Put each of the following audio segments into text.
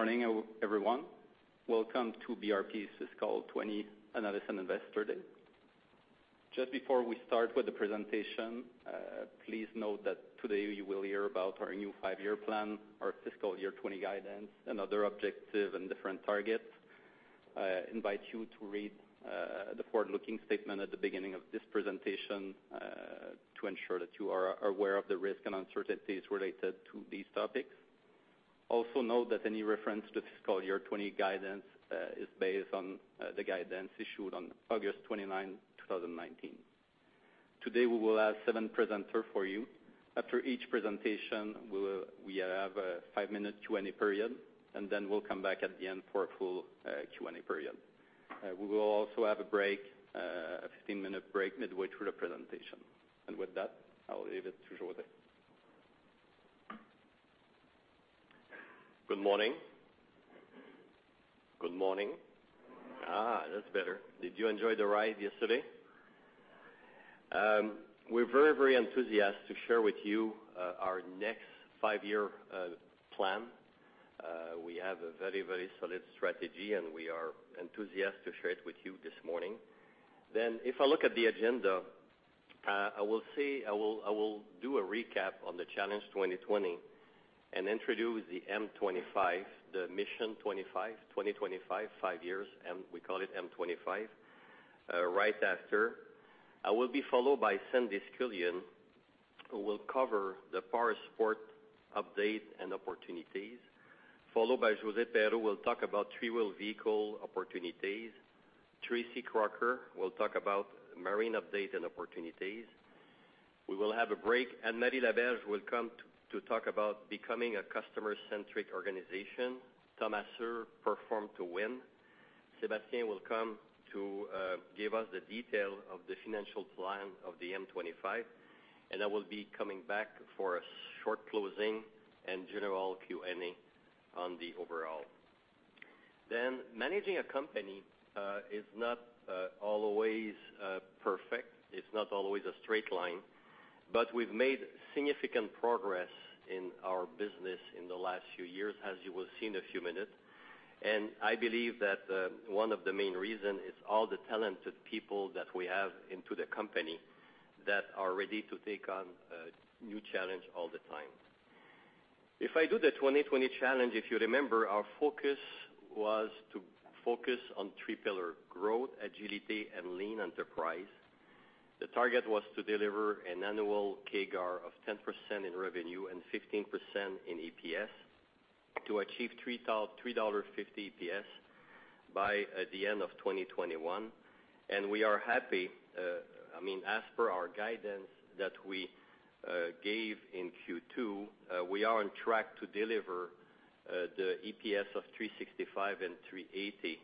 Good morning, everyone. Welcome to BRP's Fiscal 2020 Analyst and Investor Day. Just before we start with the presentation, please note that today you will hear about our new five-year plan, our fiscal year 2020 guidance, and other objectives and different targets. I invite you to read the forward-looking statement at the beginning of this presentation, to ensure that you are aware of the risk and uncertainties related to these topics. Also note that any reference to fiscal year 2020 guidance is based on the guidance issued on August 29, 2019. Today, we will have seven presenters for you. After each presentation, we have a five-minute Q&A period, and then we'll come back at the end for a full Q&A period. We will also have a 15-minute break midway through the presentation. With that, I will leave it to José. Good morning. Good morning. Good morning. That's better. Did you enjoy the ride yesterday? We're very enthusiastic to share with you our next five-year plan. We have a very solid strategy. We are enthusiastic to share it with you this morning. If I look at the agenda, I will do a recap on the Challenge 2020 and introduce the M25, the Mission 2025, five years, and we call it M25 right after. I will be followed by Sandy Scullion, who will cover the Powersports update and opportunities, followed by Josée Perreault, who will talk about three-wheel vehicle opportunities. Tracy Crocker will talk about Marine update and opportunities. We will have a break. Marie Laberge will come to talk about becoming a customer-centric organization. Thomas Uhr, Perform to Win. Sébastien will come to give us the detail of the financial plan of the M25. I will be coming back for a short closing and general Q&A on the overall. Managing a company is not always perfect. It's not always a straight line. We've made significant progress in our business in the last few years, as you will see in a few minutes. I believe that one of the main reasons is all the talented people that we have into the company that are ready to take on new challenge all the time. If I do the Challenge 2020, if you remember, our focus was to focus on three pillars: growth, agility, and lean enterprise. The target was to deliver an annual CAGR of 10% in revenue and 15% in EPS to achieve 3.50 dollar EPS by the end of 2021. We are happy. As per our guidance that we gave in Q2, we are on track to deliver the EPS of 3.65 and 3.80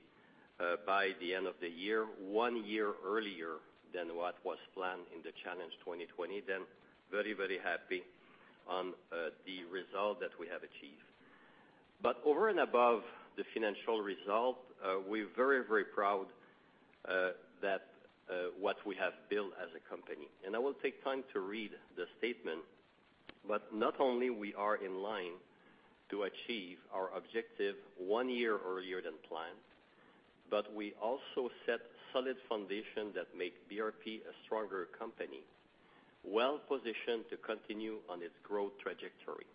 by the end of the year, one year earlier than what was planned in the Challenge 2020. Very happy on the result that we have achieved. Over and above the financial result, we're very proud that what we have built as a company. I will take time to read the statement, but not only we are in line to achieve our objective one year earlier than planned, but we also set solid foundation that make BRP a stronger company, well-positioned to continue on its growth trajectory.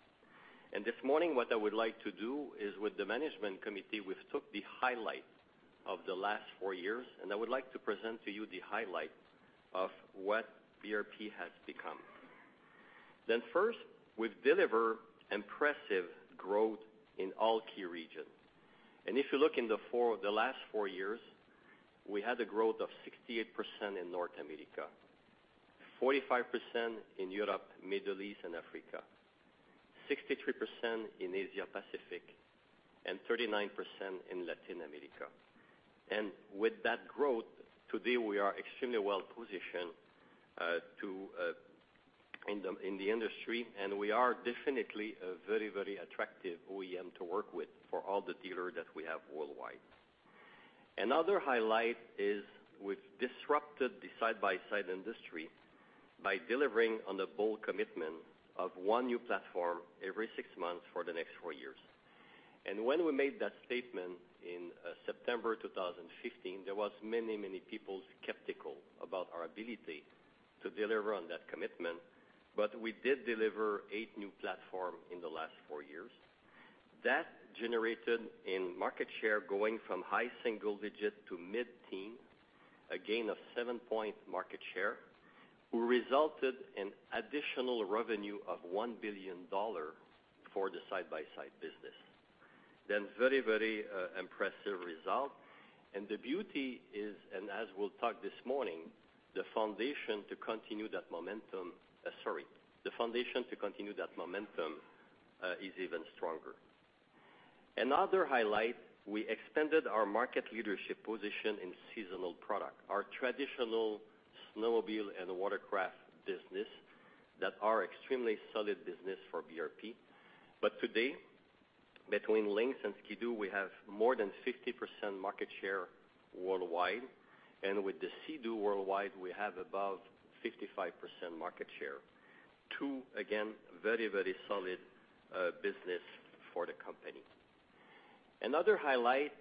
This morning, what I would like to do is with the management committee, we've took the highlight of the last four years, and I would like to present to you the highlights of what BRP has become. First, we've delivered impressive growth in all key regions. If you look in the last four years, we had a growth of 68% in North America, 45% in Europe, Middle East, and Africa, 63% in Asia Pacific, and 39% in Latin America. With that growth, today, we are extremely well-positioned in the industry, and we are definitely a very attractive OEM to work with for all the dealers that we have worldwide. Another highlight is we've disrupted the side-by-side industry by delivering on the bold commitment of one new platform every six months for the next four years. When we made that statement in September 2015, there was many people skeptical about our ability to deliver on that commitment. We did deliver eight new platforms in the last four years. That generated in market share going from high single-digit to mid-teen, a gain of seven-point market share, which resulted in additional revenue of 1 billion dollar for the side-by-side business. Very impressive result. The beauty is, and as we'll talk this morning, the foundation to continue that momentum is even stronger. Another highlight, we expanded our market leadership position in seasonal product, our traditional snowmobile and watercraft business that are extremely solid business for BRP. Today, between Lynx and Ski-Doo, we have more than 50% market share worldwide. With the Sea-Doo worldwide, we have above 55% market share. Two, again, very solid business for the company. Another highlight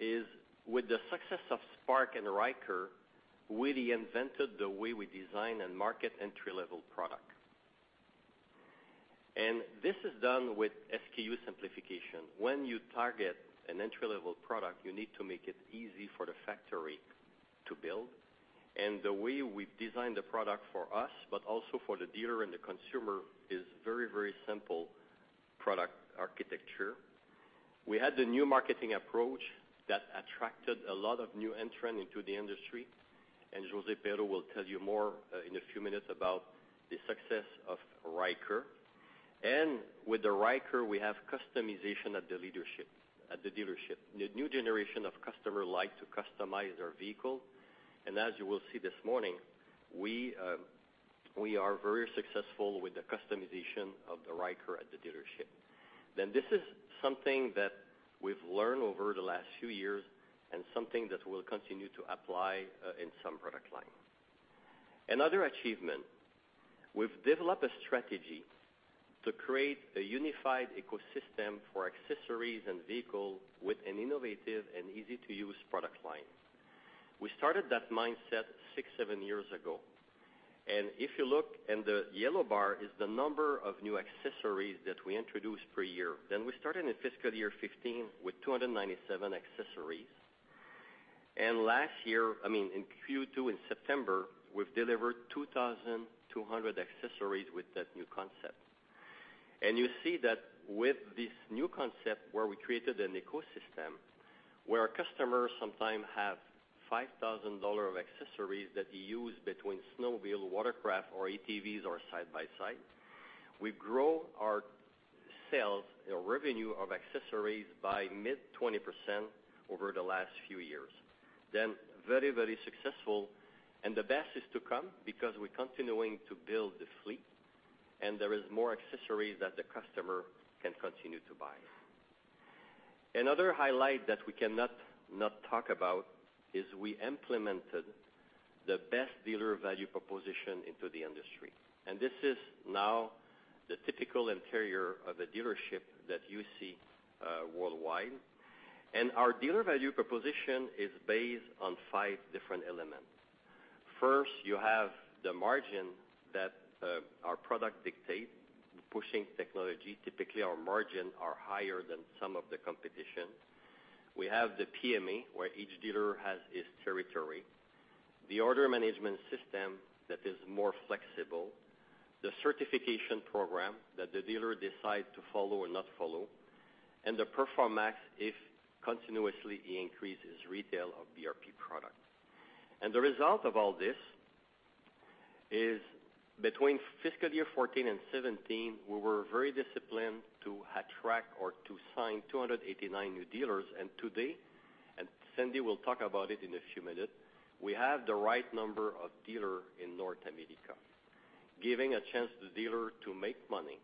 is with the success of Spark and Ryker, we reinvented the way we design and market entry-level product. This is done with SKU simplification. When you target an entry-level product, you need to make it easy for the factory to build. The way we've designed the product for us, but also for the dealer and the consumer, is very simple product architecture. We had the new marketing approach that attracted a lot of new entrant into the industry, and Josée Perreault will tell you more in a few minutes about the success of Ryker. With the Ryker, we have customization at the dealership. The new generation of customer like to customize their vehicle. As you will see this morning, we are very successful with the customization of the Ryker at the dealership. This is something that we've learned over the last few years and something that we'll continue to apply in some product line. Another achievement, we've developed a strategy to create a unified ecosystem for accessories and vehicle with an innovative and easy-to-use product line. We started that mindset six, seven years ago. If you look in the yellow bar is the number of new accessories that we introduced per year. We started in fiscal year 2015 with 297 accessories. Last year, I mean, in Q2 in September, we've delivered 2,200 accessories with that new concept. You see that with this new concept where we created an ecosystem where our customers sometime have 5,000 dollars of accessories that they use between snowmobile, watercraft, or ATVs or side-by-side. We grow our sales, revenue of accessories by mid-20% over the last few years. Very successful, the best is to come because we're continuing to build the fleet, there is more accessories that the customer can continue to buy. Another highlight that we cannot not talk about is we implemented the best dealer value proposition into the industry. This is now the typical interior of a dealership that you see worldwide. Our dealer value proposition is based on five different elements. First, you have the margin that our product dictate, pushing technology. Typically, our margin are higher than some of the competition. We have the PMA where each dealer has his territory. The order management system that is more flexible, the certification program that the dealer decide to follow or not follow, and the PerforMAX if continuously he increases retail of BRP product. The result of all this is between fiscal year 2014 and 2017, we were very disciplined to attract or to sign 289 new dealers. To date, Sandy will talk about it in a few minutes, we have the right number of dealer in North America. Giving a chance to the dealer to make money.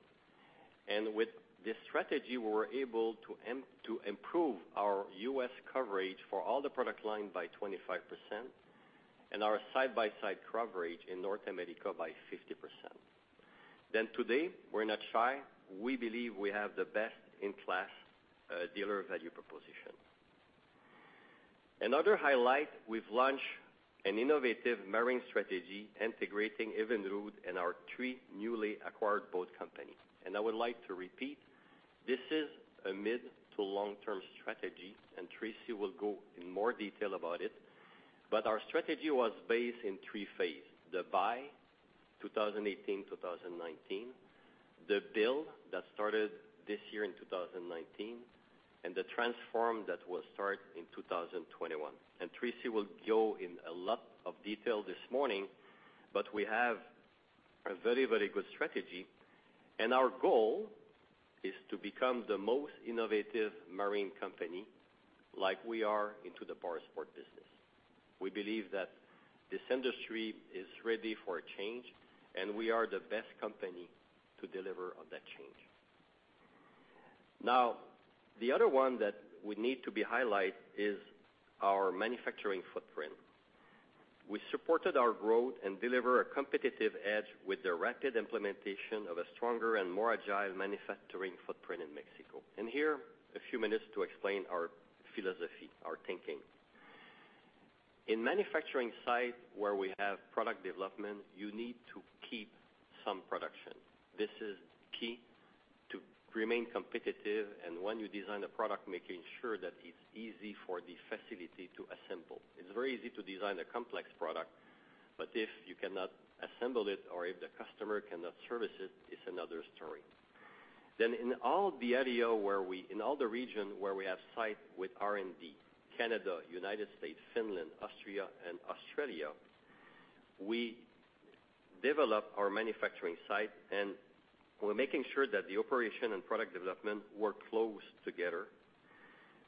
With this strategy, we were able to improve our U.S. coverage for all the product line by 25%, and our side-by-side coverage in North America by 50%. Today, we're not shy. We believe we have the best-in-class dealer value proposition. Another highlight, we've launched an innovative marine strategy integrating Evinrude and our three newly acquired boat company. I would like to repeat, this is a mid to long-term strategy, Tracy will go in more detail about it. Our strategy was based in 3 phase, the buy 2018-2019, the build that started this year in 2019, and the transform that will start in 2021. Tracy will go in a lot of detail this morning, but we have a very good strategy, and our goal is to become the most innovative marine company like we are into the powersport business. We believe that this industry is ready for a change, and we are the best company to deliver on that change. The other one that we need to highlight is our manufacturing footprint. We supported our growth and deliver a competitive edge with the rapid implementation of a stronger and more agile manufacturing footprint in Mexico. Here, a few minutes to explain our philosophy, our thinking. In manufacturing site where we have product development, you need to keep some production. This is key to remain competitive, and when you design a product, making sure that it's easy for the facility to assemble. It's very easy to design a complex product, but if you cannot assemble it or if the customer cannot service it's another story. In all the ADO, in all the region where we have site with R&D, Canada, U.S., Finland, Austria, and Australia, we develop our manufacturing site, and we're making sure that the operation and product development work close together.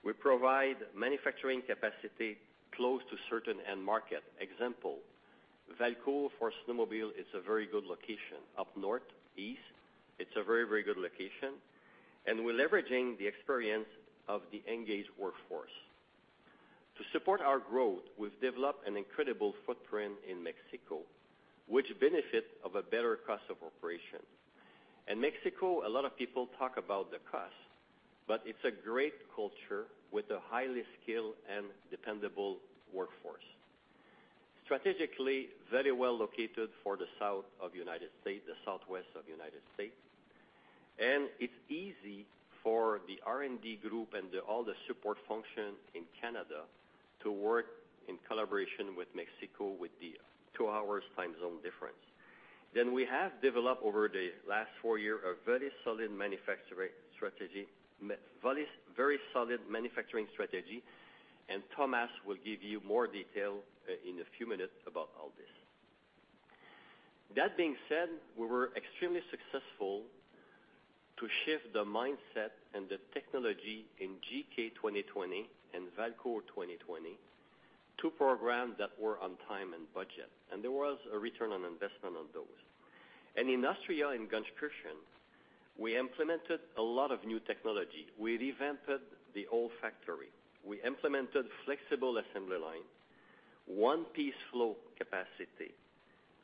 We provide manufacturing capacity close to certain end market. Example, Valcourt for snowmobile is a very good location. Up north, east, it's a very good location. We're leveraging the experience of the engaged workforce. To support our growth, we've developed an incredible footprint in Mexico, which benefits of a better cost of operations. In Mexico, a lot of people talk about the cost, it's a great culture with a highly skilled and dependable workforce. Strategically, very well located for the south of the U.S., the southwest of the U.S., it's easy for the R&D group and all the support function in Canada to work in collaboration with Mexico with the 2 hours time zone difference. We have developed over the last four year, a very solid manufacturing strategy. Thomas will give you more detail in a few minutes about all this. That being said, we were extremely successful to shift the mindset and the technology in GK2020 and Valcourt 2020, two programs that were on time and budget. There was a return on investment on those. In Austria, in Gunskirchen, we implemented a lot of new technology. We revamped the whole factory. We implemented flexible assembly line, one piece flow capacity.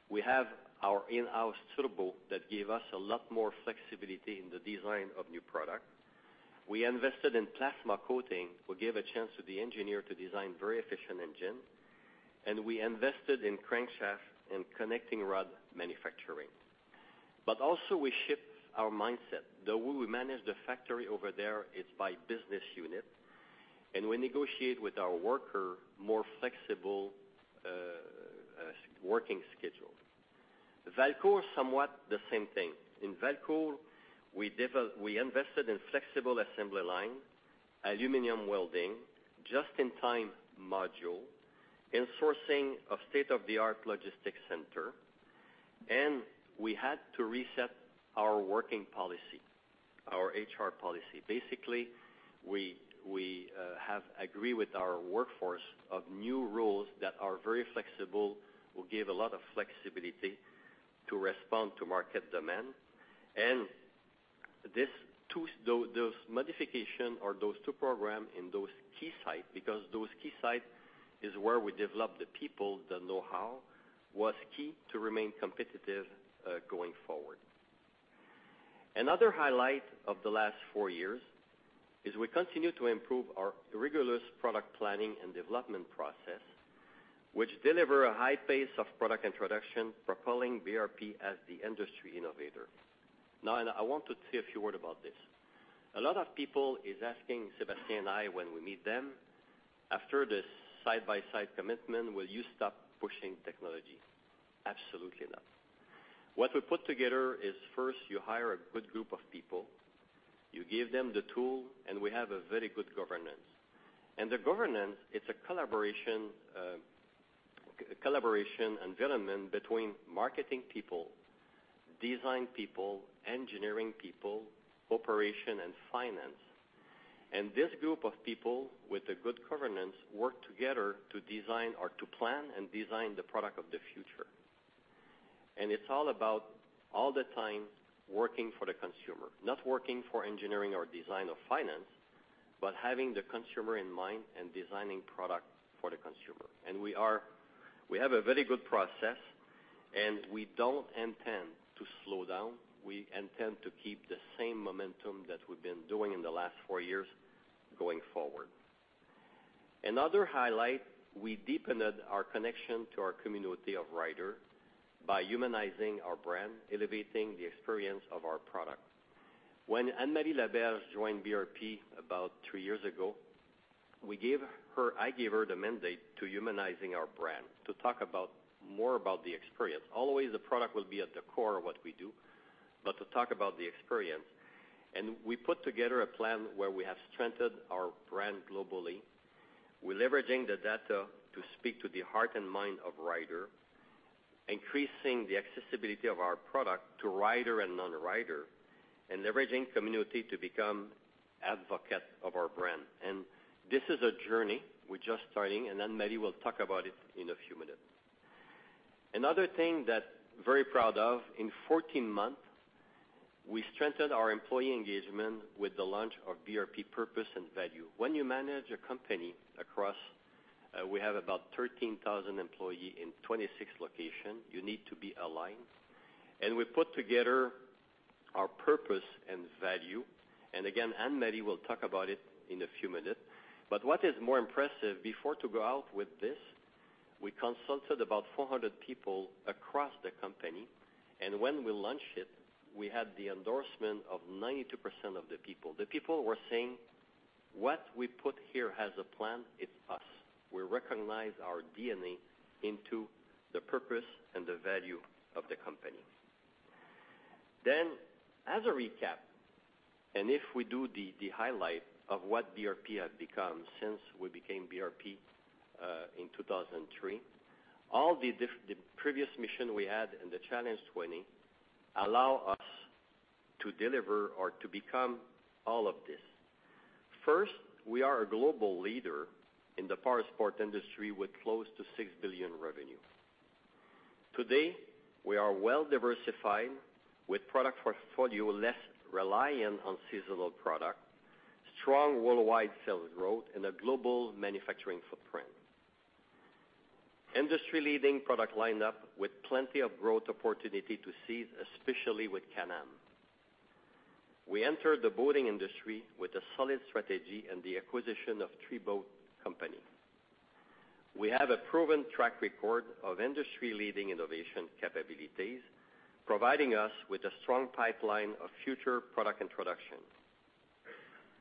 We have our in-house turbo that gave us a lot more flexibility in the design of new product. We invested in plasma coating, we gave a chance to the engineer to design very efficient engine, and we invested in crankshaft and connecting rod manufacturing. Also we shift our mindset, the way we manage the factory over there, it's by business unit, and we negotiate with our worker more flexible, working schedule. Valcourt, somewhat the same thing. In Valcourt, we invested in flexible assembly line, aluminum welding, just-in-time module, insourcing a state-of-the-art logistics center, and we had to reset our working policy, our HR policy. Basically, we have agree with our workforce of new rules that are very flexible, will give a lot of flexibility to respond to market demand. Those modification or those two programs in those key sites, because those key sites is where we develop the people, the know-how, was key to remain competitive, going forward. Another highlight of the last four years is we continue to improve our rigorous product planning and development process, which delivered a high pace of product introduction, propelling BRP as the industry innovator. Now, I want to say a few words about this. A lot of people are asking Sébastien and I when we meet them, "After this side-by-side commitment, will you stop pushing technology?" Absolutely not. What we put together is first, you hire a good group of people, you give them the tools, and we have a very good governance. The governance is a collaboration and development between marketing people, design people, engineering people, operations, and finance. This group of people with a good governance work together to design or to plan and design the product of the future. It's all about all the time working for the consumer, not working for engineering or design or finance, but having the consumer in mind and designing product for the consumer. We have a very good process, and we don't intend to slow down. We intend to keep the same momentum that we've been doing in the last four years going forward. Another highlight, we deepened our connection to our community of riders by humanizing our brand, elevating the experience of our product. When Anne-Marie Laberge joined BRP about three years ago, I gave her the mandate to humanizing our brand, to talk more about the experience. Always the product will be at the core of what we do, but to talk about the experience. We put together a plan where we have strengthened our brand globally. We're leveraging the data to speak to the heart and mind of rider, increasing the accessibility of our product to rider and non-rider, and leveraging community to become advocate of our brand. This is a journey we're just starting, and Anne-Marie will talk about it in a few minutes. Another thing that very proud of, in 14 months, we strengthened our employee engagement with the launch of BRP purpose and value. When you manage a company across, we have about 13,000 employee in 26 location, you need to be aligned. We put together our purpose and value. Again, Anne-Marie will talk about it in a few minutes. What is more impressive, before to go out with this, we consulted about 400 people across the company, and when we launched it, we had the endorsement of 92% of the people. The people were saying, "What we put here as a plan, it's us." We recognize our DNA into the purpose and the value of the company. As a recap, and if we do the highlight of what BRP have become since we became BRP in 2003, all the previous mission we had and the Challenge 20 allow us to deliver or to become all of this. First, we are a global leader in the powersports industry with close to 6 billion revenue. Today, we are well-diversified with product portfolio less reliant on seasonal product, strong worldwide sales growth, and a global manufacturing footprint. Industry-leading product lineup with plenty of growth opportunity to seize, especially with Can-Am. We entered the boating industry with a solid strategy and the acquisition of three boat company. We have a proven track record of industry-leading innovation capabilities, providing us with a strong pipeline of future product introduction.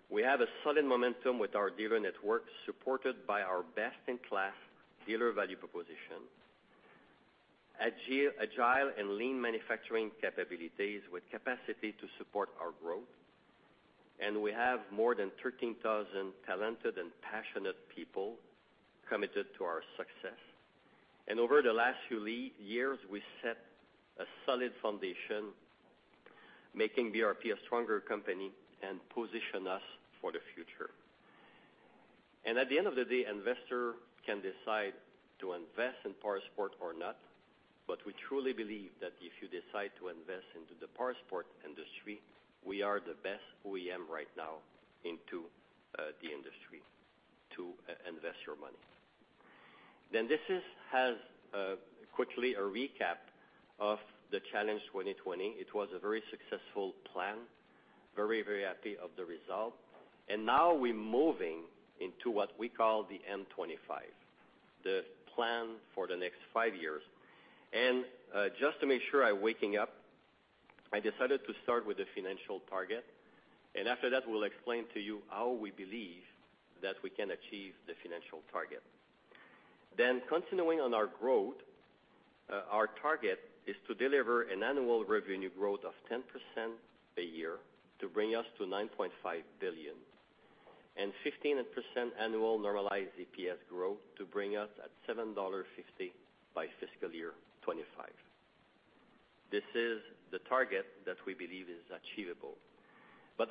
We have a solid momentum with our dealer network, supported by our best-in-class dealer value proposition. Agile and lean manufacturing capabilities with capacity to support our growth. We have more than 13,000 talented and passionate people committed to our success. Over the last few years, we set a solid foundation, making BRP a stronger company and position us for the future. At the end of the day, investor can decide to invest in powersport or not, but we truly believe that if you decide to invest into the powersport industry, we are the best OEM right now into the industry to invest your money. This is quickly a recap of the Challenge 2020. It was a very successful plan. Very happy of the result. Now we're moving into what we call the M25, the plan for the next five years. Just to make sure I waking up, I decided to start with the financial target. After that, we'll explain to you how we believe that we can achieve the financial target. Continuing on our growth, our target is to deliver an annual revenue growth of 10% a year to bring us to 9.5 billion, and 15% annual normalized EPS growth to bring us at 7.50 dollar by fiscal year 2025. This is the target that we believe is achievable.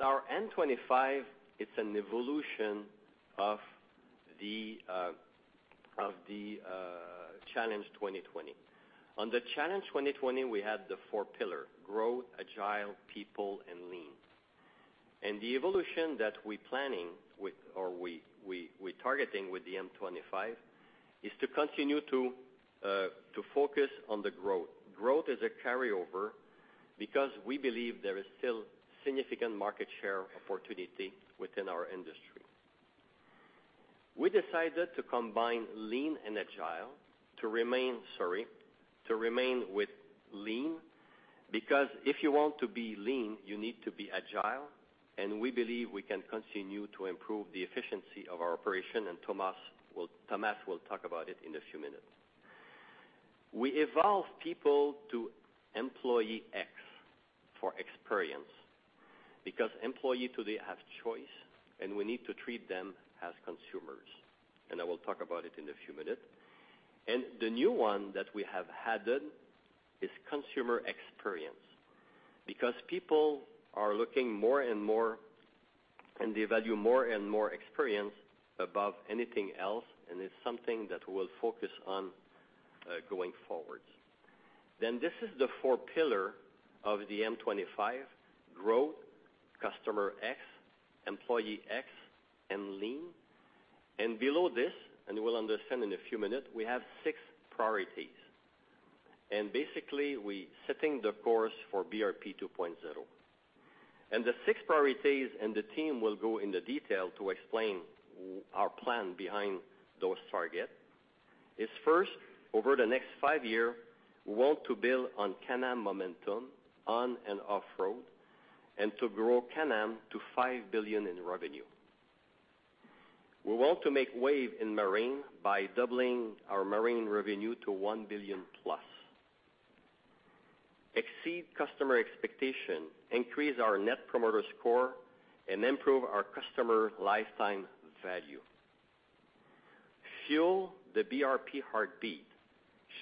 Our M25, it's an evolution of the Challenge 2020. On the Challenge 2020, we had the four pillar: growth, agile, people, and lean. The evolution that we're planning with or we're targeting with the M25 is to continue to focus on the growth. Growth is a carryover because we believe there is still significant market share opportunity within our industry. We decided to combine lean and agile to remain with lean, because if you want to be lean, you need to be agile, we believe we can continue to improve the efficiency of our operation, Thomas will talk about it in a few minutes. We evolve people to Employee Experience, because employees today have choice, we need to treat them as consumers. I will talk about it in a few minutes. The new one that we have added is Customer Experience, because people are looking more and more, and they value more and more experience above anything else, and it's something that we'll focus on, going forward. This is the four pillar of the M25, growth, Customer Experience, Employee Experience, and lean. Below this, and we'll understand in a few minutes, we have six priorities. Basically, we setting the course for BRP 2.0. The six priorities, and the team will go into detail to explain our plan behind those target, is first, over the next five year, we want to build on Can-Am momentum on and off road, and to grow Can-Am to 5 billion in revenue. We want to make wave in marine by doubling our marine revenue to 1 billion plus. Exceed Customer Expectation, increase our Net Promoter Score, and improve our customer lifetime value. Fuel the BRP Heartbeat,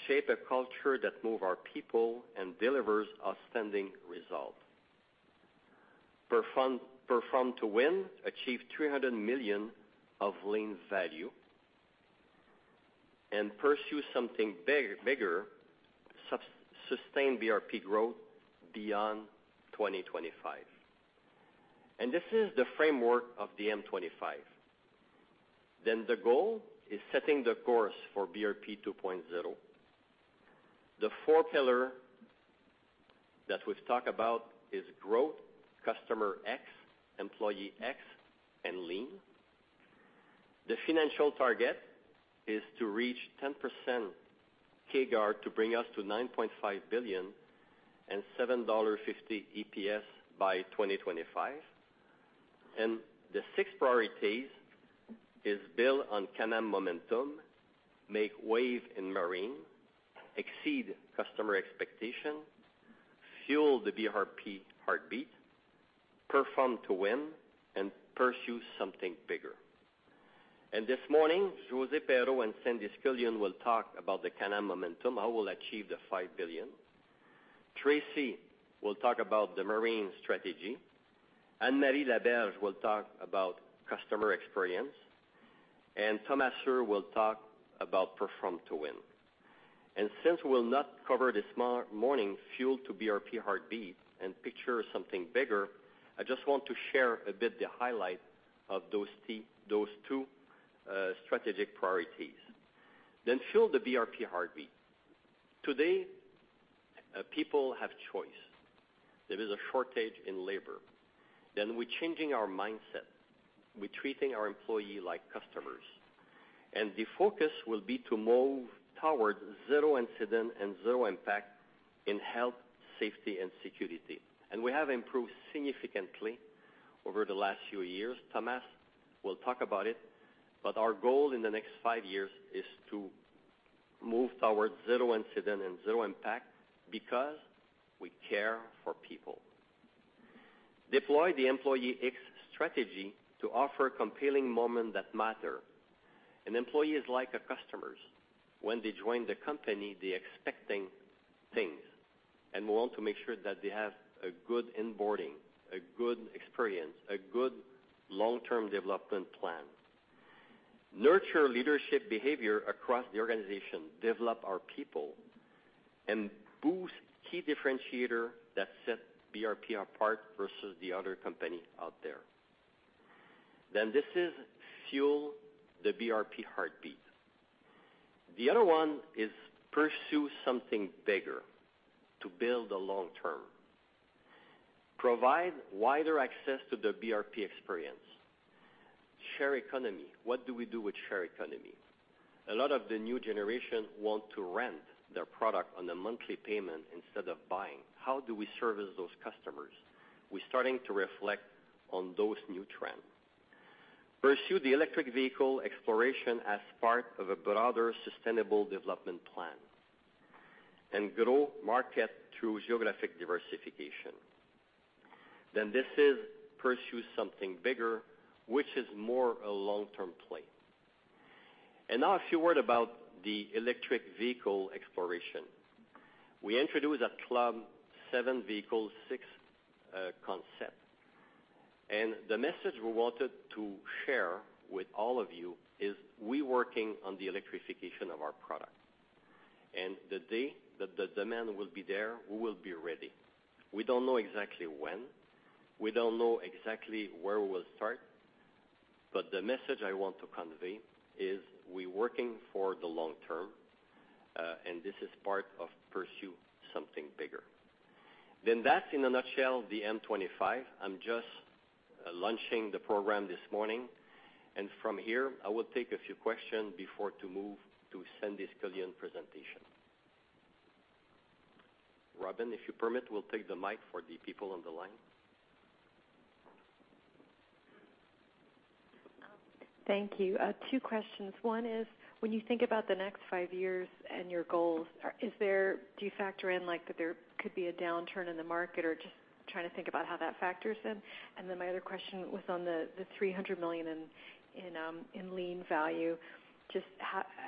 shape a culture that move our people and delivers outstanding result. Perform to Win, achieve 300 million of lean value, and Pursue Something Bigger, sustain BRP growth beyond 2025. This is the framework of the M25. The goal is setting the course for BRP 2.0. The four pillar that we've talked about is growth, Customer X, Employee X, and lean. The financial target is to reach 10% CAGR to bring us to 9.5 billion and 7.50 dollar EPS by 2025. The six priorities is build on Can-Am momentum, make waves in Marine, Exceed Customer Expectation, Fuel the BRP Heartbeat, Perform to Win, and Pursue Something Bigger. This morning, Josée Perreault and Sandy Scullion will talk about the Can-Am momentum, how we'll achieve the 5 billion. Tracy will talk about the Marine Strategy. Anne-Marie Laberge will talk about Customer Experience, and Thomas Uhr will talk about Perform to Win. Since we'll not cover this morning Fuel the BRP Heartbeat and Pursue Something Bigger, I just want to share a bit the highlight of those two strategic priorities. Fuel the BRP Heartbeat. Today, people have choice. There is a shortage in labor. We're changing our mindset. We're treating our employee like customers, and the focus will be to move towards zero incident and zero impact in health, safety, and security. We have improved significantly over the last few years. Thomas will talk about it. Our goal in the next five years is to move towards zero incident and zero impact because we care for people. Deploy the Employee Experience strategy to offer compelling moment that matter. An employee is like a customer. When they join the company, they expecting things. We want to make sure that they have a good onboarding, a good experience, a good long-term development plan. Nurture leadership behavior across the organization, develop our people, boost key differentiator that set BRP apart versus the other company out there. This is Fuel the BRP Heartbeat. The other one is Pursue Something Bigger to build a long term. Provide wider access to the BRP experience. Share economy. What do we do with share economy? A lot of the new generation want to rent their product on a monthly payment instead of buying. How do we service those customers? We're starting to reflect on those new trends. Pursue the electric vehicle exploration as part of a broader sustainable development plan. Grow market through geographic diversification. This is Pursue Something Bigger, which is more a long-term play. Now a few word about the electric vehicle exploration. We introduced a club seven vehicles, six concept. The message we wanted to share with all of you is we working on the electrification of our product. The day that the demand will be there, we will be ready. We don't know exactly when. We don't know exactly where we will start. The message I want to convey is we working for the long term, and this is part of Pursue Something Bigger. That's in a nutshell, the M25. I'm just launching the program this morning. From here, I will take a few question before to move to Sandy Scullion presentation. Robin, if you permit, we'll take the mic for the people on the line. Thank you. Two questions. One is, when you think about the next five years and your goals, do you factor in that there could be a downturn in the market or just trying to think about how that factors in? My other question was on the 300 million in lean value, just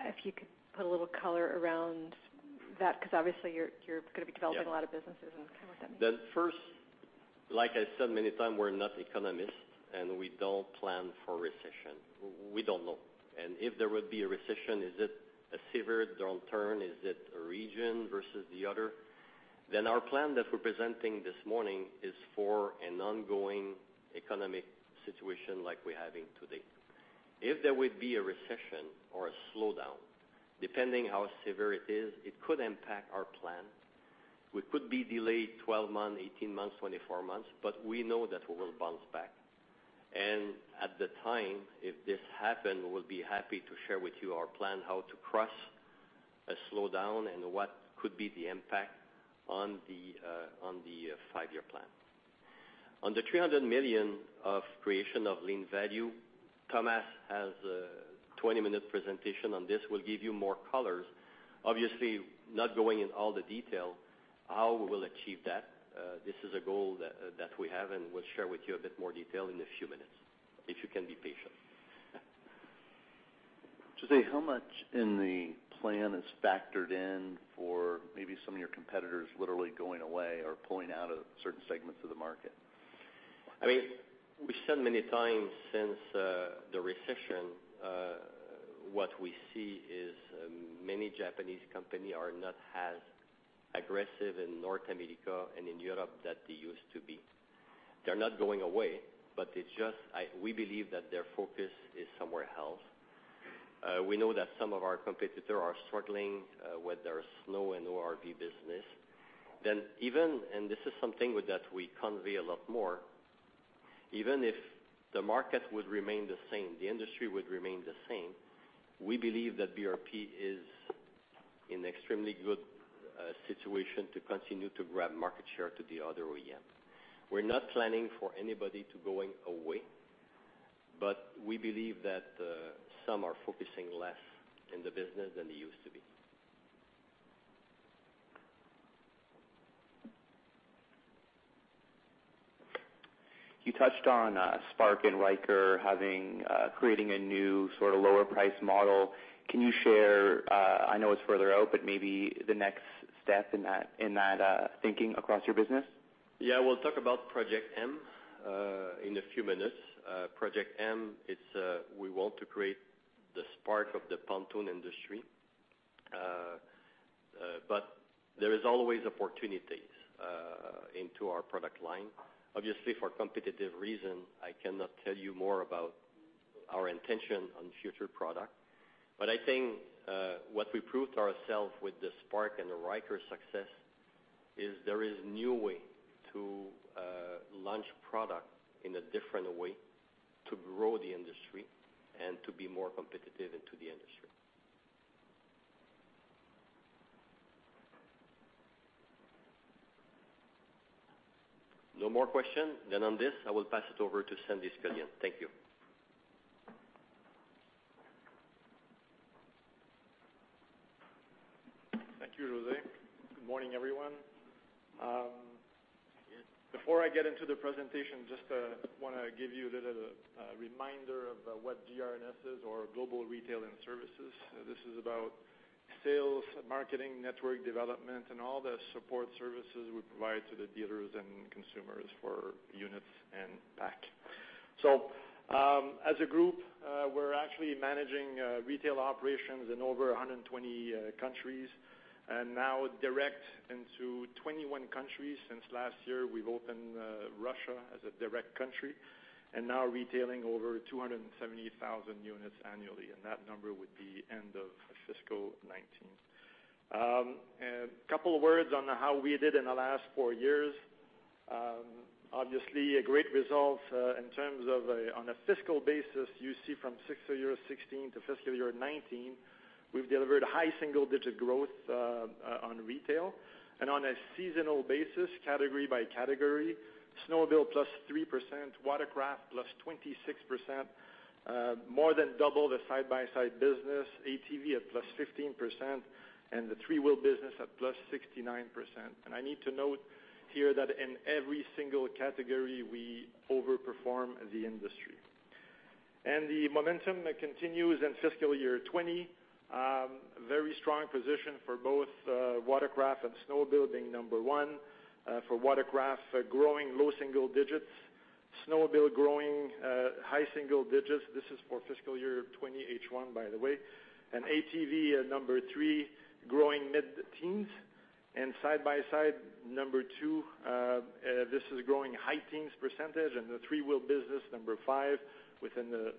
if you could put a little color around that, because obviously you're going to be developing a lot of businesses and kind of what that means. First, like I said many time, we're not economist, and we don't plan for recession. We don't know. If there would be a recession, is it a severe downturn? Is it a region versus the other? Our plan that we're presenting this morning is for an ongoing economic situation like we're having today. If there would be a recession or a slowdown, depending how severe it is, it could impact our plan. We could be delayed 12 month, 18 months, 24 months, but we know that we will bounce back. At the time, if this happen, we'll be happy to share with you our plan how to crush a slowdown and what could be the impact on the five-year plan. On the 300 million of creation of lean value, Thomas has a 20-minute presentation on this, will give you more colors. Obviously, not going in all the detail how we will achieve that. This is a goal that we have, and we'll share with you a bit more detail in a few minutes, if you can be patient. José, how much in the plan is factored in for maybe some of your competitors literally going away or pulling out of certain segments of the market? We said many times since, the recession, what we see is many Japanese company are not as aggressive in North America and in Europe that they used to be. They're not going away, but we believe that their focus is somewhere else. We know that some of our competitor are struggling, with their Snow and ORV business. This is something that we convey a lot more. Even if the market would remain the same, the industry would remain the same, we believe that BRP is in extremely good situation to continue to grab market share to the other OEM. We're not planning for anybody to going away, but we believe that some are focusing less in the business than they used to be. You touched on Spark and Ryker creating a new sort of lower price model. Can you share, I know it's further out, but maybe the next step in that thinking across your business? Yeah. We'll talk about Project M in a few minutes. Project M, we want to create the Spark of the pontoon industry. There is always opportunities into our product line. Obviously, for competitive reason, I cannot tell you more about our intention on future product. I think, what we proved to ourselves with the Spark and the Ryker success is there is new way to launch product in a different way to grow the industry and to be more competitive into the industry. No more question? On this, I will pass it over to Sandy Scullion. Thank you. Thank you, José. Good morning, everyone. Before I get into the presentation, just want to give you a little reminder of what GR&S is or Global Retail and Services. This is about sales, marketing, network development, and all the support services we provide to the dealers and consumers for units and PA&A. As a group, we're actually managing retail operations in over 120 countries. Now direct into 21 countries. Since last year, we've opened Russia as a direct country and now retailing over 270,000 units annually, and that number would be end of fiscal 2019. Couple words on how we did in the last four years. Obviously, a great result in terms of on a fiscal basis, you see from fiscal year 2016 to fiscal year 2019, we've delivered high single-digit growth on retail. On a seasonal basis, category by category, snowmobile plus 3%, watercraft plus 26%, more than double the side-by-side business, ATV at plus 15%, and the three-wheel business at plus 69%. I need to note here that in every single category, we overperform the industry. The momentum continues in fiscal year 2020. Very strong position for both watercraft and snowmobile being number 1. For watercraft, growing low single digits. Snowmobile growing high single digits. This is for fiscal year 2020 H1, by the way. ATV at number 3, growing mid-teens. Side-by-side, number 2. This is growing high teens %. The three-wheel business, number 5 within the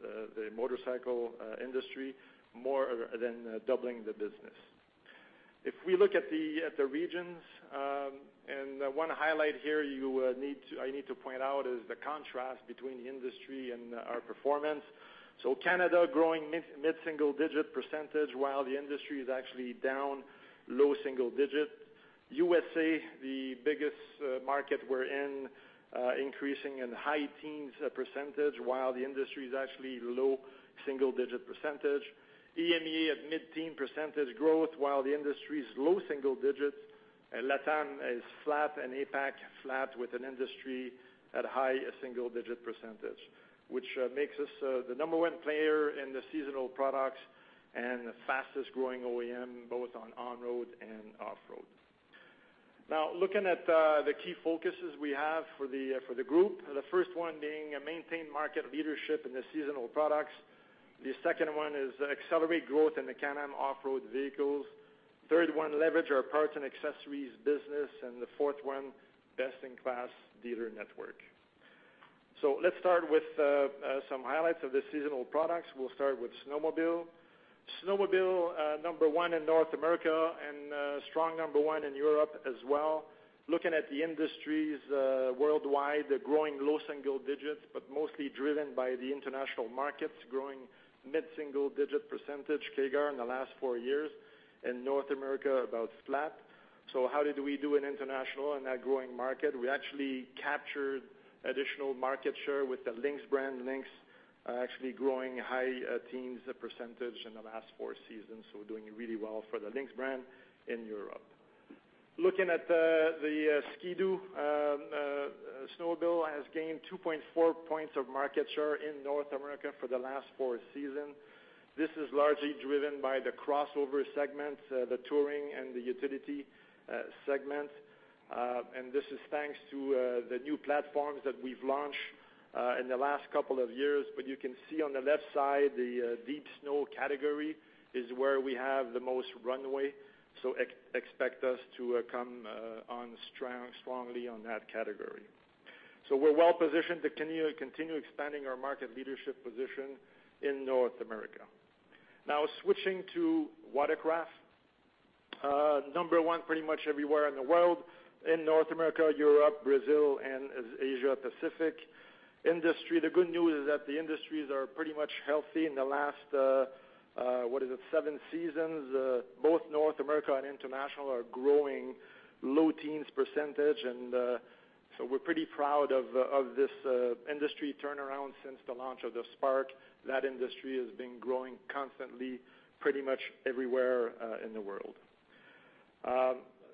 motorcycle industry, more than doubling the business. If we look at the regions, and one highlight here I need to point out is the contrast between the industry and our performance. Canada growing mid-single-digit % while the industry is actually down low-single-digit %. USA, the biggest market we're in, increasing in high-teens % while the industry is actually low-single-digit %. EMEA at mid-teens % growth while the industry is low-single-digits %, and LATAM is flat and APAC flat with an industry at high-single-digit %, which makes us the number one player in the seasonal products and the fastest growing OEM, both on on-road and off-road. Looking at the key focuses we have for the group, the first one being maintain market leadership in the seasonal products. The second one is accelerate growth in the Can-Am off-road vehicles. Third one, leverage our parts and accessories business, and the fourth one, best-in-class dealer network. Let's start with some highlights of the seasonal products. We'll start with snowmobile. Snowmobile, number one in North America, and strong number one in Europe as well. Looking at the industries worldwide, they're growing low single digits, but mostly driven by the international markets growing mid single-digit percentage CAGR in the last four years. In North America, about flat. How did we do in international in that growing market? We actually captured additional market share with the Lynx brand. Lynx actually growing high teens percentage in the last four seasons. We're doing really well for the Lynx brand in Europe. Looking at the Ski-Doo, snowmobile has gained 2.4 points of market share in North America for the last four season. This is largely driven by the crossover segment, the touring, and the utility segment. This is thanks to the new platforms that we've launched in the last couple of years. You can see on the left side, the deep snow category is where we have the most runway, expect us to come on strongly on that category. We're well positioned to continue expanding our market leadership position in North America. Switching to watercraft. Number 1 pretty much everywhere in the world, in North America, Europe, Brazil, and Asia Pacific. Industry, the good news is that the industries are pretty much healthy in the last, what is it, 7 seasons. Both North America and international are growing low teens %, we're pretty proud of this industry turnaround since the launch of the Spark. That industry has been growing constantly pretty much everywhere in the world.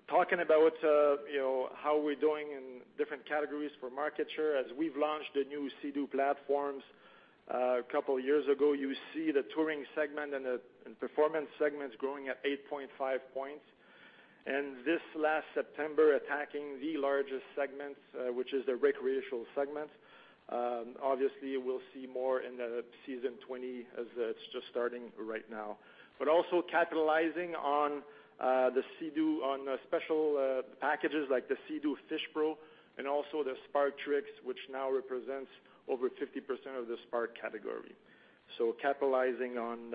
Talking about how we're doing in different categories for market share, as we've launched the new Sea-Doo platforms a couple years ago, you see the touring segment and the performance segments growing at 8.5 points. This last September, attacking the largest segment, which is the recreational segment. Obviously, we'll see more in the season 2020, as it's just starting right now. Also capitalizing on the Sea-Doo on special packages like the Sea-Doo Fish Pro, and also the Spark Trixx, which now represents over 50% of the Spark category. Capitalizing on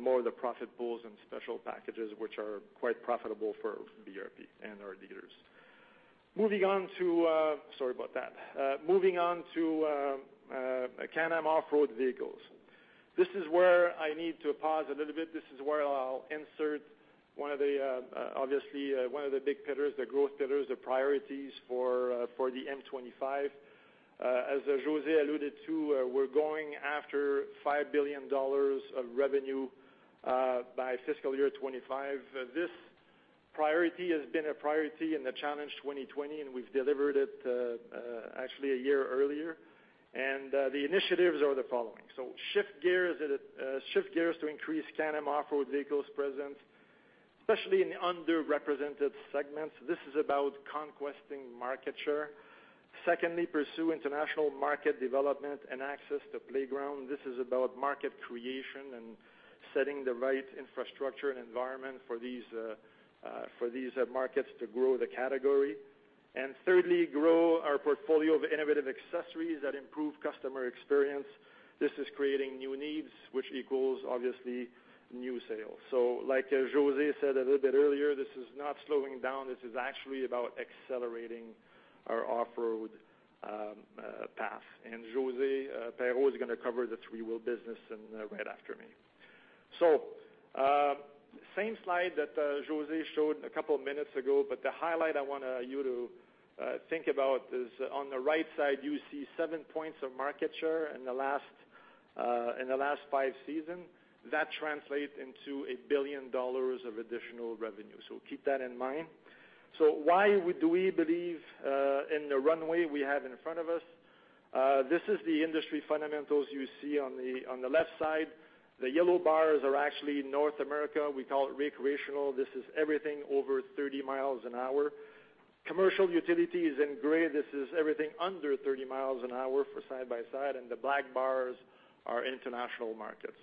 more of the profit pools and special packages, which are quite profitable for BRP and our dealers. Moving on to Can-Am off-road vehicles. This is where I need to pause a little bit. This is where I'll insert one of the big pillars, the growth pillars, the priorities for the M25. As José alluded to, we're going after 5 billion dollars of revenue by fiscal year 2025. This priority has been a priority in the Challenge 2020, we've delivered it actually a year earlier. The initiatives are the following. Shift gears to increase Can-Am off-road vehicles presence, especially in underrepresented segments. This is about conquesting market share. Secondly, pursue international market development and access to playground. This is about market creation and setting the right infrastructure and environment for these markets to grow the category. Thirdly, grow our portfolio of innovative accessories that improve customer experience. This is creating new needs, which equals, obviously, new sales. Like José said a little bit earlier, this is not slowing down. This is actually about accelerating our off-road path. Josée Perreault is going to cover the three-wheel business right after me. Same slide that José showed a couple of minutes ago, but the highlight I want you to think about is on the right side, you see seven points of market share in the last five seasons. That translates into 1 billion dollars of additional revenue. Keep that in mind. Why do we believe in the runway we have in front of us? This is the industry fundamentals you see on the left side. The yellow bars are actually North America. We call it recreational. This is everything over 30 miles an hour. Commercial utility is in gray. This is everything under 30 miles an hour for side-by-side, and the black bars are international markets.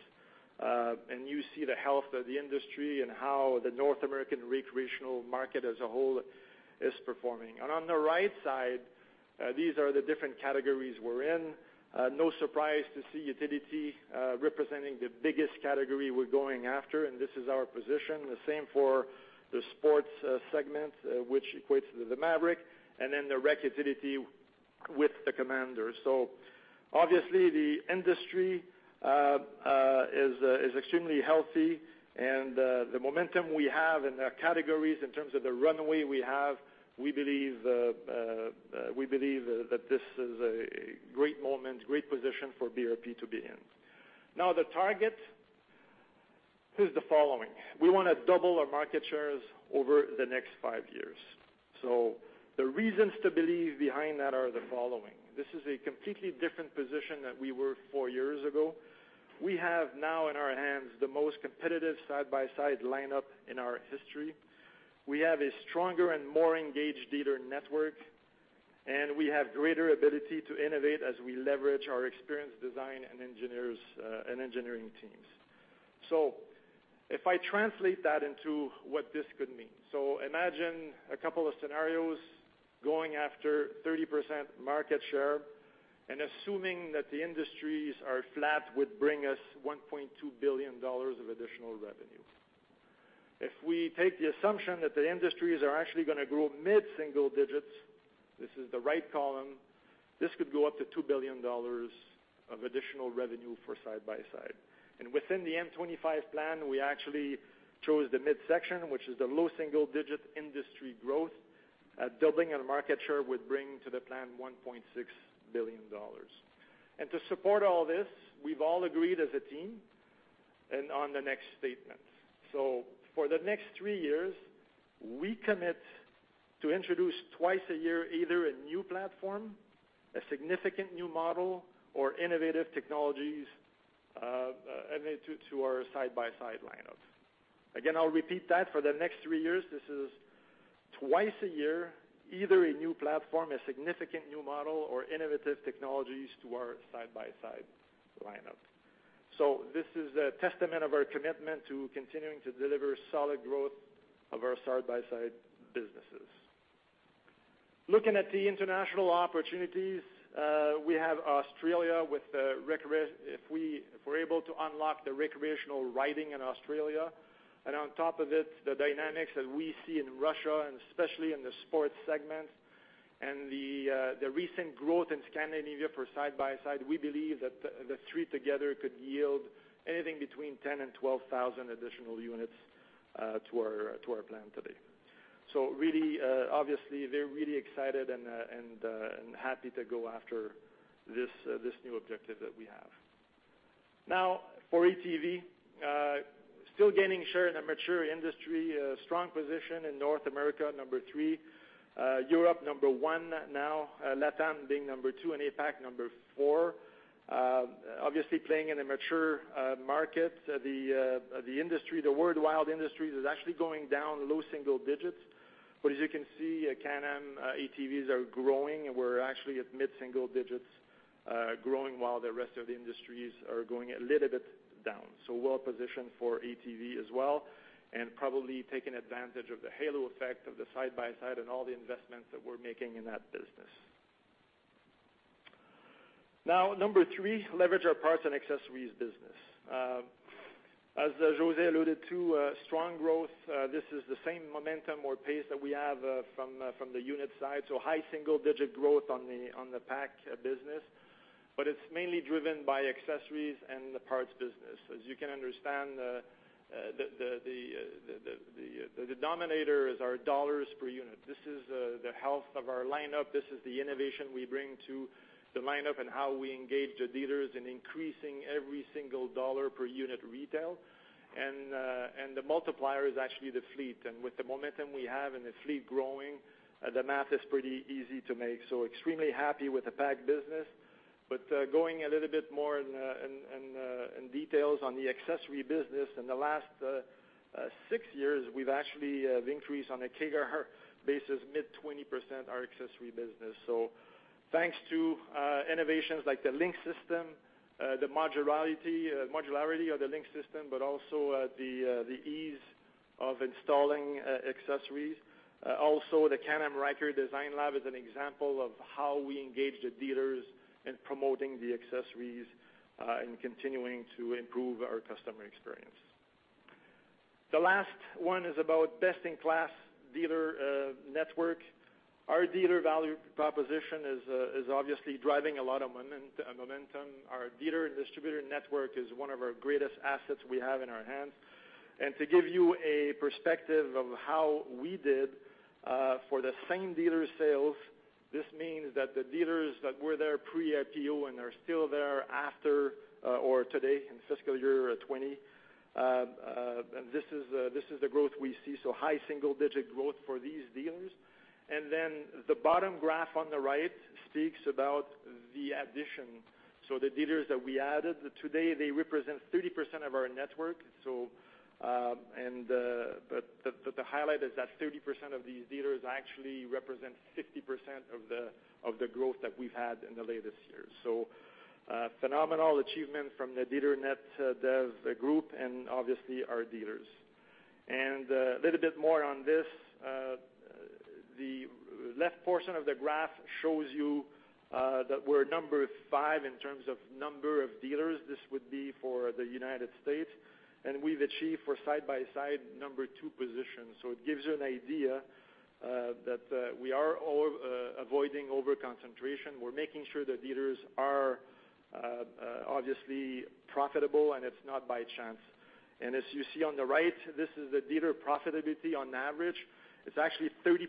You see the health of the industry and how the North American recreational market as a whole is performing. On the right side, these are the different categories we're in. No surprise to see utility representing the biggest category we're going after, and this is our position. The same for the sports segment, which equates to the Maverick, and then the rec-utility with the Commander. Obviously the industry is extremely healthy, and the momentum we have in the categories in terms of the runway we have, we believe that this is a great moment, great position for BRP to be in. The target is the following. We want to double our market shares over the next five years. The reasons to believe behind that are the following. This is a completely different position than we were four years ago. We have now in our hands the most competitive side-by-side lineup in our history. We have a stronger and more engaged dealer network, and we have greater ability to innovate as we leverage our experience design and engineering teams. If I translate that into what this could mean. Imagine a couple of scenarios going after 30% market share, and assuming that the industries are flat would bring us 1.2 billion dollars of additional revenue. If we take the assumption that the industries are actually going to grow mid-single digits, this is the right column, this could go up to 2 billion dollars of additional revenue for side-by-side. Within the M25 plan, we actually chose the midsection, which is the low single-digit industry growth. Doubling in market share would bring to the plan 1.6 billion dollars. To support all this, we've all agreed as a team and on the next statement. For the next three years, we commit to introduce twice a year, either a new platform, a significant new model, or innovative technologies to our side-by-side lineups. Again, I'll repeat that. For the next three years, this is twice a year, either a new platform, a significant new model or innovative technologies to our side-by-side lineup. This is a testament of our commitment to continuing to deliver solid growth of our side-by-side businesses. Looking at the international opportunities, we have Australia. If we're able to unlock the recreational riding in Australia, and on top of it, the dynamics that we see in Russia, and especially in the sports segments, and the recent growth in Scandinavia for side-by-side, we believe that the three together could yield anything between 10,000 and 12,000 additional units to our plan today. Really, obviously, they're really excited and happy to go after this new objective that we have. For ATV. Still gaining share in a mature industry. Strong position in North America, number 3. Europe, number 1 now. LATAM being number 2, and APAC number 4. Obviously playing in a mature market. The worldwide industry is actually going down low single digits. As you can see, Can-Am ATVs are growing. We're actually at mid-single digits growing while the rest of the industries are going a little bit down. Well-positioned for ATV as well and probably taking advantage of the halo effect of the side-by-side and all the investments that we're making in that business. Number 3, leverage our Parts and Accessories business. As José alluded to, strong growth. This is the same momentum or pace that we have from the unit side. High single-digit growth on the PA&A business, but it is mainly driven by accessories and the parts business. As you can understand, the denominator is our dollars per unit. This is the health of our lineup. This is the innovation we bring to the lineup and how we engage the dealers in increasing every single dollar per unit retail. The multiplier is actually the fleet. With the momentum we have and the fleet growing, the math is pretty easy to make. Extremely happy with the PA&A business. Going a little bit more in details on the accessory business. In the last six years, we have actually increased on a CAGR basis mid-20% our accessory business. Thanks to innovations like the LinQ system, the modularity of the LinQ system, but also the ease of installing accessories. The Can-Am Ryker Design Lab is an example of how we engage the dealers in promoting the accessories, and continuing to improve our Customer Experience. The last one is about best-in-class dealer network. Our dealer value proposition is obviously driving a lot of momentum. Our dealer and distributor network is one of our greatest assets we have in our hands. To give you a perspective of how we did for the same dealer sales, this means that the dealers that were there pre-IPO and are still there after or today, in FY 2020. This is the growth we see. High single-digit growth for these dealers. The bottom graph on the right speaks about the addition. The dealers that we added. Today, they represent 30% of our network. To highlight is that 30% of these dealers actually represent 50% of the growth that we've had in the latest year. Phenomenal achievement from the dealer net dev group and obviously our dealers. A little bit more on this. The left portion of the graph shows you that we're number 5 in terms of number of dealers. This would be for the U.S. We've achieved, for side-by-side, number 2 position. It gives you an idea that we are avoiding over-concentration. We're making sure the dealers are obviously profitable, and it's not by chance. As you see on the right, this is the dealer profitability on average. It's actually 30%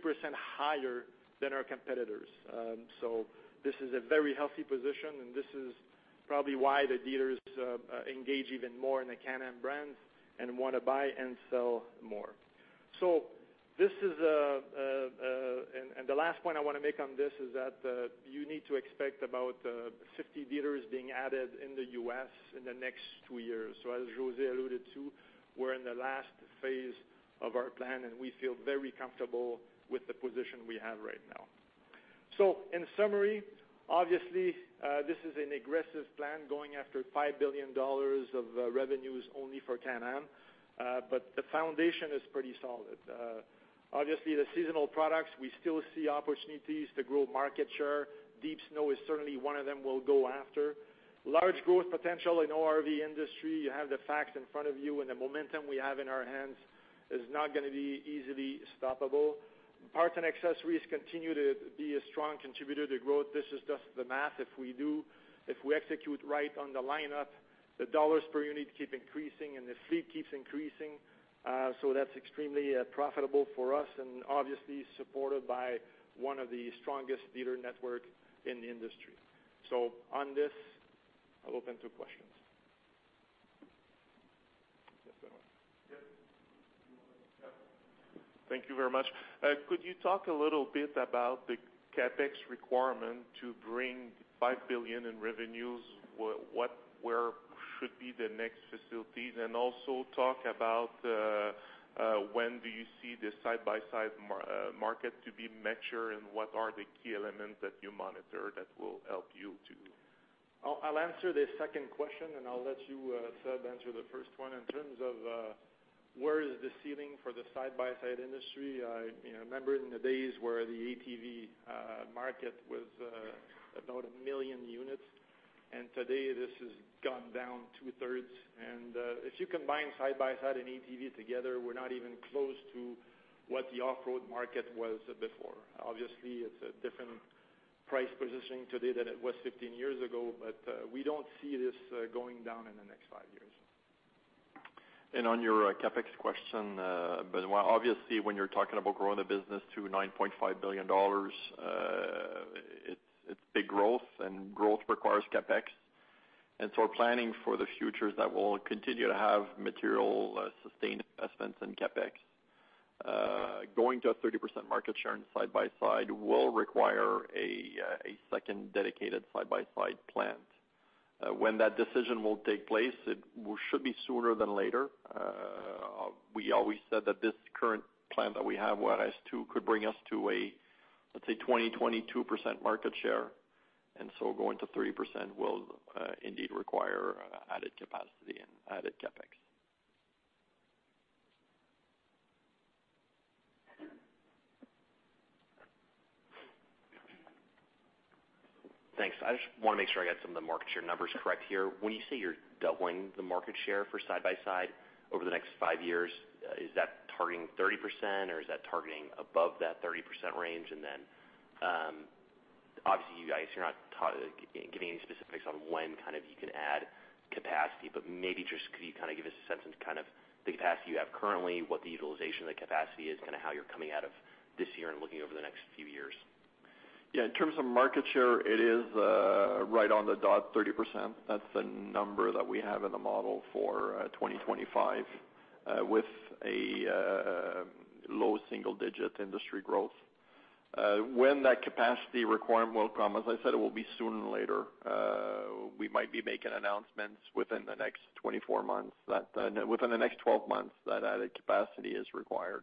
higher than our competitors. This is a very healthy position, and this is probably why the dealers engage even more in the Can-Am brands and want to buy and sell more. The last point I want to make on this is that you need to expect about 50 dealers being added in the U.S. in the next two years. As José alluded to, we're in the last phase of our plan, and we feel very comfortable with the position we have right now. In summary, obviously, this is an aggressive plan going after 5 billion dollars of revenues only for Can-Am. The foundation is pretty solid. Obviously, the seasonal products, we still see opportunities to grow market share. Deep snow is certainly one of them we'll go after. Large growth potential in ORV industry. You have the facts in front of you, and the momentum we have in our hands is not going to be easily stoppable. Parts and accessories continue to be a strong contributor to growth. This is just the math. If we execute right on the lineup, the dollars per unit keep increasing, and the fleet keeps increasing. That's extremely profitable for us and obviously supported by one of the strongest dealer network in the industry. On this, I'll open to questions. Yes, go on. Yes. Thank you very much. Could you talk a little bit about the CapEx requirement to bring 5 billion in revenues? Where should be the next facilities? Also talk about when do you see the side-by-side market to be mature, and what are the key elements that you monitor that will help you too? I'll answer the second question, and I'll let you, Séb, answer the first one. In terms of where is the ceiling for the side-by-side industry, I remember in the days where the ATV market was about 1 million units. Today this has gone down two-thirds. If you combine side-by-side and ATV together, we're not even close to what the off-road market was before. Obviously, it's a different price positioning today than it was 15 years ago. We don't see this going down in the next few years. On your CapEx question, Benoit, obviously, when you're talking about growing the business to 9.5 billion dollars, it's big growth, and growth requires CapEx. Our planning for the future is that we'll continue to have material sustained investments in CapEx. Going to a 30% market share in side-by-side will require a second dedicated side-by-side plant. When that decision will take place, it should be sooner than later. We always said that this current plant that we have, Juarez 2, could bring us to a, let's say, 20%, 22% market share. Going to 30% will indeed require added capacity and added CapEx. Thanks. I just want to make sure I get some of the market share numbers correct here. When you say you're doubling the market share for side-by-side over the next 5 years, is that targeting 30%, or is that targeting above that 30% range? Obviously, you guys are not giving any specifics on when you could add capacity. Maybe just could you give us a sense of the capacity you have currently, what the utilization of the capacity is, how you're coming out of this year and looking over the next few years? Yeah. In terms of market share, it is right on the dot 30%. That's the number that we have in the model for 2025 with a low single-digit industry growth. When that capacity requirement will come, as I said, it will be sooner than later. We might be making announcements within the next 12 months that added capacity is required.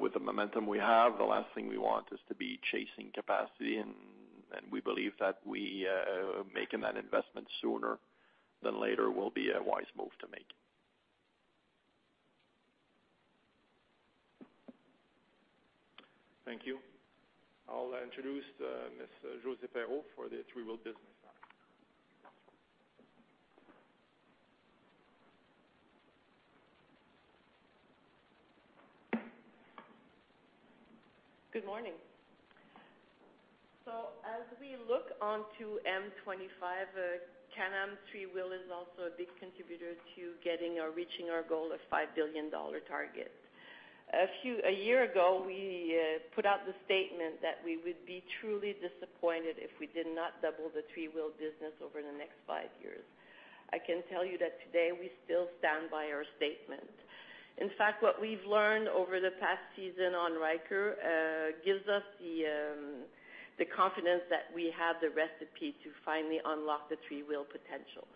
With the momentum we have, the last thing we want is to be chasing capacity, and we believe that we making that investment sooner than later will be a wise move to make. Thank you. I'll introduce Ms. Josée Perreault for the three-wheel business now. Good morning. As we look onto M25, Can-Am three-wheel is also a big contributor to getting or reaching our goal of 5 billion dollar target. A year ago, we put out the statement that we would be truly disappointed if we did not double the three-wheel business over the next five years. I can tell you that today we still stand by our statement. In fact, what we've learned over the past season on Ryker gives us the confidence that we have the recipe to finally unlock the three-wheel potential.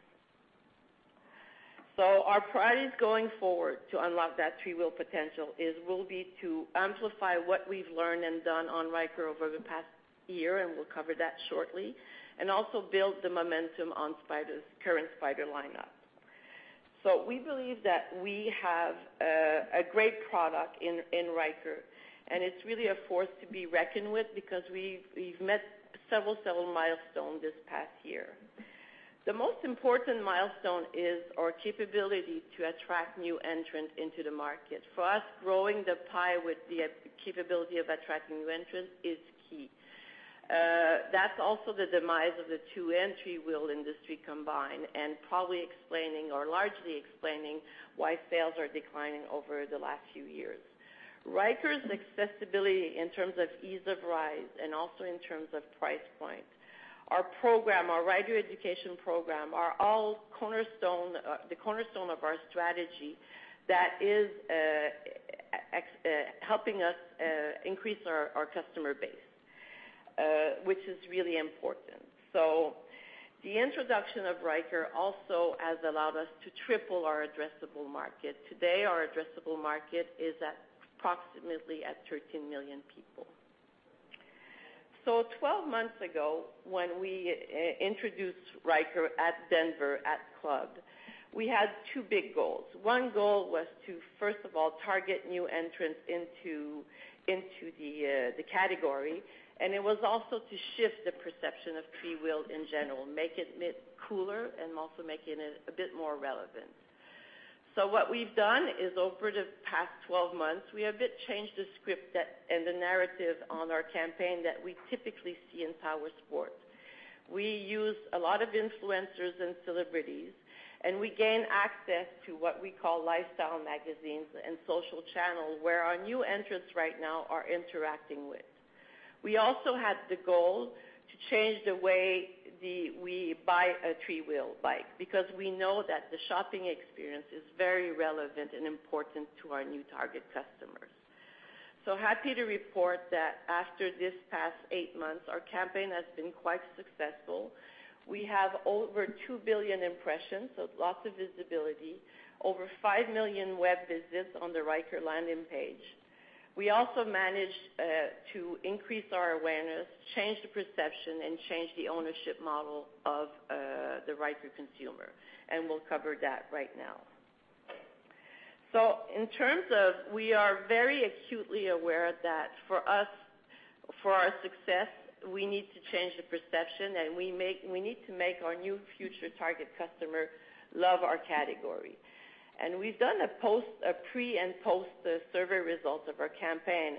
Our priorities going forward to unlock that three-wheel potential is will be to amplify what we've learned and done on Ryker over the past year, and we'll cover that shortly, and also build the momentum on current Spyder lineup. We believe that we have a great product in Ryker, and it's really a force to be reckoned with because we've met several milestones this past year. The most important milestone is our capability to attract new entrants into the market. For us, growing the pie with the capability of attracting new entrants is key. That's also the demise of the two and three-wheel industry combined, and probably explaining or largely explaining why sales are declining over the last few years. Ryker's accessibility in terms of ease of ride and also in terms of price point, our program, our Rider Education Program, are all the cornerstone of our strategy that is helping us increase our customer base which is really important. The introduction of Ryker also has allowed us to triple our addressable market. Today, our addressable market is approximately at 13 million people. 12 months ago, when we introduced Ryker at Denver at Club BRP, we had two big goals. One goal was to, first of all, target new entrants into the category, and it was also to shift the perception of three-wheel in general, make it a bit cooler and also making it a bit more relevant. What we've done is over the past 12 months, we have a bit changed the script and the narrative on our campaign that we typically see in powersports. We use a lot of influencers and celebrities, and we gain access to what we call lifestyle magazines and social channels where our new entrants right now are interacting with. We also had the goal to change the way we buy a three-wheel bike because we know that the shopping experience is very relevant and important to our new target customers. Happy to report that after this past eight months, our campaign has been quite successful. We have over 2 billion impressions, so lots of visibility. Over 5 million web visits on the Ryker landing page. We also managed to increase our awareness, change the perception, and change the ownership model of the Ryker consumer. We'll cover that right now. In terms of we are very acutely aware that for us, for our success, we need to change the perception, and we need to make our new future target customer love our category. We've done a pre- and post-survey results of our campaign.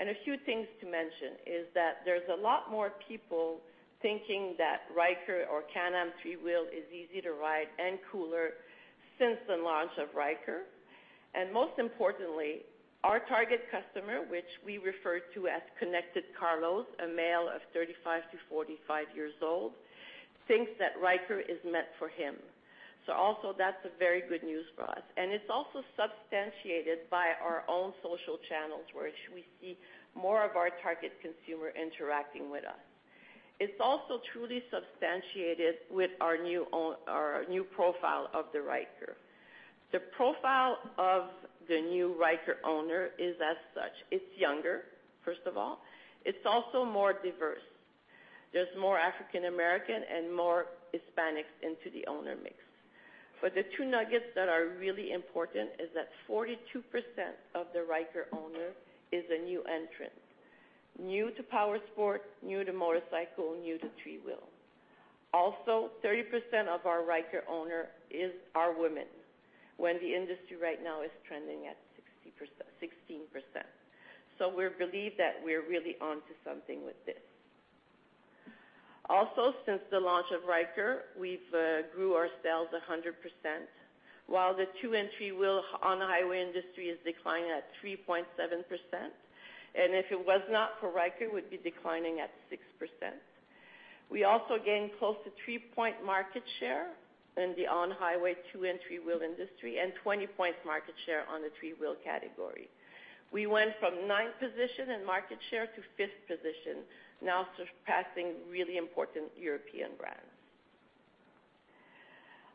A few things to mention is that there's a lot more people thinking that Ryker or Can-Am three-wheel is easy to ride and cooler since the launch of Ryker. Most importantly, our target customer, which we refer to as Connected Carlos, a male of 35 to 45 years old, thinks that Ryker is meant for him. Also, that's a very good news for us. It's also substantiated by our own social channels, which we see more of our target consumer interacting with us. It's also truly substantiated with our new profile of the Ryker. The profile of the new Ryker owner is as such. It's younger, first of all. It's also more diverse. There's more African American and more Hispanics into the owner mix. The two nuggets that are really important is that 42% of the Ryker owner is a new entrant. New to powersport, new to motorcycle, new to three-wheel. 30% of our Ryker owner is our women, when the industry right now is trending at 16%. We believe that we're really onto something with this. Since the launch of Ryker, we've grew our sales 100%, while the two and three-wheel on-highway industry is declining at 3.7%. If it was not for Ryker, it would be declining at 6%. We also gained close to 3-point market share in the on-highway two and three-wheel industry and 20-point market share on the three-wheel category. We went from ninth position in market share to fifth position, now surpassing really important European brands.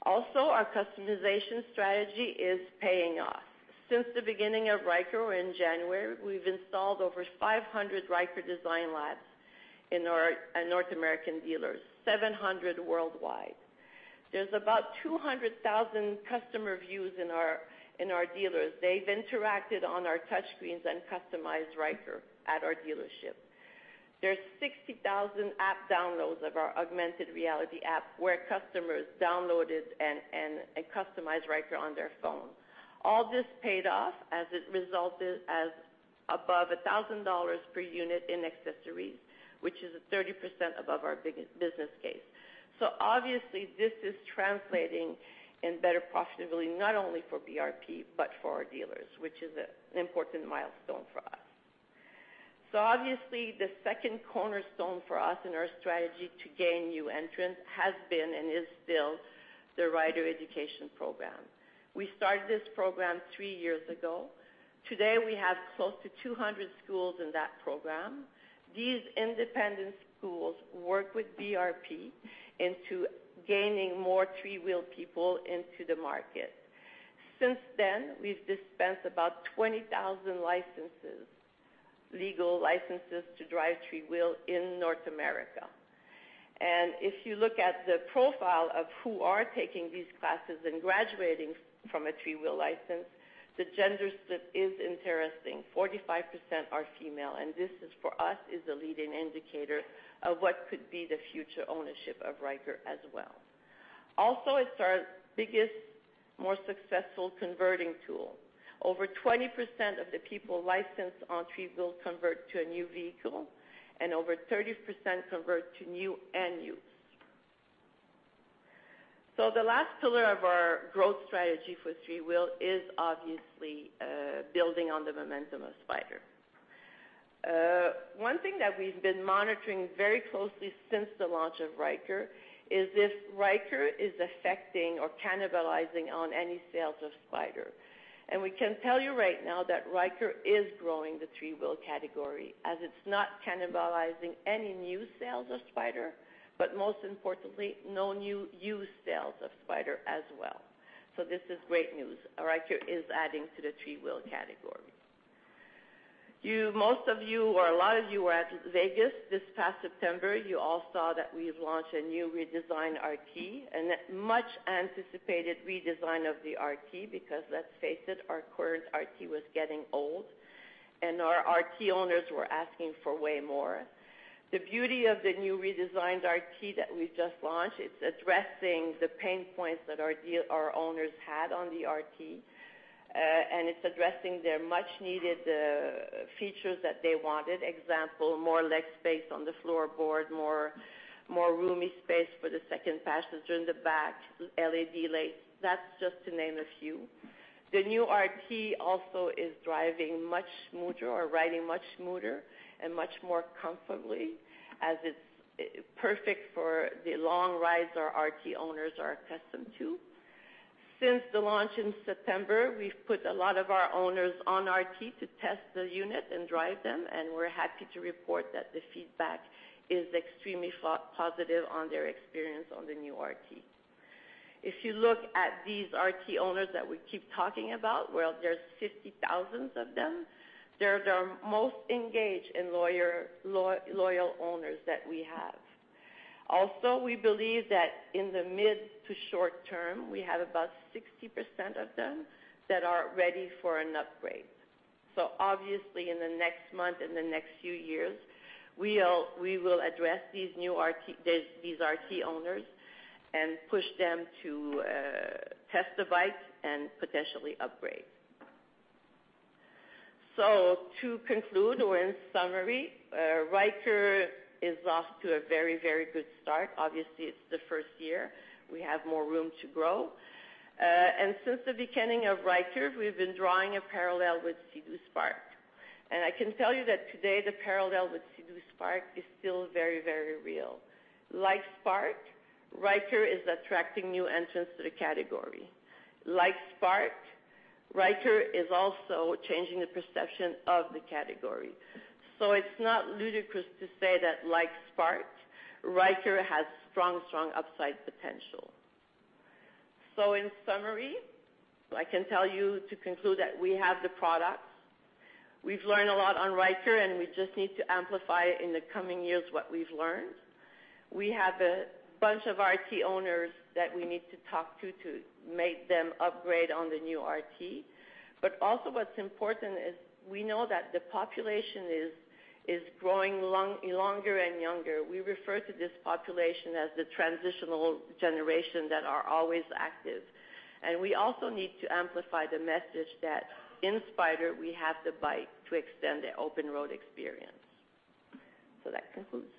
Our customization strategy is paying off. Since the beginning of Ryker in January, we've installed over 500 Ryker Design Labs in North American dealers, 700 worldwide. There's about 200,000 customer views in our dealers. They've interacted on our touchscreens and customized Ryker at our dealership. There's 60,000 app downloads of our augmented reality app where customers downloaded and customized Ryker on their phone. All this paid off as it resulted as above 1,000 dollars per unit in accessories, which is at 30% above our business case. Obviously, this is translating in better profitability, not only for BRP but for our dealers, which is an important milestone for us. Obviously, the second cornerstone for us in our strategy to gain new entrants has been and is still the Rider Education Program. We started this program three years ago. Today, we have close to 200 schools in that program. These independent schools work with BRP into gaining more three-wheel people into the market. Since then, we've dispensed about 20,000 licenses, legal licenses to drive three-wheel in North America. If you look at the profile of who are taking these classes and graduating from a three-wheel license, the gender split is interesting. 45% are female, and this is for us, is a leading indicator of what could be the future ownership of Ryker as well. Also, it's our biggest, more successful converting tool. Over 20% of the people licensed on three-wheel convert to a new vehicle, and over 30% convert to new and used. The last pillar of our growth strategy for three-wheel is obviously building on the momentum of Spyder. One thing that we've been monitoring very closely since the launch of Ryker is if Ryker is affecting or cannibalizing on any sales of Spyder. We can tell you right now that Ryker is growing the three-wheel category as it is not cannibalizing any new sales of Spyder, but most importantly, no new used sales of Spyder as well. This is great news. Ryker is adding to the three-wheel category. Most of you, or a lot of you were at Vegas this past September. You all saw that we have launched a new redesigned RT and a much-anticipated redesign of the RT because let us face it, our current RT was getting old and our RT owners were asking for way more. The beauty of the new redesigned RT that we just launched, it is addressing the pain points that our owners had on the RT, and it is addressing their much needed features that they wanted. Example, more leg space on the floorboard, more roomy space for the second passenger in the back, LED lights. That's just to name a few. The new RT also is driving much smoother or riding much smoother and much more comfortably as it's perfect for the long rides our RT owners are accustomed to. Since the launch in September, we've put a lot of our owners on RT to test the unit and drive them, and we're happy to report that the feedback is extremely positive on their experience on the new RT. If you look at these RT owners that we keep talking about, well, there's 50,000 of them. They're the most engaged and loyal owners that we have. Also, we believe that in the mid to short term, we have about 60% of them that are ready for an upgrade. Obviously in the next month and the next few years, we will address these RT owners and push them to test the bike and potentially upgrade. To conclude or in summary, Ryker is off to a very good start. Obviously, it's the first year. We have more room to grow. Since the beginning of Ryker, we've been drawing a parallel with Sea-Doo SPARK. I can tell you that today, the parallel with Sea-Doo SPARK is still very real. Like Spark, Ryker is attracting new entrants to the category. Like Spark, Ryker is also changing the perception of the category. It's not ludicrous to say that like Spark, Ryker has strong upside potential. In summary, I can tell you to conclude that we have the products. We've learned a lot on Ryker, and we just need to amplify in the coming years what we've learned. We have a bunch of RT owners that we need to talk to make them upgrade on the new RT. Also, what's important is we know that the population is growing longer and younger. We refer to this population as the transitional generation that are always active. We also need to amplify the message that in Spyder, we have the bike to extend the open road experience. That concludes. Any questions? Yeah. José,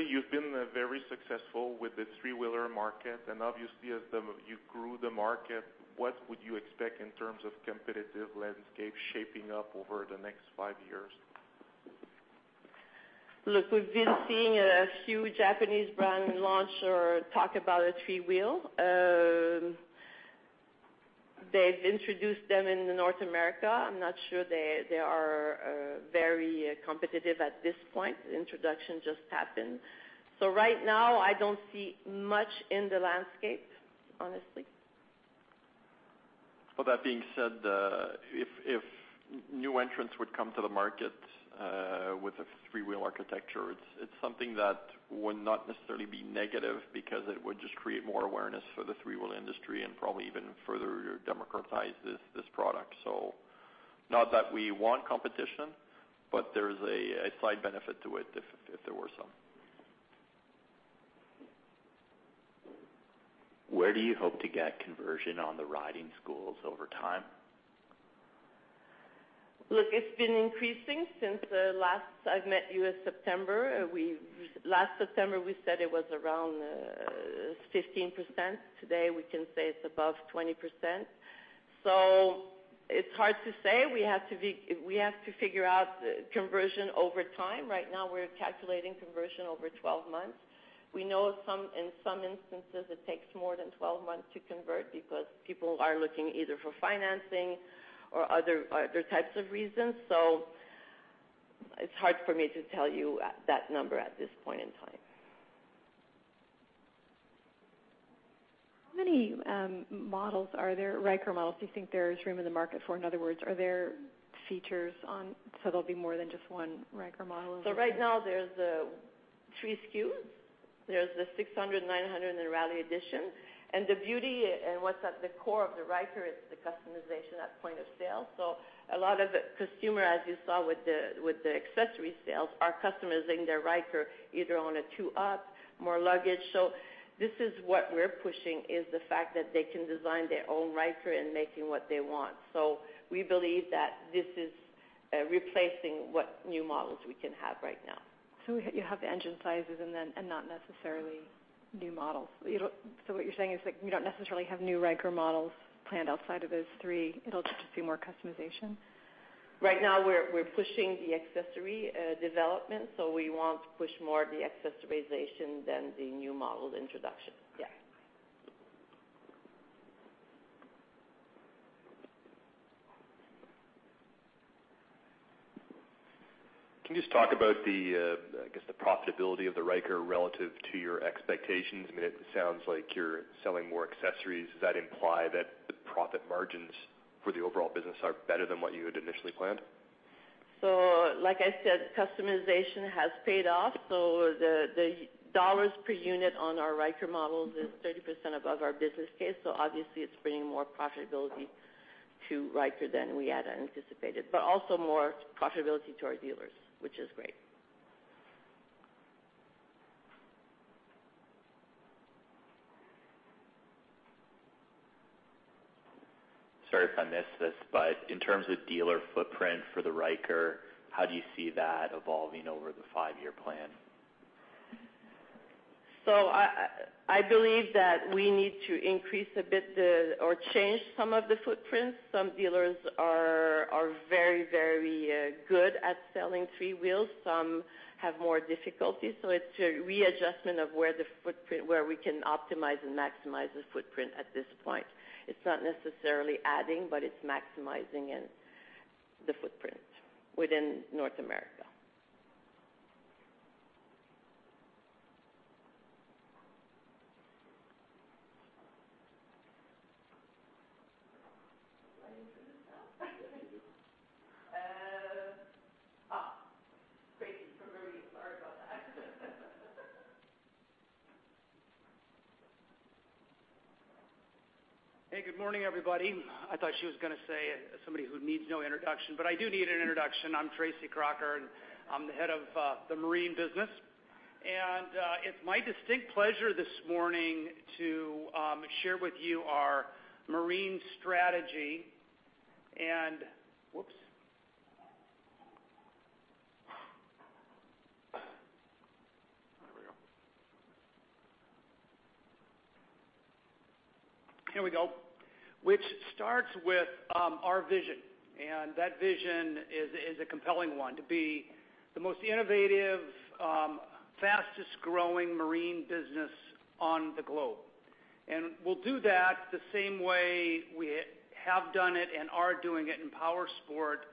you've been very successful with the three-wheeler market and obviously as you grew the market, what would you expect in terms of competitive landscape shaping up over the next five years? Look, we've been seeing a few Japanese brand launch or talk about a three-wheel. They've introduced them in North America. I'm not sure they are very competitive at this point. The introduction just happened. Right now, I don't see much in the landscape, honestly. Well, that being said, if new entrants would come to the market with a three-wheel architecture, it's something that would not necessarily be negative because it would just create more awareness for the three-wheel industry and probably even further democratize this product. Not that we want competition, but there's a slight benefit to it if there were some. Where do you hope to get conversion on the riding schools over time? Look, it's been increasing since the last I've met you in September. Last September, we said it was around 15%. Today, we can say it's above 20%. It's hard to say. We have to figure out conversion over time. Right now, we're calculating conversion over 12 months. We know in some instances, it takes more than 12 months to convert because people are looking either for financing or other types of reasons. It's hard for me to tell you that number at this point in time. How many Ryker models do you think there is room in the market for? In other words, so there'll be more than just one Ryker model? Right now, there's three SKUs. There's the 600, 900, and the Rally edition. The beauty and what's at the core of the Ryker is the customization at point of sale. A lot of the consumer, as you saw with the accessory sales, are customizing their Ryker either on a two-up, more luggage. This is what we're pushing, is the fact that they can design their own Ryker and making what they want. We believe that this is replacing what new models we can have right now. You have the engine sizes and not necessarily new models. What you're saying is that you don't necessarily have new Ryker models planned outside of those three. It'll just be more customization? Right now, we're pushing the accessory development. We want to push more the accessorization than the new model introduction. Yes. Can you just talk about the, I guess the profitability of the Ryker relative to your expectations? I mean, it sounds like you're selling more accessories. Does that imply that the profit margins for the overall business are better than what you had initially planned? Like I said, customization has paid off. The dollars per unit on our Ryker models is 30% above our business case. Obviously, it's bringing more profitability to Ryker than we had anticipated. Also more profitability to our dealers, which is great. Sorry if I missed this, but in terms of dealer footprint for the Ryker, how do you see that evolving over the five-year plan? I believe that we need to increase a bit or change some of the footprints. Some dealers are very good at selling three-wheels. Some have more difficulty. It's a readjustment of where we can optimize and maximize the footprint at this point. It's not necessarily adding, but it's maximizing the footprint within North America. Hey, good morning, everybody. I thought she was going to say somebody who needs no introduction, but I do need an introduction. I'm Tracy Crocker, and I'm the head of the marine business. It's my distinct pleasure this morning to share with you our marine strategy. Whoops. There we go. Here we go. Which starts with our vision. That vision is a compelling one, to be the most innovative, fastest-growing marine business on the globe. We'll do that the same way we have done it and are doing it in Powersports,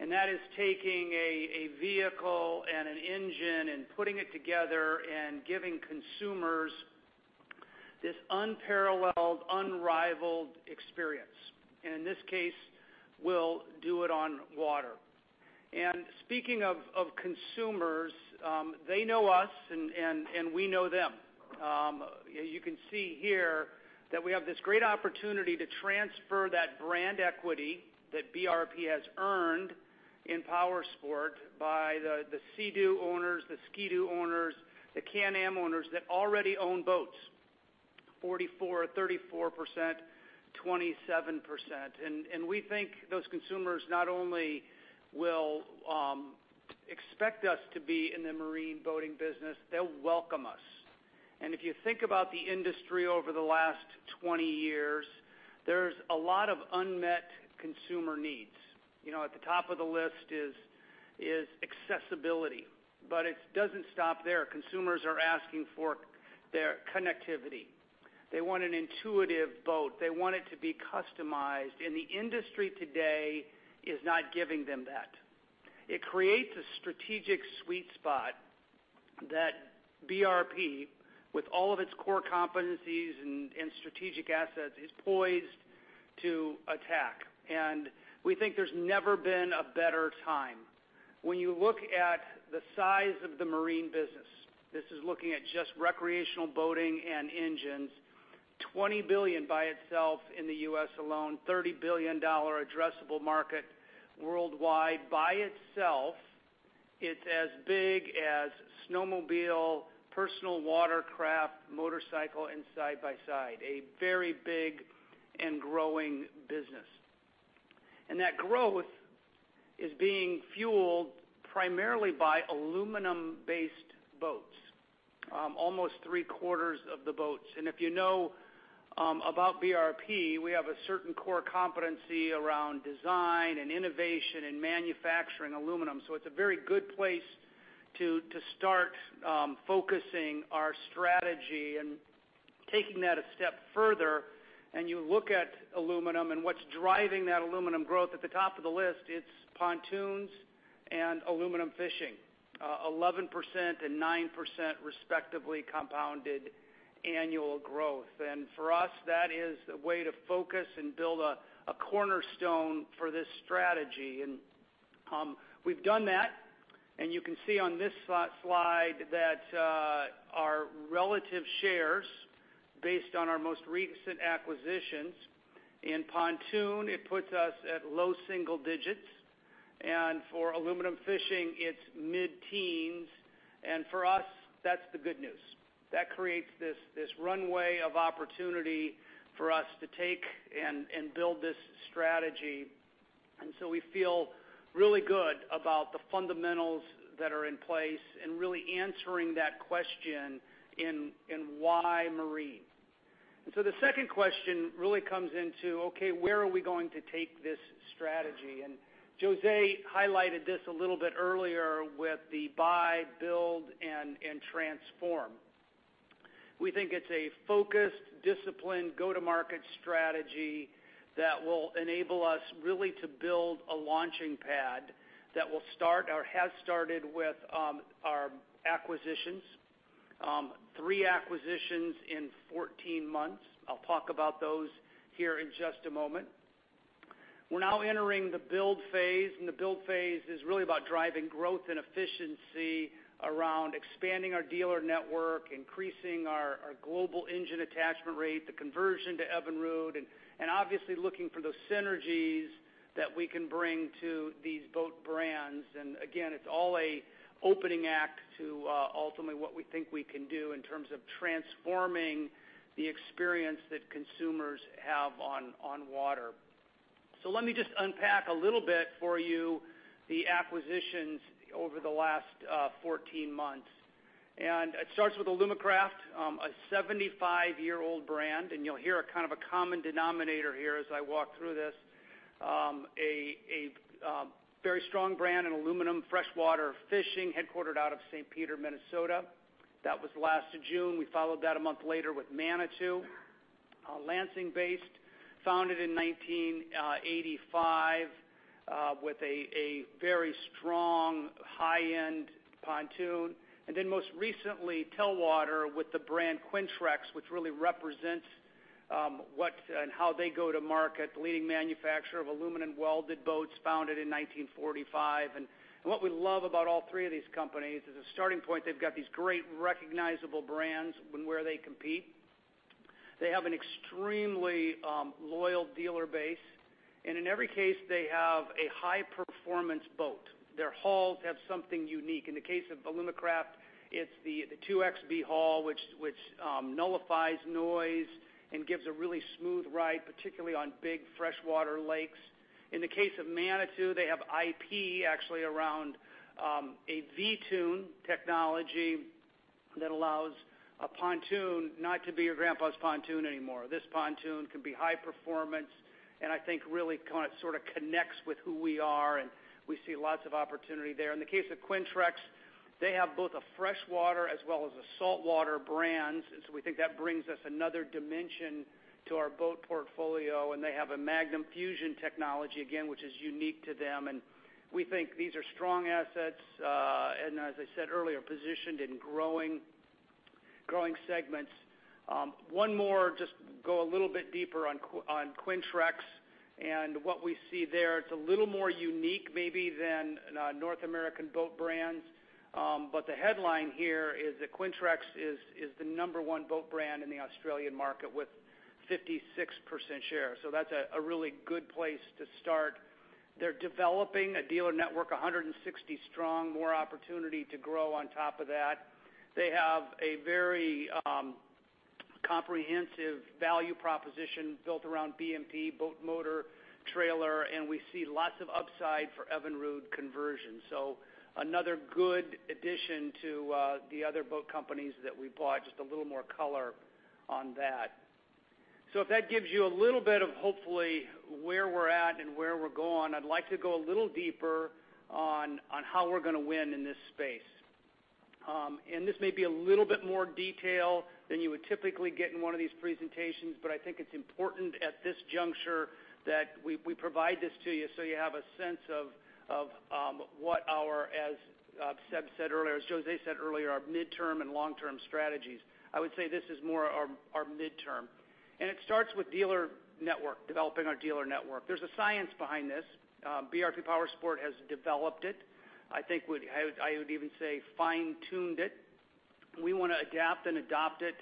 and that is taking a vehicle and an engine and putting it together and giving consumers this unparalleled, unrivaled experience. In this case, we'll do it on water. Speaking of consumers, they know us and we know them. You can see here that we have this great opportunity to transfer that brand equity that BRP has earned in Powersports by the Sea-Doo owners, the Ski-Doo owners, the Can-Am owners that already own boats, 44%, 34%, 27%. We think those consumers not only will expect us to be in the marine boating business, they'll welcome us. If you think about the industry over the last 20 years, there's a lot of unmet consumer needs. At the top of the list is accessibility, but it doesn't stop there. Consumers are asking for their connectivity. They want an intuitive boat. They want it to be customized, and the industry today is not giving them that. It creates a strategic sweet spot that BRP, with all of its core competencies and strategic assets, is poised to attack. We think there's never been a better time. When you look at the size of the marine business, this is looking at just recreational boating and engines, $20 billion by itself in the U.S. alone, 30 billion dollar addressable market worldwide by itself. It's as big as snowmobile, personal watercraft, motorcycle, and side-by-side. A very big and growing business. That growth is being fueled primarily by aluminum-based boats, almost three-quarters of the boats. If you know about BRP, we have a certain core competency around design and innovation and manufacturing aluminum. It's a very good place to start focusing our strategy and taking that a step further. You look at aluminum and what's driving that aluminum growth, at the top of the list, it's pontoons and aluminum fishing, 11% and 9% respectively compounded annual growth. For us, that is the way to focus and build a cornerstone for this strategy. We've done that, you can see on this slide that our relative shares based on our most recent acquisitions. In pontoon, it puts us at low single digits, and for aluminum fishing, it's mid-teens. For us, that's the good news. That creates this runway of opportunity for us to take and build this strategy. We feel really good about the fundamentals that are in place and really answering that question in why Marine. The second question really comes into, okay, where are we going to take this strategy? José highlighted this a little bit earlier with the buy, build, and transform. We think it's a focused, disciplined, go-to-market strategy that will enable us really to build a launching pad that will start or has started with our acquisitions, three acquisitions in 14 months. I'll talk about those here in just a moment. We are now entering the build phase. The build phase is really about driving growth and efficiency around expanding our dealer network, increasing our global engine attachment rate, the conversion to Evinrude, and obviously looking for those synergies that we can bring to these boat brands. Again, it is all an opening act to ultimately what we think we can do in terms of transforming the experience that consumers have on water. Let me just unpack a little bit for you the acquisitions over the last 14 months, and it starts with Alumacraft, a 75-year-old brand, and you will hear a kind of a common denominator here as I walk through this. A very strong brand in aluminum freshwater fishing, headquartered out of St. Peter, Minnesota. That was last June. We followed that a month later with Manitou, Lansing-based, founded in 1985 with a very strong high-end pontoon. Most recently, Telwater with the brand Quintrex, which really represents and how they go to market. The leading manufacturer of aluminum welded boats founded in 1945. What we love about all three of these companies is as a starting point, they've got these great recognizable brands where they compete. They have an extremely loyal dealer base, and in every case, they have a high-performance boat. Their hulls have something unique. In the case of Alumacraft, it's the 2XB hull, which nullifies noise and gives a really smooth ride, particularly on big freshwater lakes. In the case of Manitou, they have IP actually around a V-Toon technology that allows a pontoon not to be your grandpa's pontoon anymore. This pontoon can be high performance, and I think really sort of connects with who we are, and we see lots of opportunity there. In the case of Quintrex, they have both a freshwater as well as a saltwater brand. We think that brings us another dimension to our boat portfolio, and they have a Magnum Fusion technology, again, which is unique to them. We think these are strong assets. As I said earlier, positioned in growing segments. One more, just go a little bit deeper on Quintrex and what we see there. It's a little more unique maybe than North American boat brands. The headline here is that Quintrex is the number 1 boat brand in the Australian market with 56% share. That's a really good place to start. They're developing a dealer network, 160 strong, more opportunity to grow on top of that. They have a very comprehensive value proposition built around BMT, boat motor trailer, and we see lots of upside for Evinrude conversion. Another good addition to the other boat companies that we bought. Just a little more color on that. If that gives you a little bit of hopefully where we're at and where we're going, I'd like to go a little deeper on how we're going to win in this space. This may be a little bit more detail than you would typically get in one of these presentations, but I think it's important at this juncture that we provide this to you so you have a sense of what our, as Seb said earlier, as José said earlier, our midterm and long-term strategies. I would say this is more our midterm, it starts with dealer network, developing our dealer network. There's a science behind this. BRP Powersports has developed it. I think I would even say fine-tuned it. We want to adapt and adopt it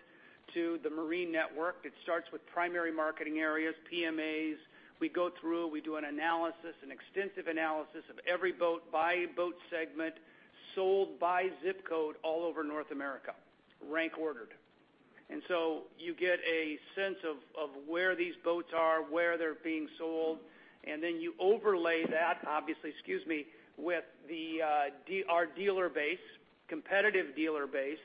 to the marine network. It starts with Primary Market Areas, PMAs. We do an analysis, an extensive analysis of every boat by boat segment, sold by ZIP code all over North America, rank ordered. You get a sense of where these boats are, where they're being sold, then you overlay that, obviously, with our dealer base, competitive dealer base.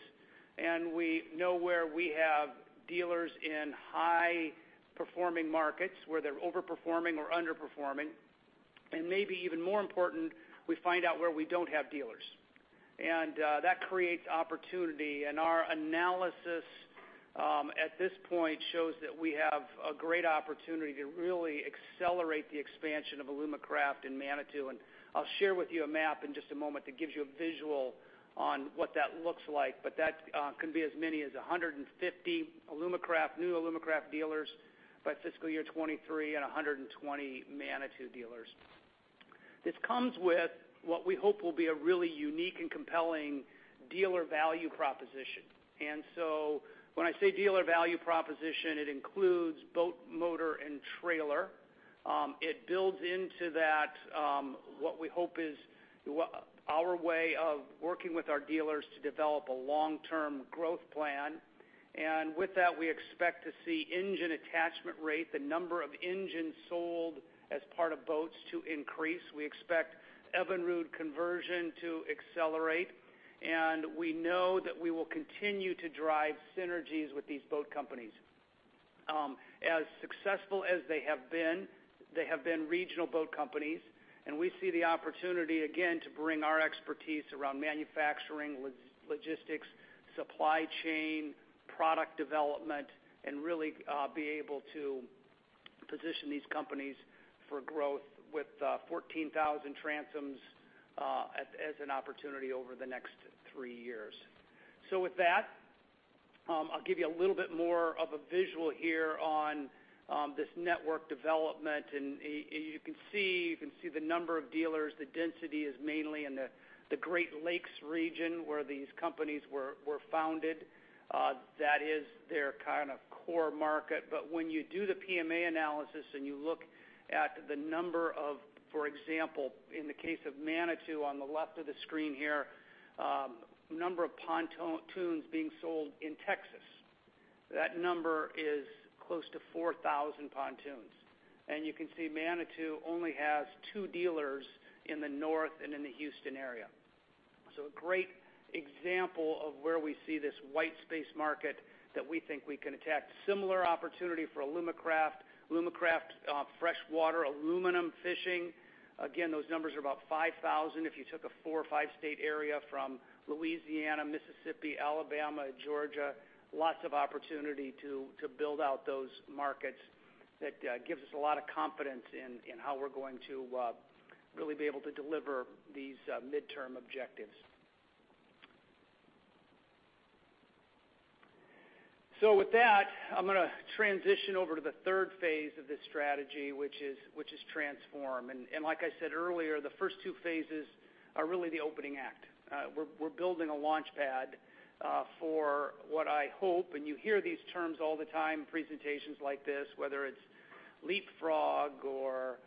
We know where we have dealers in high-performing markets, where they're over-performing or under-performing. Maybe even more important, we find out where we don't have dealers. That creates opportunity. Our analysis, at this point, shows that we have a great opportunity to really accelerate the expansion of Alumacraft and Manitou. I'll share with you a map in just a moment that gives you a visual on what that looks like. That can be as many as 150 new Alumacraft dealers by FY 2023 and 120 Manitou dealers. This comes with what we hope will be a really unique and compelling dealer value proposition. When I say dealer value proposition, it includes boat, motor, and trailer. It builds into that what we hope is our way of working with our dealers to develop a long-term growth plan. With that, we expect to see engine attachment rate, the number of engines sold as part of boats to increase. We expect Evinrude conversion to accelerate, and we know that we will continue to drive synergies with these boat companies. As successful as they have been, they have been regional boat companies, and we see the opportunity again to bring our expertise around manufacturing, logistics, supply chain, product development, and really be able to position these companies for growth with 14,000 transoms as an opportunity over the next three years. With that, I'll give you a little bit more of a visual here on this network development, and you can see the number of dealers. The density is mainly in the Great Lakes region, where these companies were founded. That is their kind of core market. When you do the PMA analysis and you look at the number of, for example, in the case of Manitou, on the left of the screen here, number of pontoons being sold in Texas. That number is close to 4,000 pontoons. You can see Manitou only has two dealers in the north and in the Houston area. A great example of where we see this white space market that we think we can attack. Similar opportunity for Alumacraft. Alumacraft freshwater aluminum fishing. Again, those numbers are about 5,000. If you took a four or five-state area from Louisiana, Mississippi, Alabama, Georgia, lots of opportunity to build out those markets. That gives us a lot of confidence in how we're going to really be able to deliver these midterm objectives. With that, I'm going to transition over to the third phase of this strategy, which is transform. Like I said earlier, the first two phases are really the opening act. We're building a launchpad for what I hope, and you hear these terms all the time in presentations like this, whether it's leapfrog or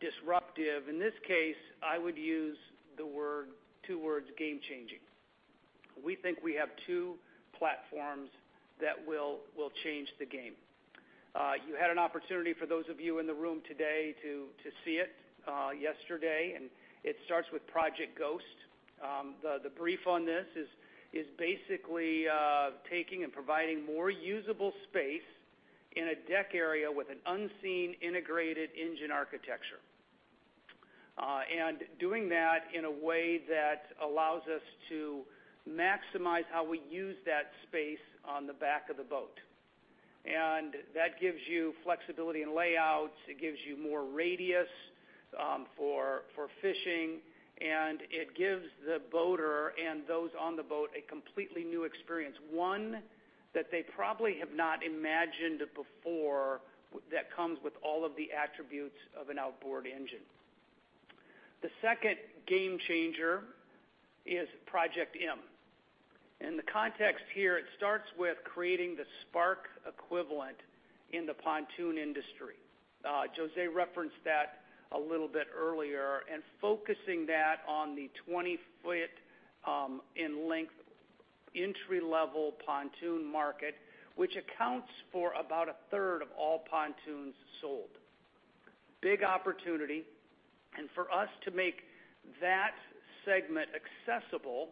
disruptive. In this case, I would use two words, game-changing. We think we have two platforms that will change the game. You had an opportunity, for those of you in the room today, to see it yesterday. It starts with Project Ghost. The brief on this is basically taking and providing more usable space in a deck area with an unseen integrated engine architecture. Doing that in a way that allows us to maximize how we use that space on the back of the boat. That gives you flexibility in layouts, it gives you more radius for fishing, and it gives the boater and those on the boat a completely new experience, one that they probably have not imagined before, that comes with all of the attributes of an outboard engine. The second game changer is Project M. The context here, it starts with creating the Spark equivalent in the pontoon industry. José referenced that a little bit earlier, and focusing that on the 20-foot in length, entry-level pontoon market, which accounts for about a third of all pontoons sold. Big opportunity. For us to make that segment accessible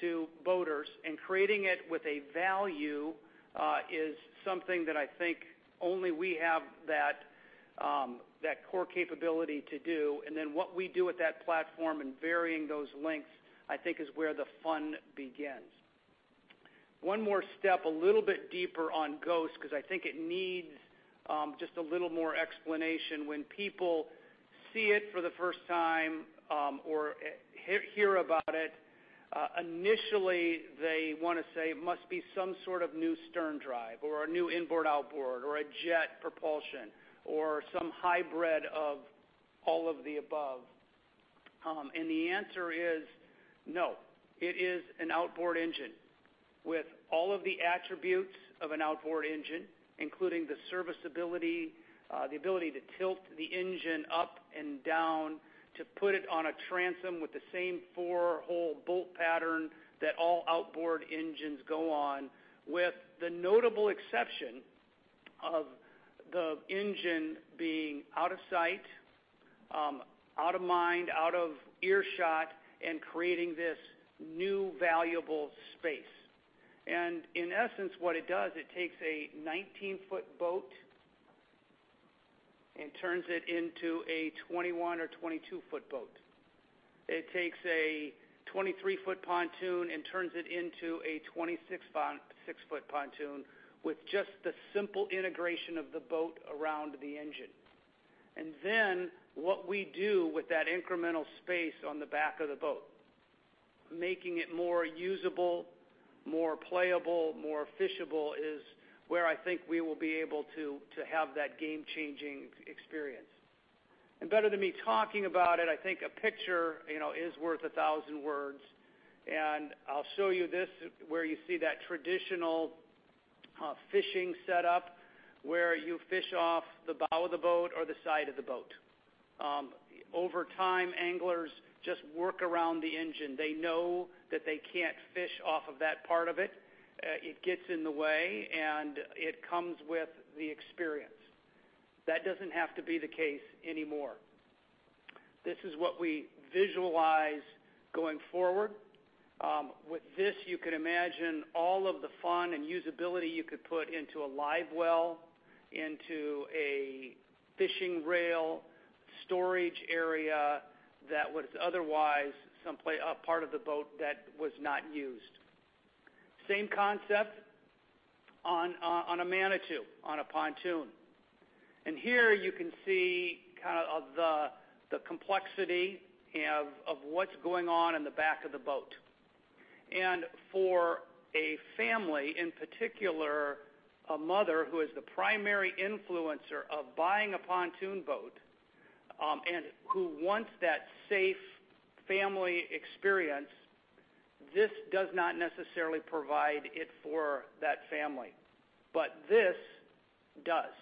to boaters and creating it with a value is something that I think only we have that core capability to do. Then what we do with that platform and varying those lengths, I think is where the fun begins. One more step a little bit deeper on Project Ghost, because I think it needs just a little more explanation. When people see it for the first time, or hear about it, initially, they want to say it must be some sort of new stern drive or a new inboard/outboard, or a jet propulsion, or some hybrid of all of the above. The answer is no. It is an outboard engine with all of the attributes of an outboard engine, including the serviceability, the ability to tilt the engine up and down, to put it on a transom with the same four-hole bolt pattern that all outboard engines go on, with the notable exception of the engine being out of sight, out of mind, out of earshot, and creating this new valuable space. In essence, what it does, it takes a 19-foot boat and turns it into a 21 or 22-foot boat. It takes a 23-foot pontoon and turns it into a 26-foot pontoon with just the simple integration of the boat around the engine. What we do with that incremental space on the back of the boat, making it more usable, more playable, more fishable, is where I think we will be able to have that game-changing experience. Better than me talking about it, I think a picture is worth a thousand words, and I'll show you this, where you see that traditional fishing setup where you fish off the bow of the boat or the side of the boat. Over time, anglers just work around the engine. They know that they can't fish off of that part of it. It gets in the way, and it comes with the experience. That doesn't have to be the case anymore. This is what we visualize going forward. With this, you could imagine all of the fun and usability you could put into a live well, into a fishing rail, storage area, that was otherwise a part of the boat that was not used. Same concept on a Manitou, on a pontoon. Here you can see kind of the complexity of what's going on in the back of the boat. For a family, in particular, a mother who is the primary influencer of buying a pontoon boat, and who wants that safe family experience, this does not necessarily provide it for that family. This does.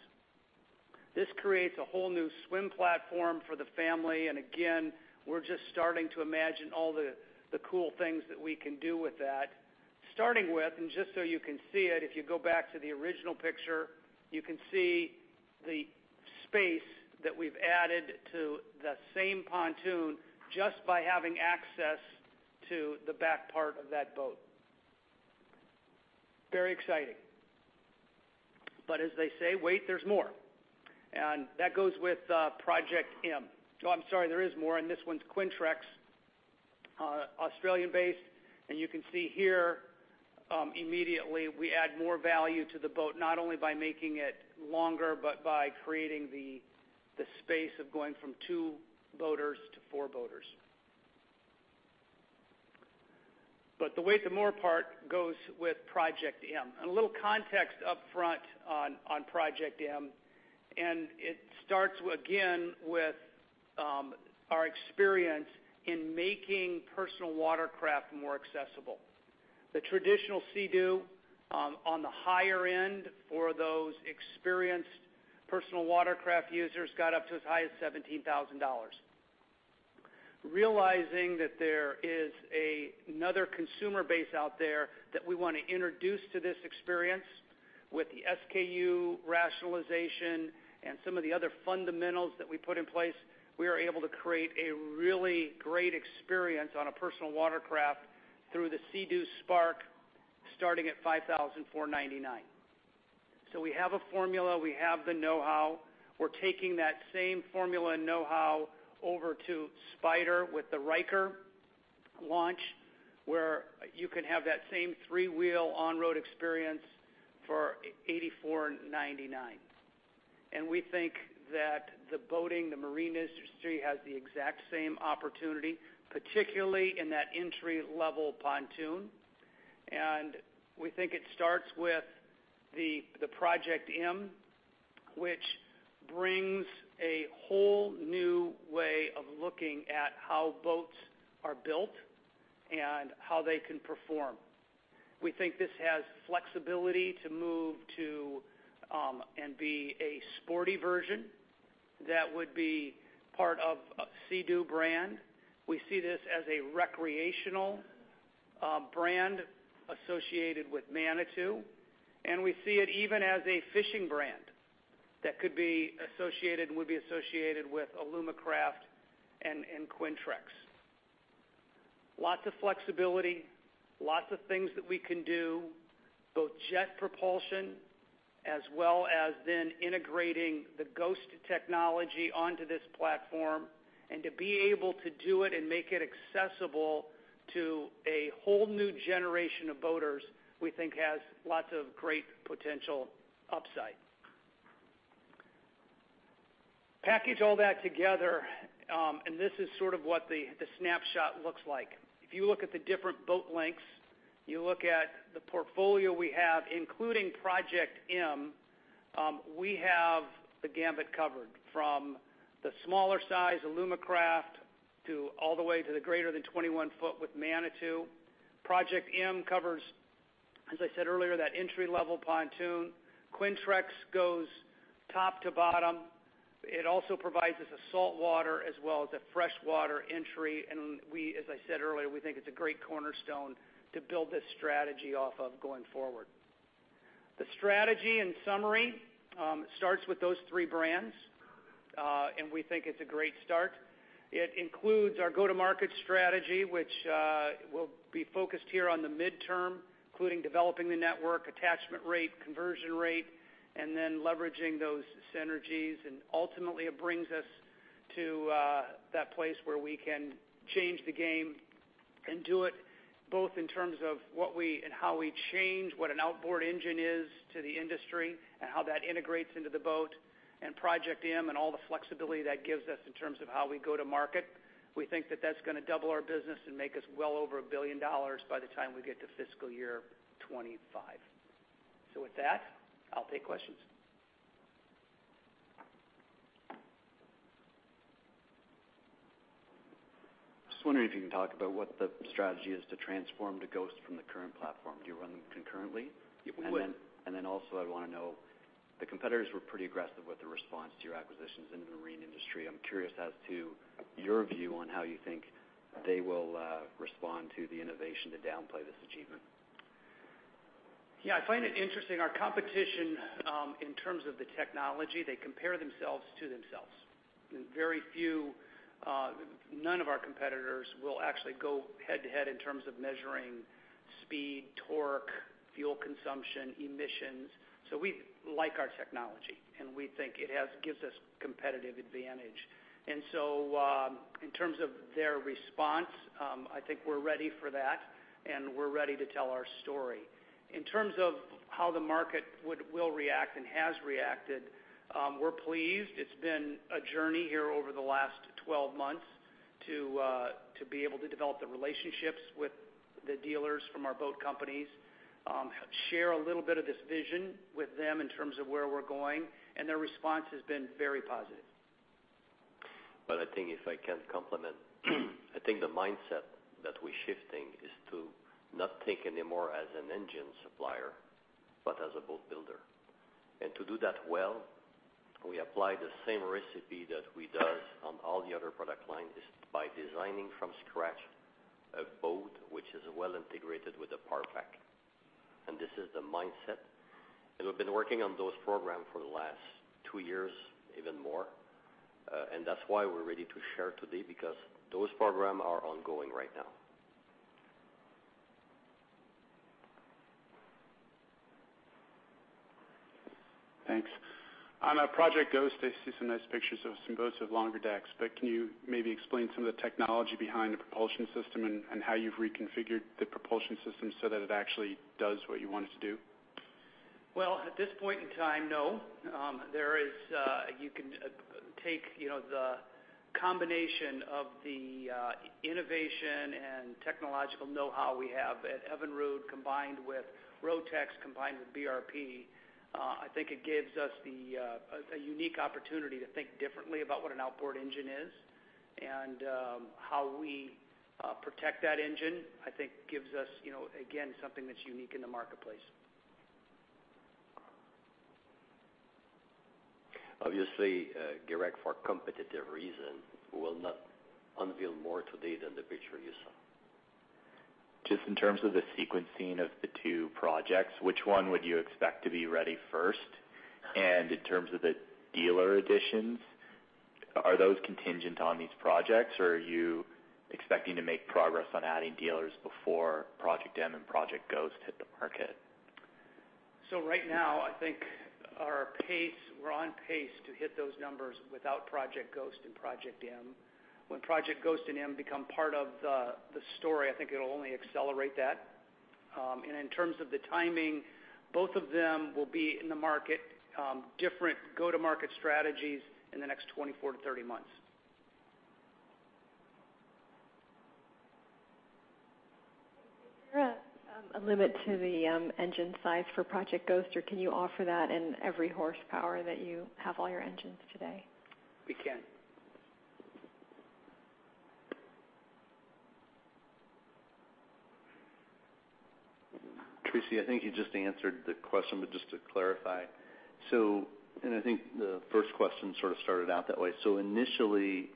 This creates a whole new swim platform for the family. Again, we're just starting to imagine all the cool things that we can do with that. Starting with, just so you can see it, if you go back to the original picture, you can see the space that we've added to the same pontoon just by having access to the back part of that boat. Very exciting. As they say, wait, there's more. That goes with Project M. I'm sorry, there is more. This one's Quintrex. Australian-based. Immediately, we add more value to the boat, not only by making it longer, but by creating the space of going from two boaters to four boaters. The way the more part goes with Project M. A little context up front on Project M. It starts again with our experience in making personal watercraft more accessible. The traditional Sea-Doo, on the higher end for those experienced personal watercraft users, got up to as high as 17,000 dollars. Realizing that there is another consumer base out there that we want to introduce to this experience with the SKU rationalization and some of the other fundamentals that we put in place, we are able to create a really great experience on a personal watercraft through the Sea-Doo SPARK, starting at 5,499. We have a formula, we have the know-how. We're taking that same formula and know-how over to Spyder with the Ryker launch, where you can have that same three-wheel on-road experience for 8,499. We think that the boating, the marine industry has the exact same opportunity, particularly in that entry-level pontoon. We think it starts with the Project M, which brings a whole new way of looking at how boats are built and how they can perform. We think this has flexibility to move to and be a sporty version that would be part of Sea-Doo brand. We see this as a recreational brand associated with Manitou, and we see it even as a fishing brand that could be associated, and would be associated with Alumacraft and Quintrex. Lots of flexibility, lots of things that we can do, both jet propulsion as well as then integrating the Ghost technology onto this platform. To be able to do it and make it accessible to a whole new generation of boaters, we think has lots of great potential upside. Package all that together, this is sort of what the snapshot looks like. If you look at the different boat lengths, you look at the portfolio we have, including Project M, we have the gamut covered. From the smaller size Alumacraft all the way to the greater than 21 foot with Manitou. Project M covers, as I said earlier, that entry-level pontoon. Quintrex goes top to bottom. It also provides us a saltwater as well as a freshwater entry, and as I said earlier, we think it's a great cornerstone to build this strategy off of going forward. The strategy, in summary, starts with those three brands, and we think it's a great start. It includes our go-to-market strategy, which will be focused here on the midterm, including developing the network, attachment rate, conversion rate, and then leveraging those synergies. Ultimately, it brings us to that place where we can change the game and do it both in terms of what we and how we change what an outboard engine is to the industry and how that integrates into the boat, and Project M and all the flexibility that gives us in terms of how we go to market. We think that that's going to double our business and make us well over 1 billion dollars by the time we get to fiscal year 2025. With that, I'll take questions. Just wondering if you can talk about what the strategy is to transform to Project Ghost from the current platform. Do you run them concurrently? We would. Also, I'd want to know, the competitors were pretty aggressive with the response to your acquisitions in the marine industry. I'm curious as to your view on how you think they will respond to the innovation to downplay this achievement. Yeah, I find it interesting. Our competition, in terms of the technology, they compare themselves to themselves. None of our competitors will actually go head to head in terms of measuring speed, torque, fuel consumption, emissions. We like our technology, and we think it gives us competitive advantage. In terms of their response, I think we're ready for that, and we're ready to tell our story. In terms of how the market will react and has reacted, we're pleased. It's been a journey here over the last 12 months to be able to develop the relationships with the dealers from our boat companies, share a little bit of this vision with them in terms of where we're going, and their response has been very positive. I think if I can complement, I think the mindset that we're shifting is to not think anymore as an engine supplier, but as a boat builder. To do that well, we apply the same recipe that we do on all the other product lines is by designing from scratch a boat which is well integrated with the powertrain. This is the mindset, and we've been working on those programs for the last two years, even more. That's why we're ready to share today, because those programs are ongoing right now. Thanks. On Project Ghost, I see some nice pictures of some boats with longer decks, but can you maybe explain some of the technology behind the propulsion system and how you've reconfigured the propulsion system so that it actually does what you want it to do? Well, at this point in time, no. You can take the combination of the innovation and technological know-how we have at Evinrude, combined with Rotax, combined with BRP. I think it gives us a unique opportunity to think differently about what an outboard engine is. How we protect that engine, I think gives us, again, something that's unique in the marketplace. Obviously, Derek, for competitive reason, we will not unveil more today than the picture you saw. Just in terms of the sequencing of the two projects, which one would you expect to be ready first? In terms of the dealer additions, are those contingent on these projects, or are you expecting to make progress on adding dealers before Project M and Project Ghost hit the market? Right now, I think we're on pace to hit those numbers without Project Ghost and Project M. When Project Ghost and M become part of the story, I think it'll only accelerate that. In terms of the timing, both of them will be in the market, different go-to-market strategies, in the next 24-30 months. Is there a limit to the engine size for Project Ghost, or can you offer that in every horsepower that you have all your engines today? We can. Tracy, I think you just answered the question, but just to clarify, and I think the first question sort of started out that way. Initially,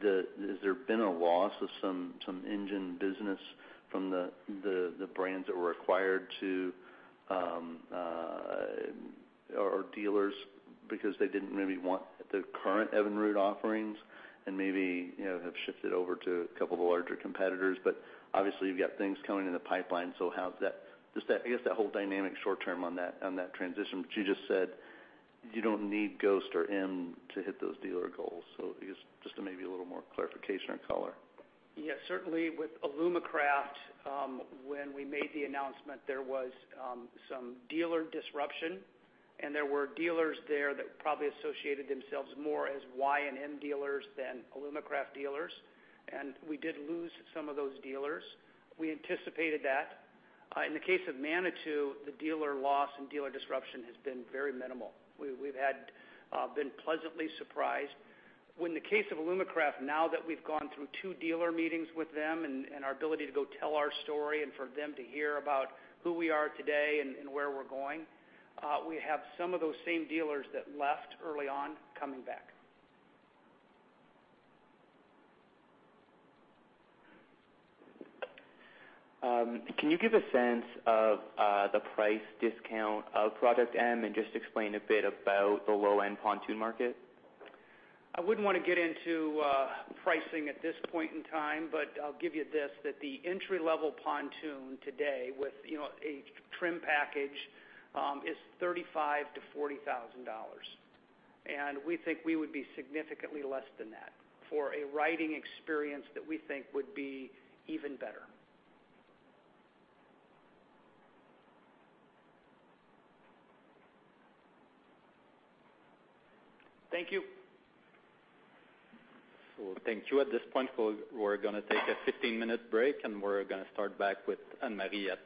has there been a loss of some engine business from the brands that were acquired to our dealers because they didn't maybe want the current Evinrude offerings and maybe have shifted over to a couple of the larger competitors? Obviously, you've got things coming in the pipeline, so I guess that whole dynamic short term on that transition. You just said you don't need Ghost or M to hit those dealer goals. I guess just maybe a little more clarification or color. Certainly with Alumacraft, when we made the announcement, there was some dealer disruption, and there were dealers there that probably associated themselves more as Y and M dealers than Alumacraft dealers, and we did lose some of those dealers. We anticipated that. In the case of Manitou, the dealer loss and dealer disruption has been very minimal. We've been pleasantly surprised. In the case of Alumacraft, now that we've gone through two dealer meetings with them and our ability to go tell our story and for them to hear about who we are today and where we're going, we have some of those same dealers that left early on coming back. Can you give a sense of the price discount of Project M and just explain a bit about the low-end pontoon market? I wouldn't want to get into pricing at this point in time. I'll give you this, that the entry-level pontoon today with a trim package is 35,000-40,000 dollars. We think we would be significantly less than that for a riding experience that we think would be even better. Thank you. Thank you. At this point, we're going to take a 15-minute break, and we're going to start back with Anne-Marie at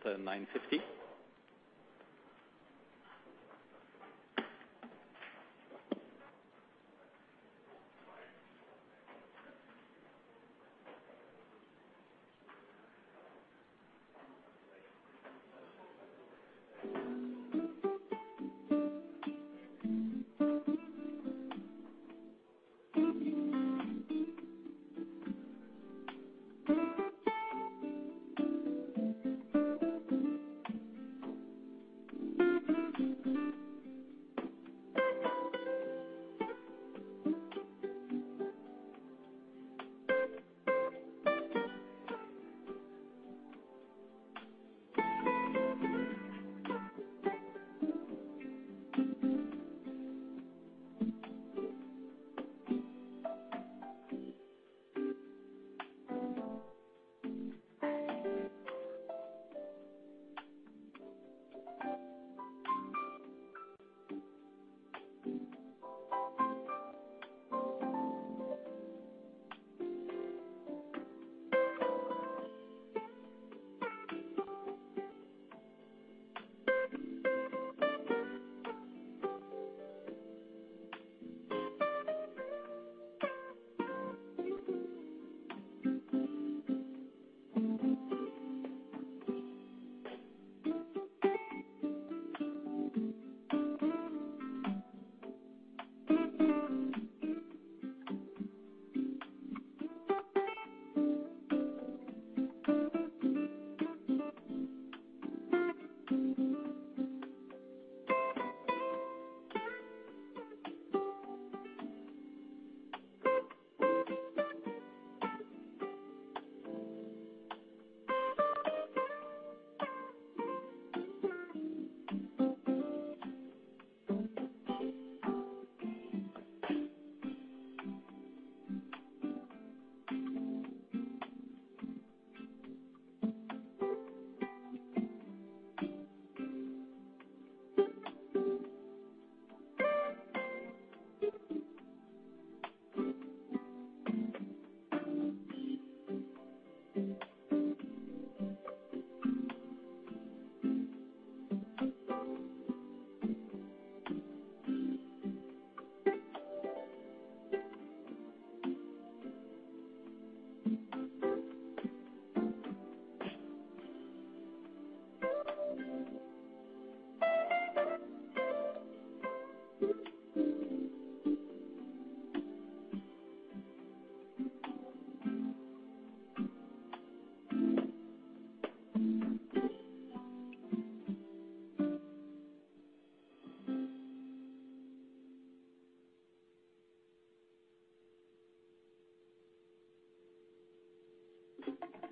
9:50 A.M.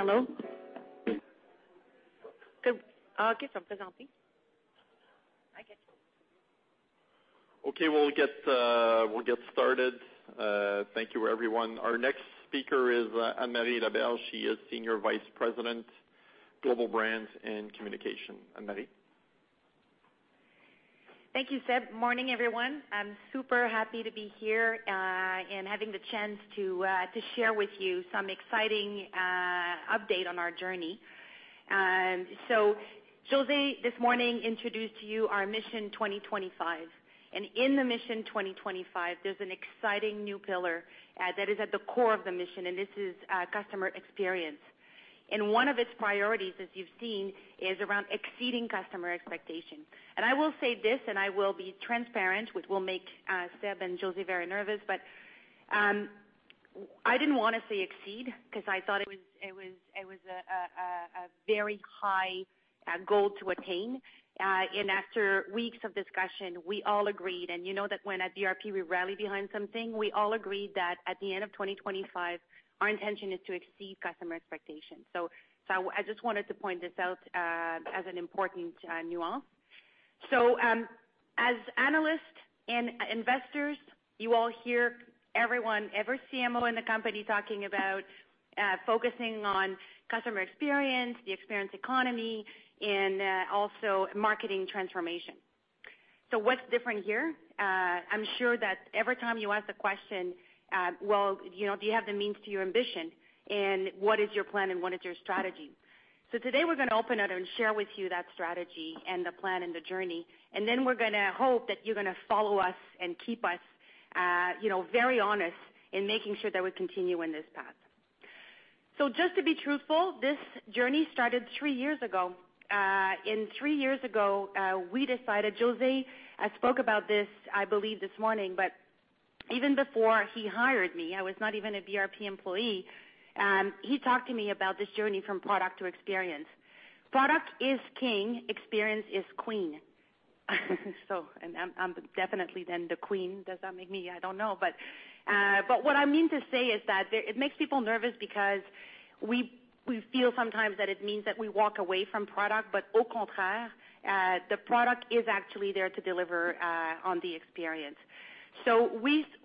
Hello? Good. Okay. Okay. We'll get started. Thank you, everyone. Our next speaker is Anne-Marie Laberge. She is Senior Vice President, Global Brands and Communication. Anne-Marie? Thank you, Seb. Morning, everyone. I'm super happy to be here, and having the chance to share with you some exciting update on our journey. José, this morning, introduced to you our Mission 2025. In the Mission 2025, there's an exciting new pillar that is at the core of the mission, and this is Customer Experience. One of its priorities, as you've seen, is around exceeding customer expectations. I will say this, and I will be transparent, which will make Seb and José very nervous, but, I didn't want to say exceed because I thought it was a very high goal to attain. After weeks of discussion, we all agreed, and you know that when at BRP we rally behind something, we all agreed that at the end of 2025, our intention is to exceed customer expectations. I just wanted to point this out, as an important nuance. As analysts and investors, you all hear everyone, every CMO in the company talking about focusing on customer experience, the experience economy, and also marketing transformation. What's different here? I'm sure that every time you ask the question, well, do you have the means to your ambition? What is your plan and what is your strategy? Today we're going to open it and share with you that strategy and the plan and the journey. We're going to hope that you're going to follow us and keep us very honest in making sure that we continue in this path. Just to be truthful, this journey started three years ago. Three years ago, we decided, José spoke about this, I believe, this morning, but even before he hired me, I was not even a BRP employee, he talked to me about this journey from product to experience. Product is king, experience is queen. I'm definitely then the queen. Does that make me? I don't know. What I mean to say is that it makes people nervous because we feel sometimes that it means that we walk away from product, but au contraire, the product is actually there to deliver on the experience.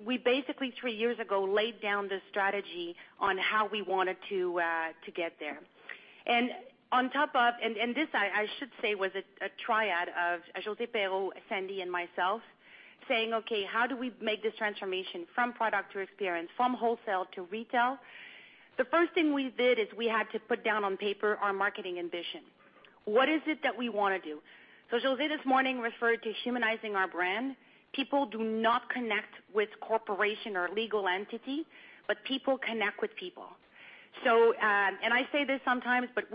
We basically, three years ago, laid down this strategy on how we wanted to get there. This, I should say, was a triad of Josée Perreault, Sandy, and myself saying, "Okay, how do we make this transformation from product to experience, from wholesale to retail?" The first thing we did is we had to put down on paper our marketing ambition. What is it that we want to do? José this morning referred to humanizing our brand. People do not connect with corporation or legal entity, but people connect with people. I say this sometimes, but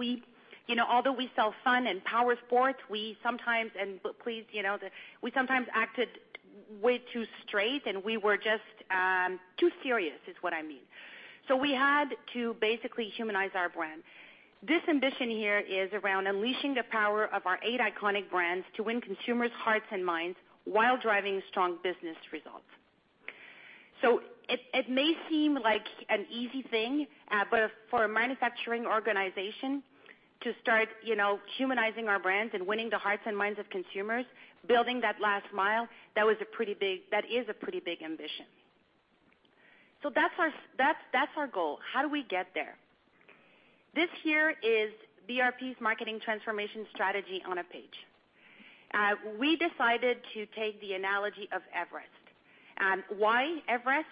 although we sell fun and powersports, we sometimes, and please, acted way too straight and we were just too serious, is what I mean. We had to basically humanize our brand. This ambition here is around unleashing the power of our eight iconic brands to win consumers' hearts and minds while driving strong business results. It may seem like an easy thing, but for a manufacturing organization to start humanizing our brands and winning the hearts and minds of consumers, building that last mile, that is a pretty big ambition. That's our goal. How do we get there? This here is BRP's marketing transformation strategy on a page. We decided to take the analogy of Everest. Why Everest?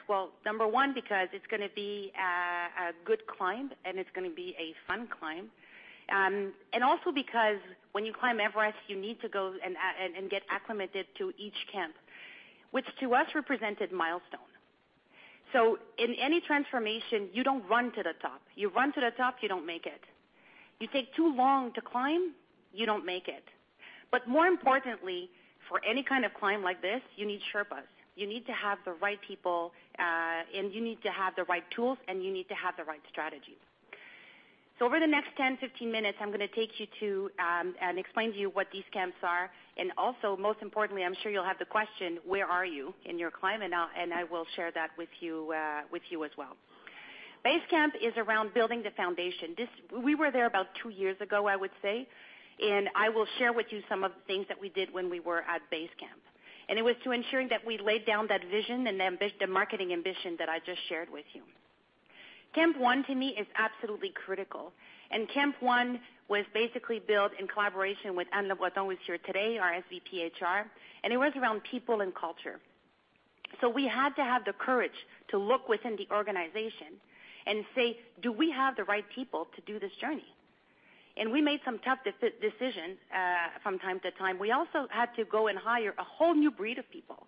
Number one, because it's going to be a good climb and it's going to be a fun climb. Also because when you climb Everest, you need to go and get acclimated to each camp, which to us represented milestone. In any transformation, you don't run to the top. You run to the top, you don't make it. You take too long to climb, you don't make it. More importantly, for any kind of climb like this, you need Sherpas. You need to have the right people, and you need to have the right tools, and you need to have the right strategy. Over the next 10, 15 minutes, I'm going to take you to, and explain to you what these camps are. Also, most importantly, I'm sure you'll have the question, where are you in your climb? I will share that with you as well. Base Camp is around building the foundation. We were there about two years ago, I would say, and I will share with you some of the things that we did when we were at Base Camp. It was to ensuring that we laid down that vision and the marketing ambition that I just shared with you. Camp one to me is absolutely critical. Camp one was basically built in collaboration with Anne Le Breton, who is here today, our SVP HR. It was around people and culture. We had to have the courage to look within the organization and say, "Do we have the right people to do this journey?" We made some tough decisions from time to time. We also had to go and hire a whole new breed of people.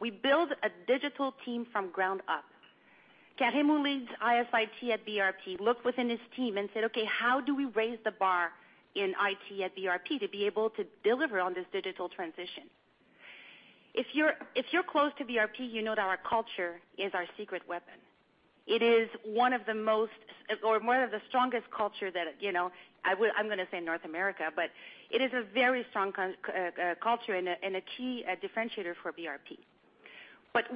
We build a digital team from ground up. Karim, who leads IS&T at BRP, looked within his team and said, "Okay, how do we raise the bar in IT at BRP to be able to deliver on this digital transition?" If you're close to BRP, you know that our culture is our secret weapon. It is one of the most, or one of the strongest culture that I'm going to say North America. It is a very strong culture and a key differentiator for BRP.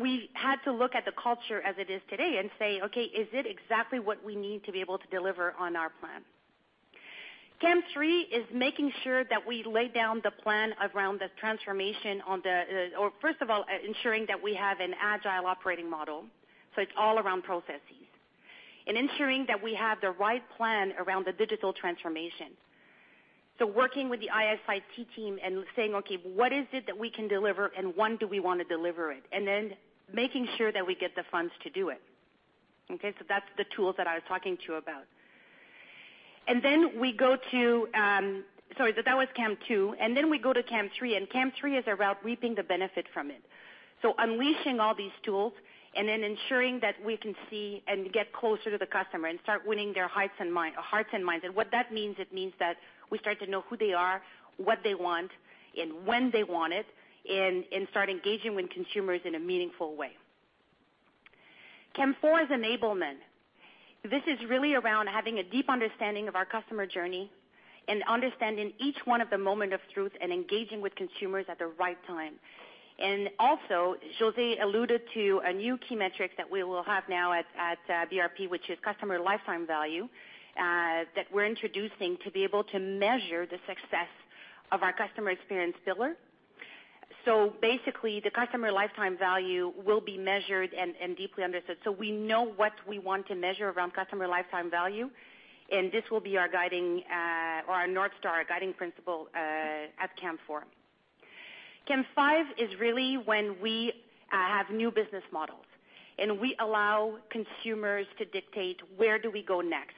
We had to look at the culture as it is today and say, "Okay, is it exactly what we need to be able to deliver on our plan?" Camp 3 is making sure that we lay down the plan around the transformation or first of all, ensuring that we have an agile operating model, so it's all around processes. Ensuring that we have the right plan around the digital transformation. Working with the IS&T team and saying, "Okay, what is it that we can deliver and when do we want to deliver it?" Making sure that we get the funds to do it. Okay. That's the tools that I was talking to you about. Sorry, that was camp 2. We go to camp 3. Camp 3 is about reaping the benefit from it. Unleashing all these tools and ensuring that we can see and get closer to the customer and start winning their hearts and minds. What that means, it means that we start to know who they are, what they want, and when they want it, and start engaging with consumers in a meaningful way. Camp 4 is enablement. This is really around having a deep understanding of our customer journey and understanding each one of the moment of truth and engaging with consumers at the right time. Also, José alluded to a new key metric that we will have now at BRP, which is customer lifetime value, that we're introducing to be able to measure the success of our Customer Experience pillar. Basically, the customer lifetime value will be measured and deeply understood. We know what we want to measure around customer lifetime value, and this will be our guiding, or our North Star guiding principle, at camp 4. Camp 5 is really when we have new business models, and we allow consumers to dictate where do we go next.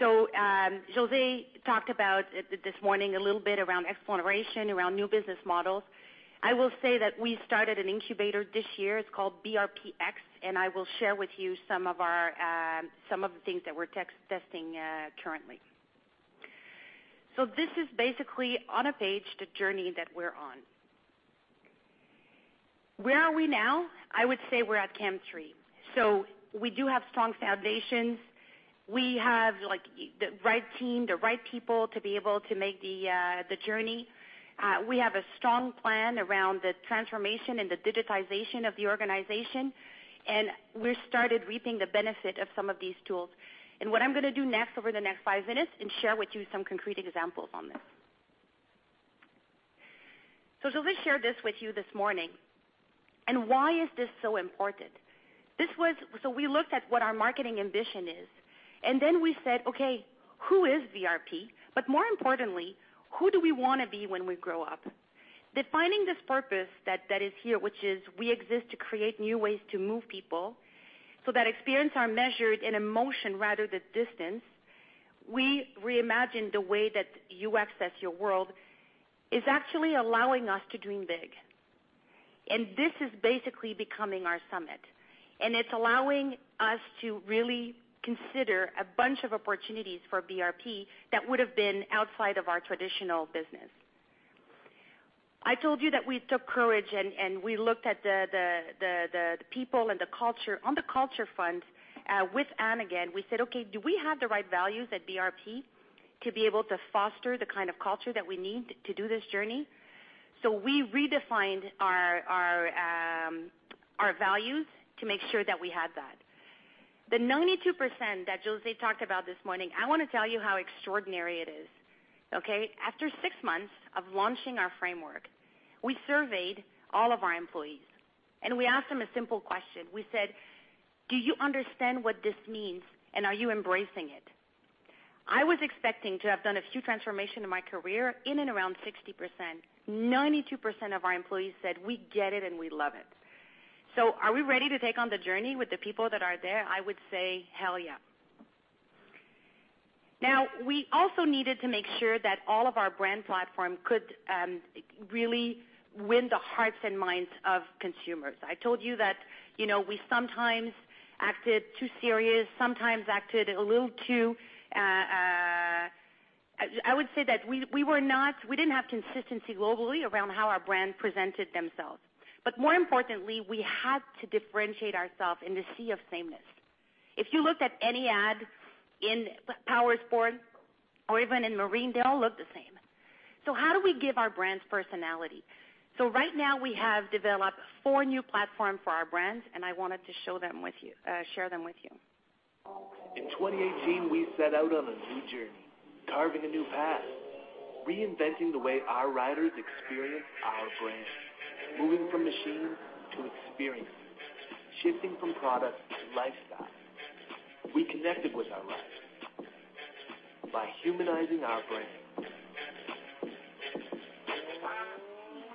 José talked about this morning a little bit around exploration, around new business models. I will say that we started an incubator this year. It's called BRP-X, and I will share with you some of the things that we're testing currently. This is basically on a page, the journey that we're on. Where are we now? I would say we're at camp 3. We do have strong foundations. We have the right team, the right people to be able to make the journey. We have a strong plan around the transformation and the digitization of the organization, and we started reaping the benefit of some of these tools. What I'm going to do next over the next five minutes and share with you some concrete examples on this. José shared this with you this morning. Why is this so important? We looked at what our marketing ambition is, and then we said, "Okay, who is BRP? But more importantly, who do we want to be when we grow up?" Defining this purpose that is here, which is we exist to create new ways to move people, so that experience are measured in emotion rather than distance. We reimagine the way that you access your world is actually allowing us to dream big. This is basically becoming our summit. It's allowing us to really consider a bunch of opportunities for BRP that would've been outside of our traditional business. I told you that we took courage and we looked at the people and the culture. On the culture front, with Anne again, we said, "Okay, do we have the right values at BRP to be able to foster the kind of culture that we need to do this journey?" We redefined our values to make sure that we had that. The 92% that José talked about this morning, I want to tell you how extraordinary it is. Okay. After six months of launching our framework, we surveyed all of our employees, and we asked them a simple question. We said, "Do you understand what this means, and are you embracing it?" I was expecting to have done a few transformation in my career in and around 60%. 92% of our employees said, "We get it and we love it." Are we ready to take on the journey with the people that are there? I would say hell yeah. We also needed to make sure that all of our brand platform could really win the hearts and minds of consumers. I told you that we sometimes acted too serious. I would say that we didn't have consistency globally around how our brand presented themselves. More importantly, we had to differentiate ourselves in the sea of sameness. If you looked at any ad in powersports or even in marine, they all look the same. How do we give our brands personality? Right now we have developed four new platforms for our brands, and I wanted to share them with you. In 2018, we set out on a new journey, carving a new path, reinventing the way our riders experience our brand, moving from machine to experiences, shifting from product to lifestyle. We connected with our riders by humanizing our brand.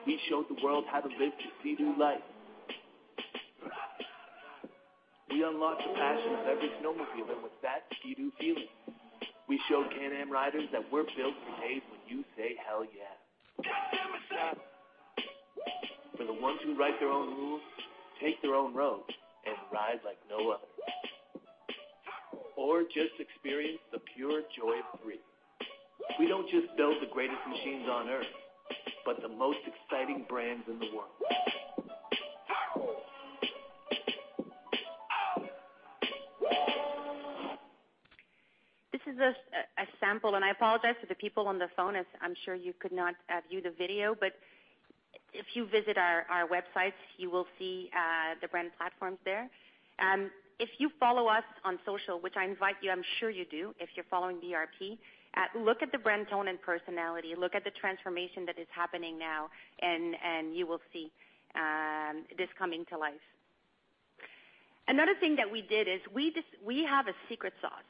We showed the world how to live the Sea-Doo life. We unlocked the passion of every snowmobiler with that Sea-Doo feeling. We showed Can-Am riders that we're built to pave when you say, "Hell, yeah. God damn it, Chuck. For the ones who write their own rules, take their own roads, and ride like no other. Just experience the pure joy of freedom. We don't just build the greatest machines on Earth, but the most exciting brands in the world. This is a sample. I apologize to the people on the phone, as I'm sure you could not view the video. If you visit our websites, you will see the brand platforms there. If you follow us on social, which I invite you, I'm sure you do if you're following BRP, look at the brand tone and personality. Look at the transformation that is happening now. You will see this coming to life. Another thing that we did is we have a secret sauce.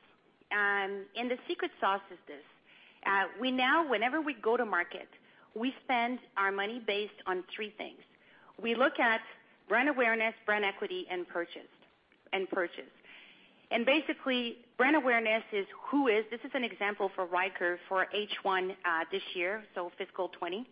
The secret sauce is this. We now, whenever we go to market, we spend our money based on three things. We look at brand awareness, brand equity, and purchase. Basically, brand awareness is who is. This is an example for Ryker for H1 this year, so fiscal 2020.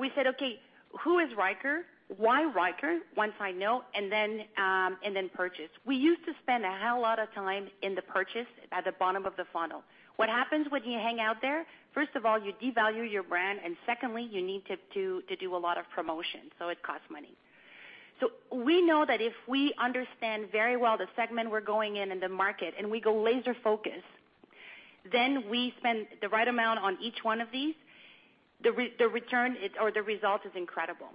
We said, "Okay, who is Ryker? Why Ryker? Want to find out, and then purchase. We used to spend a hell of a lot of time in the purchase at the bottom of the funnel. What happens when you hang out there? First of all, you devalue your brand, and secondly, you need to do a lot of promotion, so it costs money. We know that if we understand very well the segment we're going in in the market, and we go laser focused, then we spend the right amount on each one of these, the return or the result is incredible.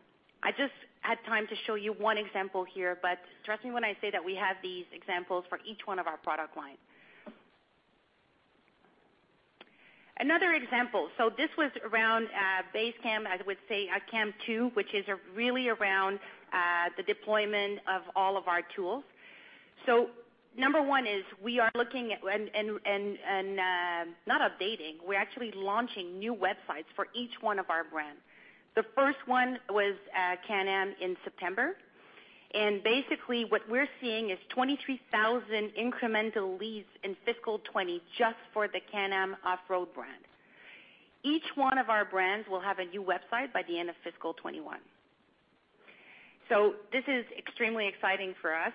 I just had time to show you one example here, but trust me when I say that we have these examples for each one of our product lines. Another example. This was around base camp, I would say, camp 2, which is really around the deployment of all of our tools. Number one is we are looking and not updating. We're actually launching new websites for each one of our brands. The first one was Can-Am in September. Basically, what we're seeing is 23,000 incremental leads in fiscal 2020 just for the Can-Am off-road brand. Each one of our brands will have a new website by the end of fiscal 2021. This is extremely exciting for us.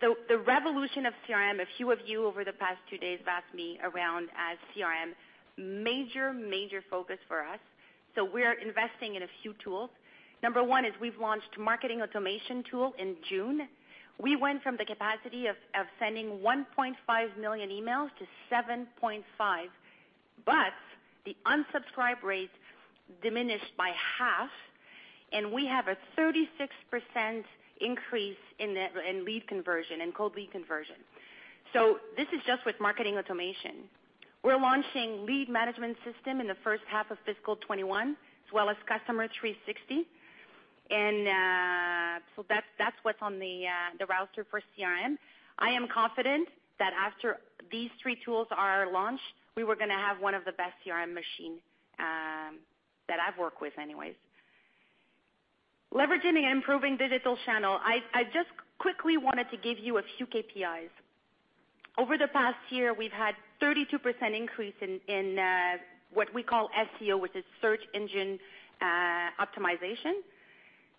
The revolution of CRM, a few of you over the past two days have asked me around as CRM, major focus for us. We're investing in a few tools. Number one is we've launched a marketing automation tool in June. We went from the capacity of sending 1.5 million emails to 7.5, but the unsubscribe rate diminished by half, and we have a 36% increase in lead conversion, in cold lead conversion. This is just with marketing automation. We're launching a lead management system in the first half of fiscal 2021, as well as Customer 360. That's what's on the roster for CRM. I am confident that after these three tools are launched, we are going to have one of the best CRM machine that I've worked with anyways. Leveraging and improving digital channel. I just quickly wanted to give you a few KPIs. Over the past year, we've had a 32% increase in what we call SEO, which is search engine optimization.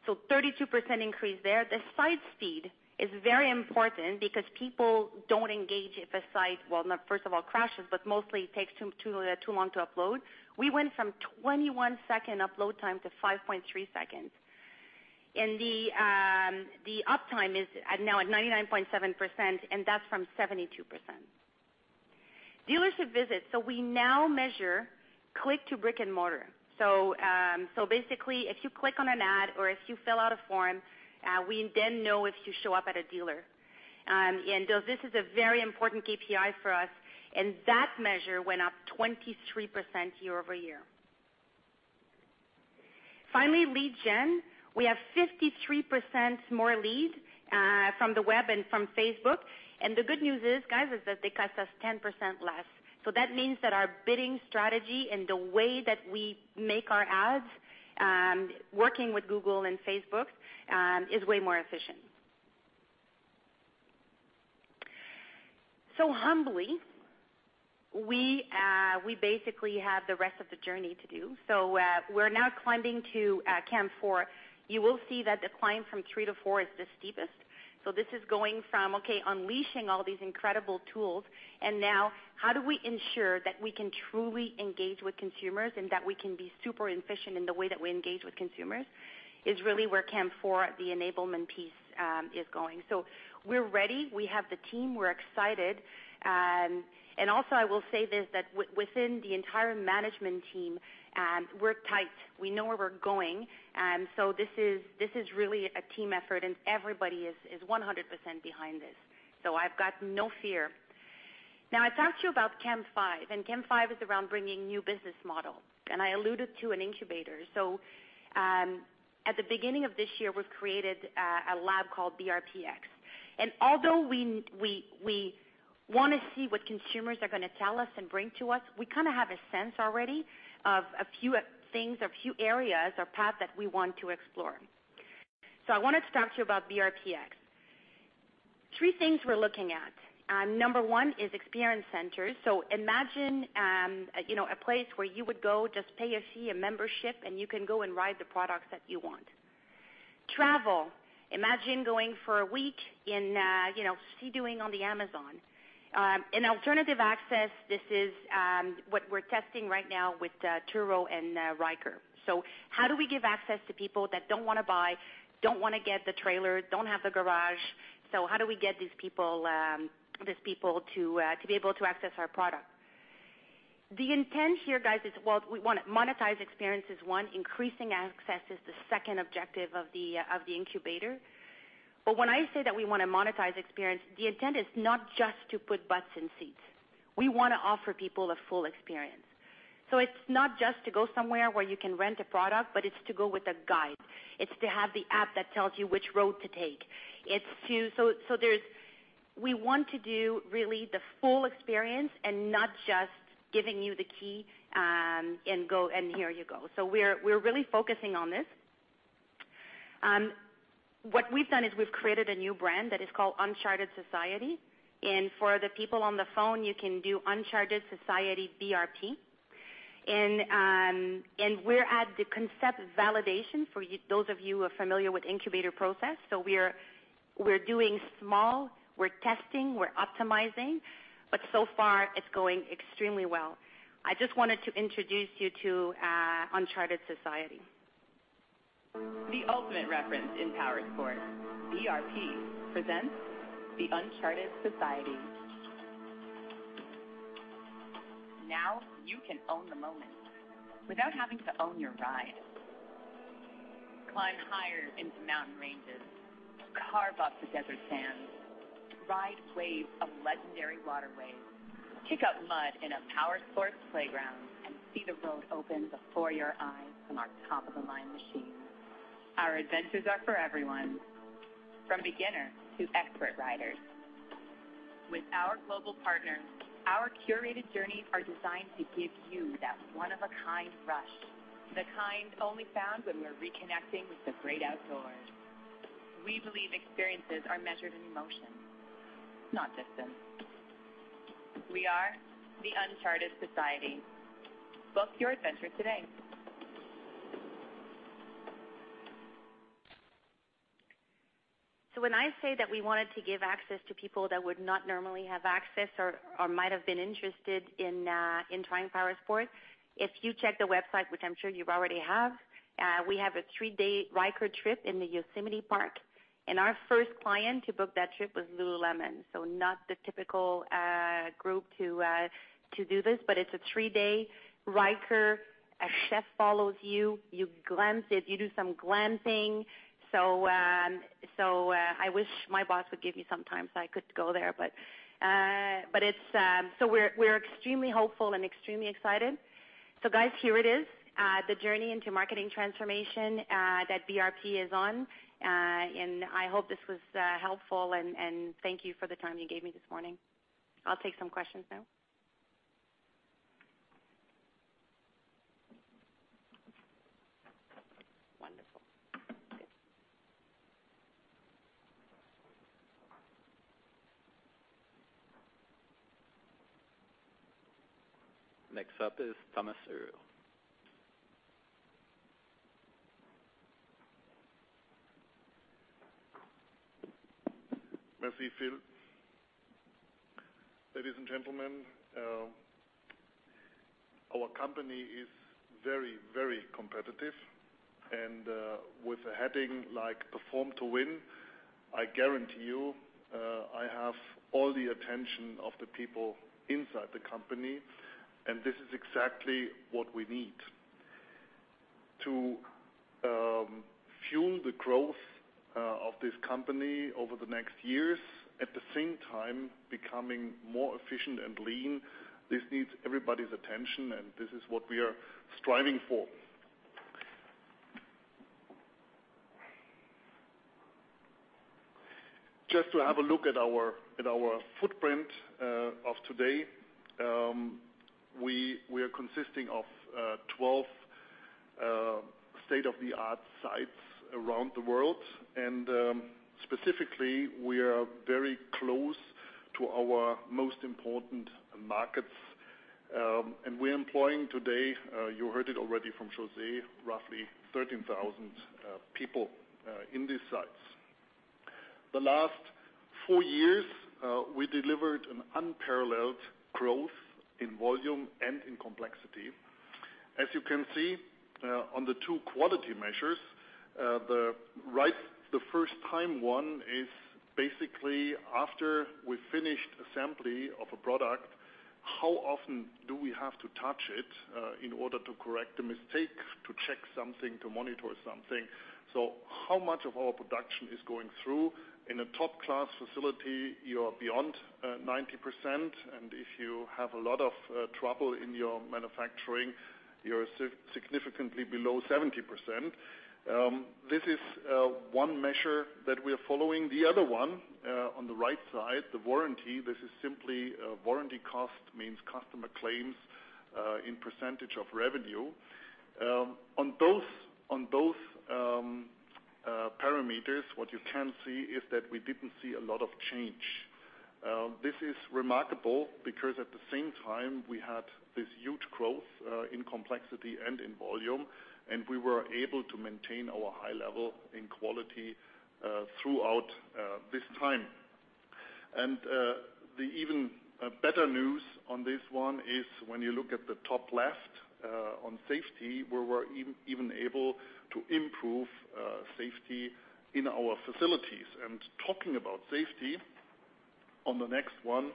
32% increase there. The site speed is very important because people don't engage if a site, well, first of all crashes, but mostly takes too long to upload. We went from 21-second upload time to 5.3 seconds. The uptime is now at 99.7%, and that's from 72%. Dealership visits. We now measure click to brick and mortar. Basically, if you click on an ad or if you fill out a form, we then know if you show up at a dealer. This is a very important KPI for us, and that measure went up 23% year-over-year. Finally, lead gen. We have 53% more leads from the web and from Facebook. The good news is, guys, is that they cost us 10% less. That means that our bidding strategy and the way that we make our ads, working with Google and Facebook, is way more efficient. Humbly, we basically have the rest of the journey to do. We're now climbing to camp 4. You will see that the climb from 3 to 4 is the steepest. This is going from unleashing all these incredible tools, and now, how do we ensure that we can truly engage with consumers and that we can be super efficient in the way that we engage with consumers, is really where camp 4, the enablement piece, is going. We're ready. We have the team, we're excited. Also I will say this, that within the entire management team, we're tight. We know where we're going. This is really a team effort and everybody is 100% behind this. I've got no fear. Now, I talked to you about camp 5, and camp 5 is around bringing new business models, and I alluded to an incubator. At the beginning of this year, we've created a lab called BRP-X. Although we want to see what consumers are going to tell us and bring to us, we kind of have a sense already of a few things, a few areas or paths that we want to explore. I wanted to talk to you about BRP-X. Three things we're looking at. Number 1 is experience centers. Imagine a place where you would go just pay a fee, a membership, and you can go and ride the products that you want. Travel. Imagine going for a week in Sea-Dooing on the Amazon. In alternative access, this is what we're testing right now with Turo and Ryker. How do we give access to people that don't want to buy, don't want to get the trailer, don't have the garage? How do we get these people to be able to access our product? The intent here, guys, is, well, we want to monetize experience is one, increasing access is the second objective of the incubator. When I say that we want to monetize experience, the intent is not just to put butts in seats. We want to offer people a full experience. It's not just to go somewhere where you can rent a product, but it's to go with a guide. It's to have the app that tells you which road to take. We want to do really the full experience and not just giving you the key, and here you go. We're really focusing on this. What we've done is we've created a new brand that is called Uncharted Society. For the people on the phone, you can do Uncharted Society BRP. We're at the concept validation for those of you who are familiar with incubator process. We're doing small, we're testing, we're optimizing, but so far it's going extremely well. I just wanted to introduce you to Uncharted Society. The ultimate reference in powered sport. BRP presents the Uncharted Society. Now you can own the moment without having to own your ride. Climb higher into mountain ranges, carve up the desert sands, ride waves of legendary waterways, kick up mud in a powered sports playground, and see the road open before your eyes on our top-of-the-line machines. Our adventures are for everyone, from beginner to expert riders. With our global partners, our curated journeys are designed to give you that one-of-a-kind rush, the kind only found when we're reconnecting with the great outdoors. We believe experiences are measured in emotion, not distance. We are the Uncharted Society. Book your adventure today. When I say that we wanted to give access to people that would not normally have access or might have been interested in trying powersports, if you check the website, which I'm sure you already have, we have a three-day Ryker trip in the Yosemite Park, and our first client to book that trip was Lululemon. Not the typical group to do this, but it's a three-day Ryker. A chef follows you. You glamp it, you do some glamping. I wish my boss would give me some time so I could go there, but we're extremely hopeful and extremely excited. Guys, here it is, the journey into marketing transformation that BRP is on. I hope this was helpful and thank you for the time you gave me this morning. I'll take some questions now. Wonderful. Next up is Thomas Uhr. Merci, Phil. Ladies and gentlemen, our company is very competitive and, with a heading like Perform to Win, I guarantee you, I have all the attention of the people inside the company and this is exactly what we need to fuel the growth of this company over the next years, at the same time becoming more efficient and lean. This needs everybody's attention and this is what we are striving for. Just to have a look at our footprint of today. We are consisting of 12 state-of-the-art sites around the world and, specifically, we are very close to our most important markets. We're employing today, you heard it already from José, roughly 13,000 people in these sites. The last four years, we delivered an unparalleled growth in volume and in complexity. As you can see on the two quality measures, the right the first time one is basically after we finished assembly of a product, how often do we have to touch it in order to correct a mistake, to check something, to monitor something? How much of our production is going through? In a top-class facility, you are beyond 90%, and if you have a lot of trouble in your manufacturing, you're significantly below 70%. This is one measure that we're following. The other one, on the right side, the warranty. This is simply a warranty cost means customer claims in % of revenue. On both parameters, what you can see is that we didn't see a lot of change. This is remarkable because, at the same time, we had this huge growth in complexity and in volume, and we were able to maintain our high level in quality throughout this time. The even better news on this one is when you look at the top left, on safety, we were even able to improve safety in our facilities. Talking about safety, on the next one,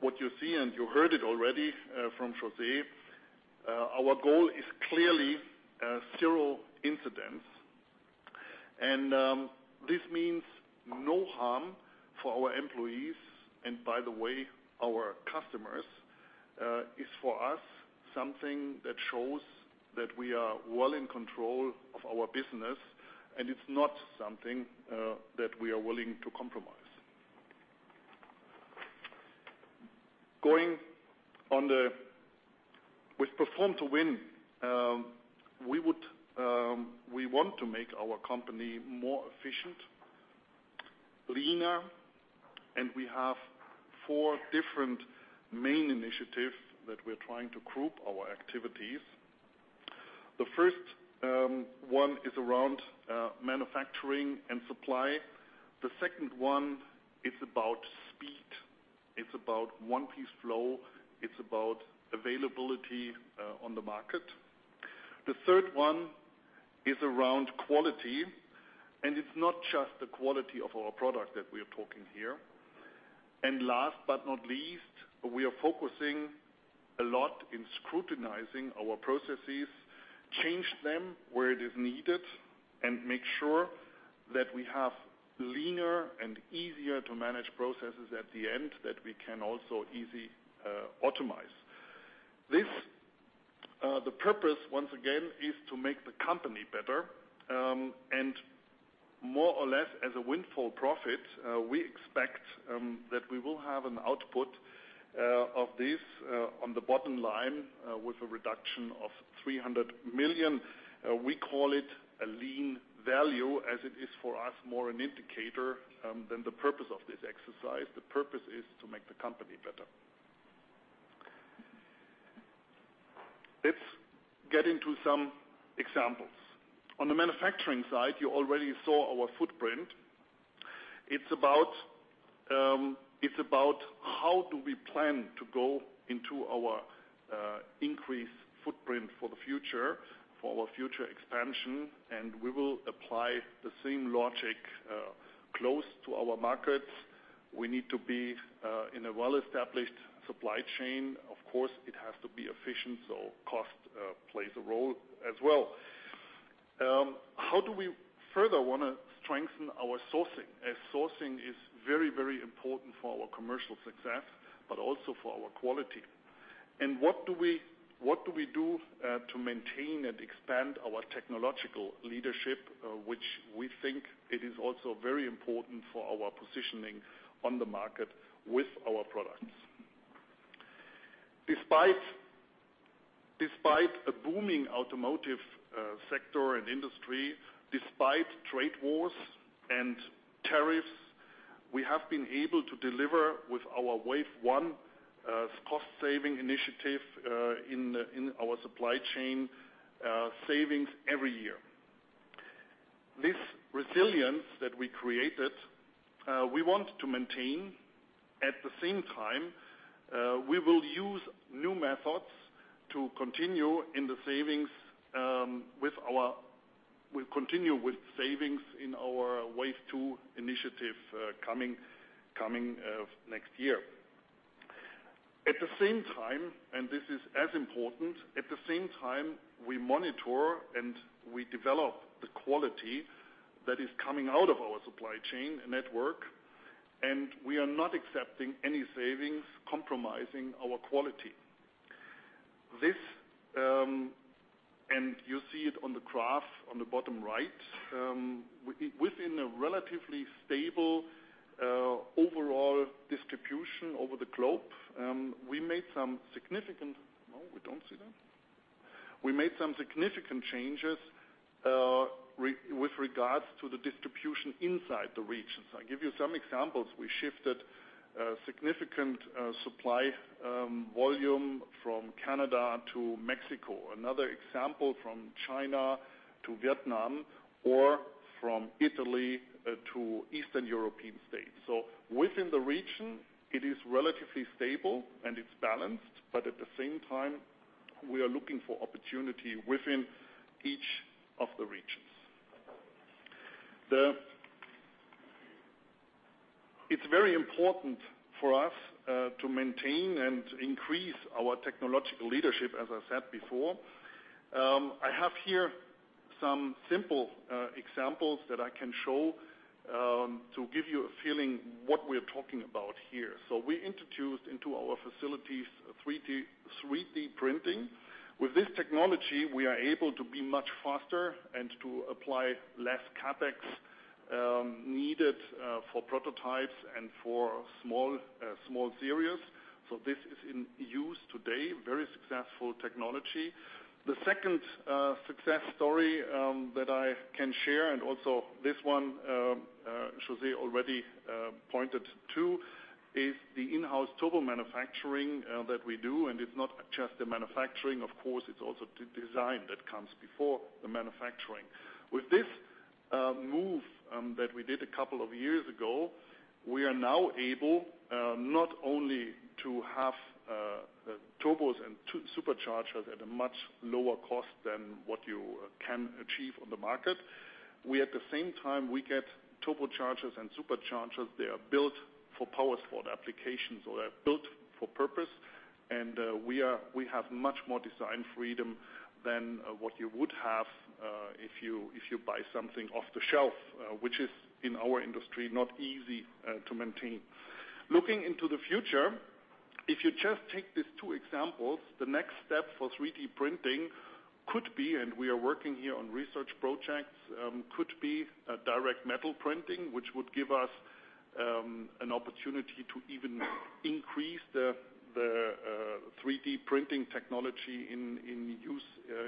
what you see, and you heard it already from José, our goal is clearly zero incidents. This means no harm for our employees and, by the way, our customers, is for us, something that shows that we are well in control of our business and it's not something that we are willing to compromise. With Perform to Win, we want to make our company more efficient, leaner, and we have four different main initiatives that we're trying to group our activities. The first one is around manufacturing and supply. The second one is about speed. It's about one-piece flow, it's about availability on the market. The third one is around quality, and it's not just the quality of our product that we're talking here. Last but not least, we are focusing a lot in scrutinizing our processes, change them where it is needed, and make sure that we have leaner and easier to manage processes at the end that we can also easily optimize. The purpose, once again, is to make the company better, and more or less as a windfall profit, we expect that we will have an output of this on the bottom line with a reduction of 300 million. We call it a lean value, as it is for us, more an indicator than the purpose of this exercise. The purpose is to make the company better. Let's get into some examples. On the manufacturing side, you already saw our footprint. It's about how do we plan to go into our increased footprint for our future expansion, and we will apply the same logic, close to our markets. We need to be in a well-established supply chain. Of course, it has to be efficient, so cost plays a role as well. How do we further want to strengthen our sourcing, as sourcing is very important for our commercial success, but also for our quality? What do we do to maintain and expand our technological leadership, which we think it is also very important for our positioning on the market with our products. Despite a booming automotive sector and industry, despite trade wars and tariffs, we have been able to deliver with our Wave One cost-saving initiative in our supply chain, savings every year. This resilience that we created, we want to maintain. At the same time, we will use new methods to continue with savings in our Wave Two initiative coming next year. At the same time, and this is as important, at the same time, we monitor and we develop the quality that is coming out of our supply chain network. We are not accepting any savings compromising our quality. You see it on the graph on the bottom right. Within a relatively stable overall distribution over the globe, we made some significant changes with regards to the distribution inside the regions. No, we don't see that? I give you some examples. We shifted a significant supply volume from Canada to Mexico. Another example, from China to Vietnam or from Italy to Eastern European states. Within the region, it is relatively stable and it's balanced, but at the same time, we are looking for opportunity within each of the regions. It's very important for us to maintain and increase our technological leadership, as I said before. I have here some simple examples that I can show to give you a feeling what we're talking about here. We introduced into our facilities 3D printing. With this technology, we are able to be much faster and to apply less CapEx needed for prototypes and for small series. This is in use today, very successful technology. The second success story that I can share, and also this one, José already pointed to, is the in-house turbo manufacturing that we do. It's not just the manufacturing, of course, it's also the design that comes before the manufacturing. With this move that we did a couple of years ago, we are now able not only to have turbos and superchargers at a much lower cost than what you can achieve on the market. We at the same time, we get turbochargers and superchargers, they are built for powersport applications. They are built for purpose, and we have much more design freedom than what you would have if you buy something off the shelf, which is, in our industry, not easy to maintain. Looking into the future, if you just take these two examples, the next step for 3D printing could be, and we are working here on research projects, could be direct metal printing, which would give us an opportunity to even increase the 3D printing technology in use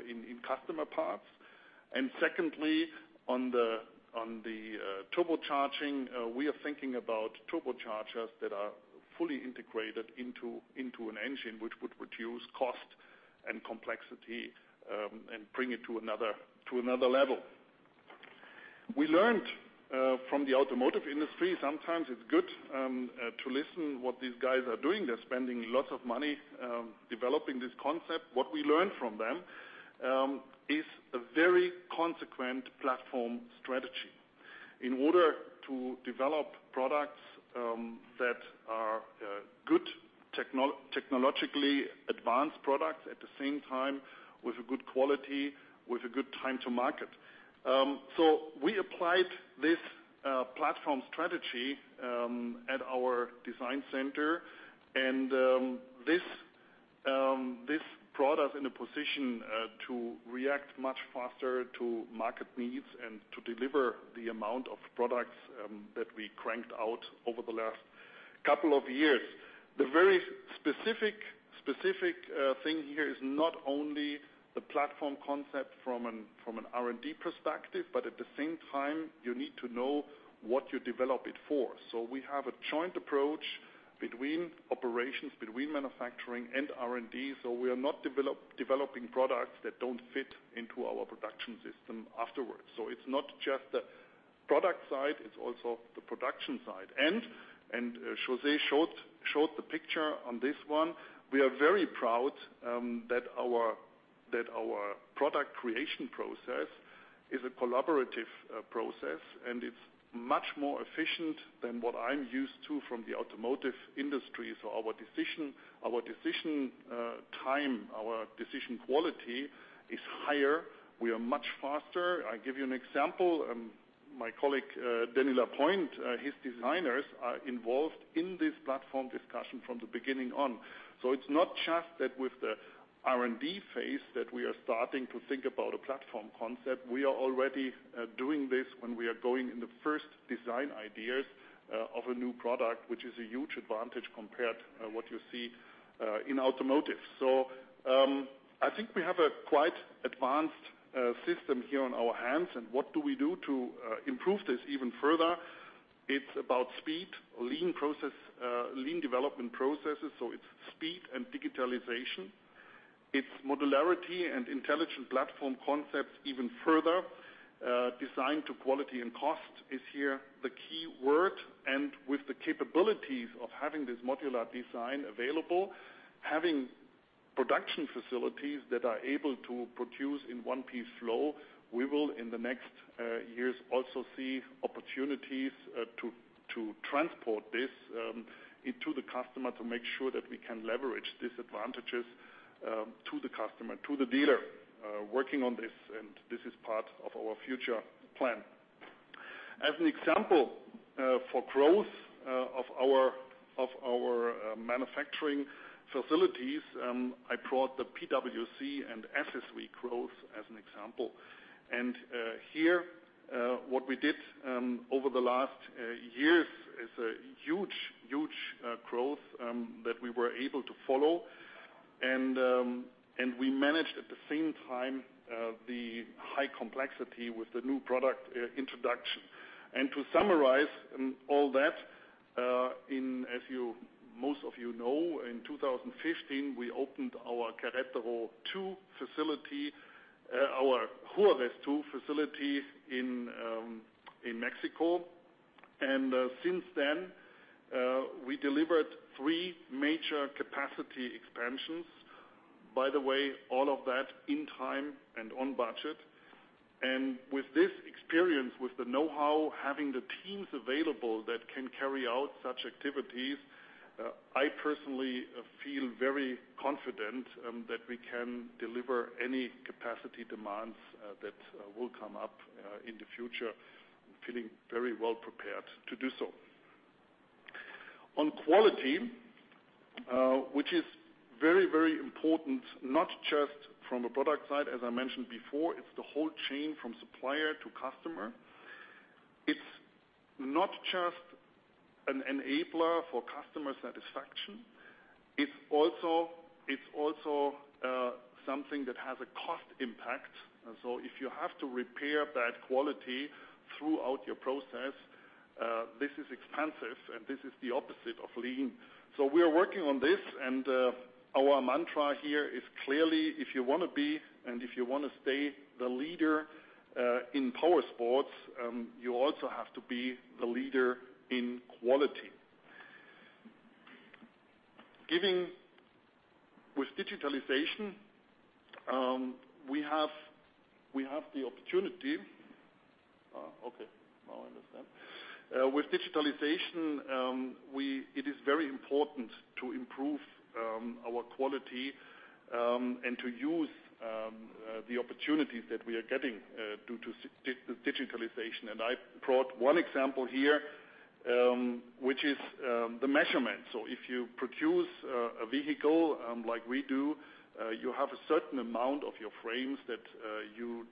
in customer parts. Secondly, on the turbocharging, we are thinking about turbochargers that are fully integrated into an engine, which would reduce cost and complexity, and bring it to another level. We learned from the automotive industry, sometimes it's good to listen what these guys are doing. They're spending lots of money developing this concept. What we learned from them is a very consequent platform strategy. In order to develop products that are good technologically advanced products, at the same time, with a good quality, with a good time to market. We applied this platform strategy at our design center, and this brought us in a position to react much faster to market needs and to deliver the amount of products that we cranked out over the last couple of years. The very specific thing here is not only the platform concept from an R&D perspective, but at the same time, you need to know what you develop it for. We have a joint approach between operations, between manufacturing and R&D. We are not developing products that don't fit into our production system afterwards. It's not just the product side, it's also the production side. José showed the picture on this one. We are very proud that our product creation process is a collaborative process, and it's much more efficient than what I'm used to from the automotive industry. Our decision time, our decision quality is higher. We are much faster. I give you an example. My colleague, Denys Lapointe, his designers are involved in this platform discussion from the beginning on. It's not just that with the R&D phase that we are starting to think about a platform concept. We are already doing this when we are going in the first design ideas of a new product, which is a huge advantage compared what you see in automotive. I think we have a quite advanced system here on our hands. What do we do to improve this even further? It's about speed, lean development processes. It's speed and digitalization. It's modularity and intelligent platform concepts even further. Design to quality and cost is here the key word. With the capabilities of having this modular design available, having production facilities that are able to produce in one-piece flow, we will in the next years also see opportunities to transport this into the customer to make sure that we can leverage these advantages to the customer, to the dealer working on this, and this is part of our future plan. As an example for growth of our manufacturing facilities, I brought the PWC and [FSE] growth as an example. Here, what we did over the last years is a huge growth that we were able to follow. We managed, at the same time, the high complexity with the new product introduction. To summarize all that, as most of you know, in 2015 we opened our Querétaro 2 facility, our Juarez 2 facility in Mexico. Since then, we delivered three major capacity expansions. By the way, all of that in time and on budget. With this experience, with the knowhow, having the teams available that can carry out such activities, I personally feel very confident that we can deliver any capacity demands that will come up in the future. I'm feeling very well prepared to do so. On quality, which is very important, not just from a product side, as I mentioned before. It's the whole chain from supplier to customer. It's not just an enabler for customer satisfaction. It's also something that has a cost impact. If you have to repair bad quality throughout your process, this is expensive and this is the opposite of lean. We are working on this, and our mantra here is clearly, if you want to be and if you want to stay the leader in powersports, you also have to be the leader in quality. Okay, now I understand. With digitalization, it is very important to improve our quality, and to use the opportunities that we are getting due to digitalization. I brought one example here, which is the measurement. If you produce a vehicle, like we do, you have a certain amount of your frames that you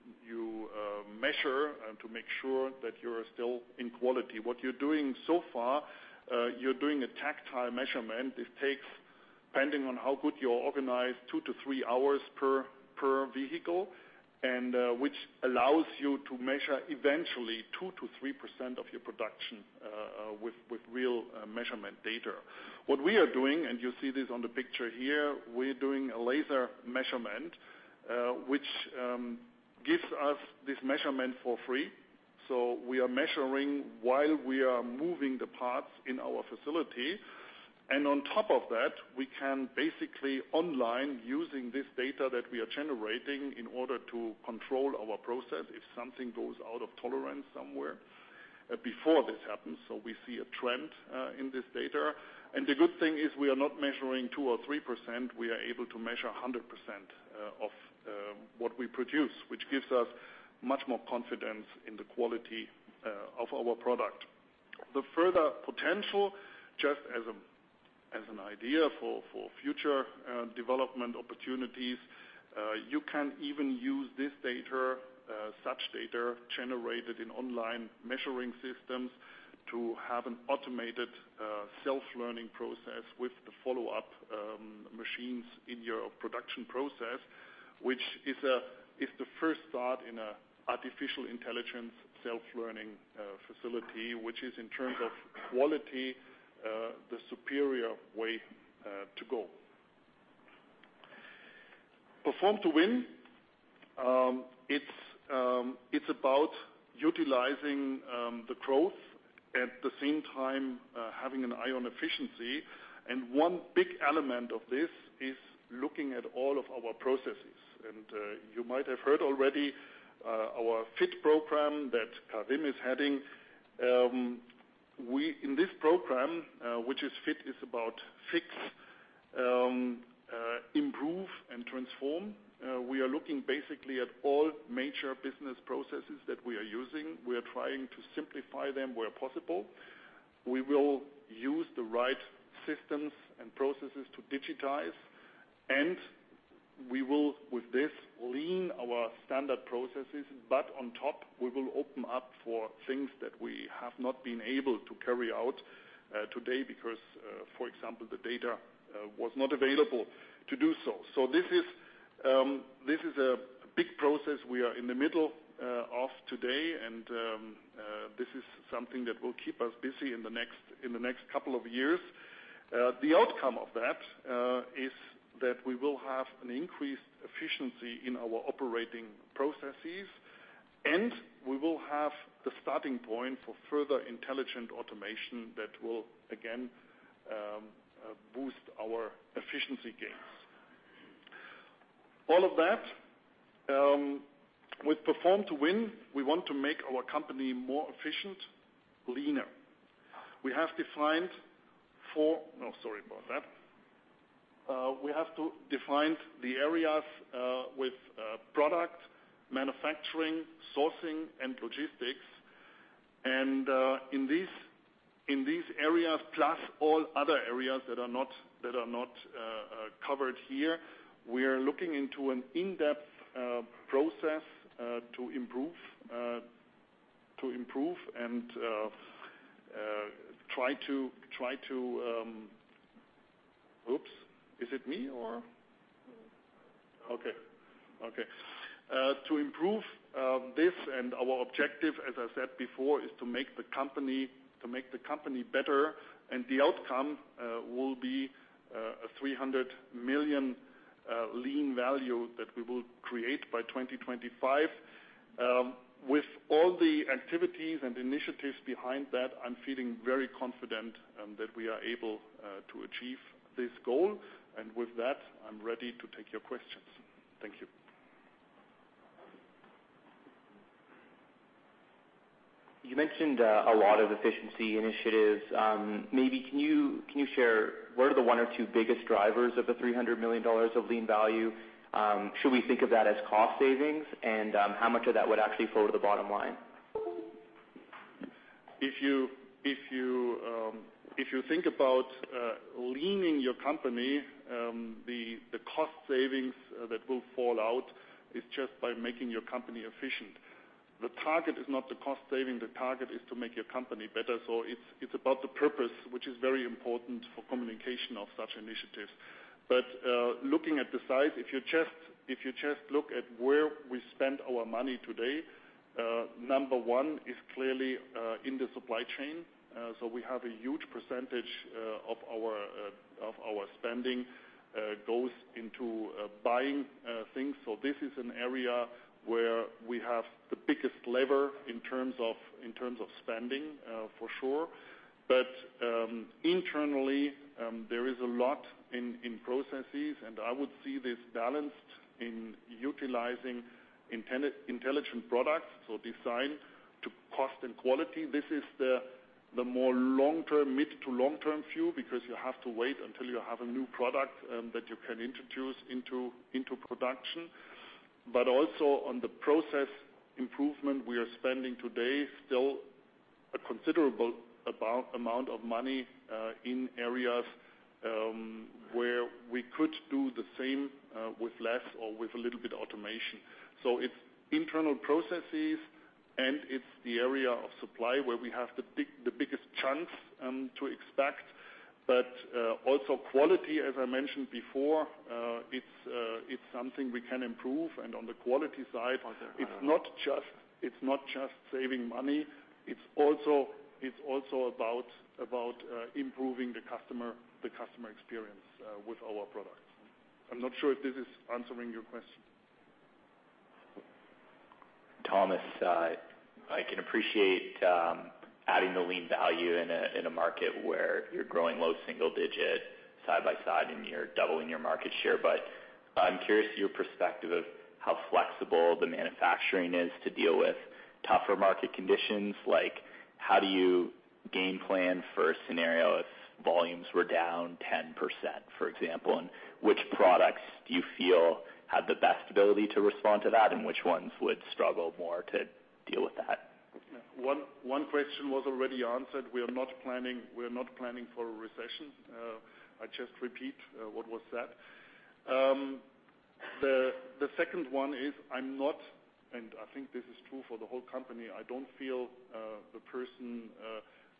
measure to make sure that you're still in quality. What you're doing so far, you're doing a tactile measurement. It takes, depending on how good you organize, two to three hours per vehicle. Which allows you to measure eventually 2%-3% of your production with real measurement data. What we are doing, and you see this on the picture here, we are doing a laser measurement, which gives us this measurement for free. We are measuring while we are moving the parts in our facility. On top of that, we can basically online, using this data that we are generating in order to control our process if something goes out of tolerance somewhere before this happens. We see a trend in this data. The good thing is, we are not measuring 2% or 3%, we are able to measure 100% of what we produce, which gives us much more confidence in the quality of our product. The further potential, just as an idea for future development opportunities, you can even use this data, such data generated in online measuring systems, to have an automated self-learning process with the follow-up machines in your production process. Which is the first start in an artificial intelligence self-learning facility, which is, in terms of quality, the superior way to go. Perform to Win, it's about utilizing the growth, at the same time, having an eye on efficiency. One big element of this is looking at all of our processes. You might have heard already, our FIT program that Karim is heading. In this program, which is FIT, is about fix, improve and transform. We are looking basically at all major business processes that we are using. We are trying to simplify them where possible. We will use the right systems and processes to digitize, and we will, with this, lean our standard processes. On top, we will open up for things that we have not been able to carry out today because, for example, the data was not available to do so. This is a big process we are in the middle of today, and this is something that will keep us busy in the next couple of years. The outcome of that is that we will have an increased efficiency in our operating processes, and we will have the starting point for further intelligent automation that will again boost our efficiency gains. All of that, with Perform to Win, we want to make our company more efficient, leaner. We have to define the areas with product manufacturing, sourcing, and logistics. In these areas, plus all other areas that are not covered here, we are looking into an in-depth process to improve this. Our objective, as I said before, is to make the company better. The outcome will be a 300 million lean value that we will create by 2025. With all the activities and initiatives behind that, I'm feeling very confident that we are able to achieve this goal. With that, I'm ready to take your questions. Thank you. You mentioned a lot of efficiency initiatives. Maybe can you share what are the one or two biggest drivers of the 300 million dollars of lean value? Should we think of that as cost savings? How much of that would actually flow to the bottom line? If you think about leaning your company, the cost savings that will fall out is just by making your company efficient. The target is not the cost saving, the target is to make your company better. It's about the purpose, which is very important for communication of such initiatives. Looking at the size, if you just look at where we spend our money today, number one is clearly in the supply chain. We have a huge percentage of our spending goes into buying things. This is an area where we have the biggest lever in terms of spending, for sure. Internally, there is a lot in processes, and I would see this balanced in utilizing intelligent products. Designed to cost and quality. This is the more mid to long-term view, because you have to wait until you have a new product that you can introduce into production. Also on the process improvement we are spending today, still a considerable amount of money, in areas where we could do the same with less or with a little bit automation. It's internal processes and it's the area of supply where we have the biggest chance to expand. Also quality, as I mentioned before, it's something we can improve, and on the quality side, it's not just saving money, it's also about improving the Customer Experience with our products. I'm not sure if this is answering your question. Thomas, I can appreciate adding the lean value in a market where you're growing low single digit side by side, and you're doubling your market share. I'm curious to your perspective of how flexible the manufacturing is to deal with tougher market conditions. Like how do you game plan for a scenario if volumes were down 10%, for example? Which products do you feel have the best ability to respond to that, and which ones would struggle more to deal with that? One question was already answered. We are not planning for a recession. I just repeat what was said. The second one is, I'm not, and I think this is true for the whole company, I don't feel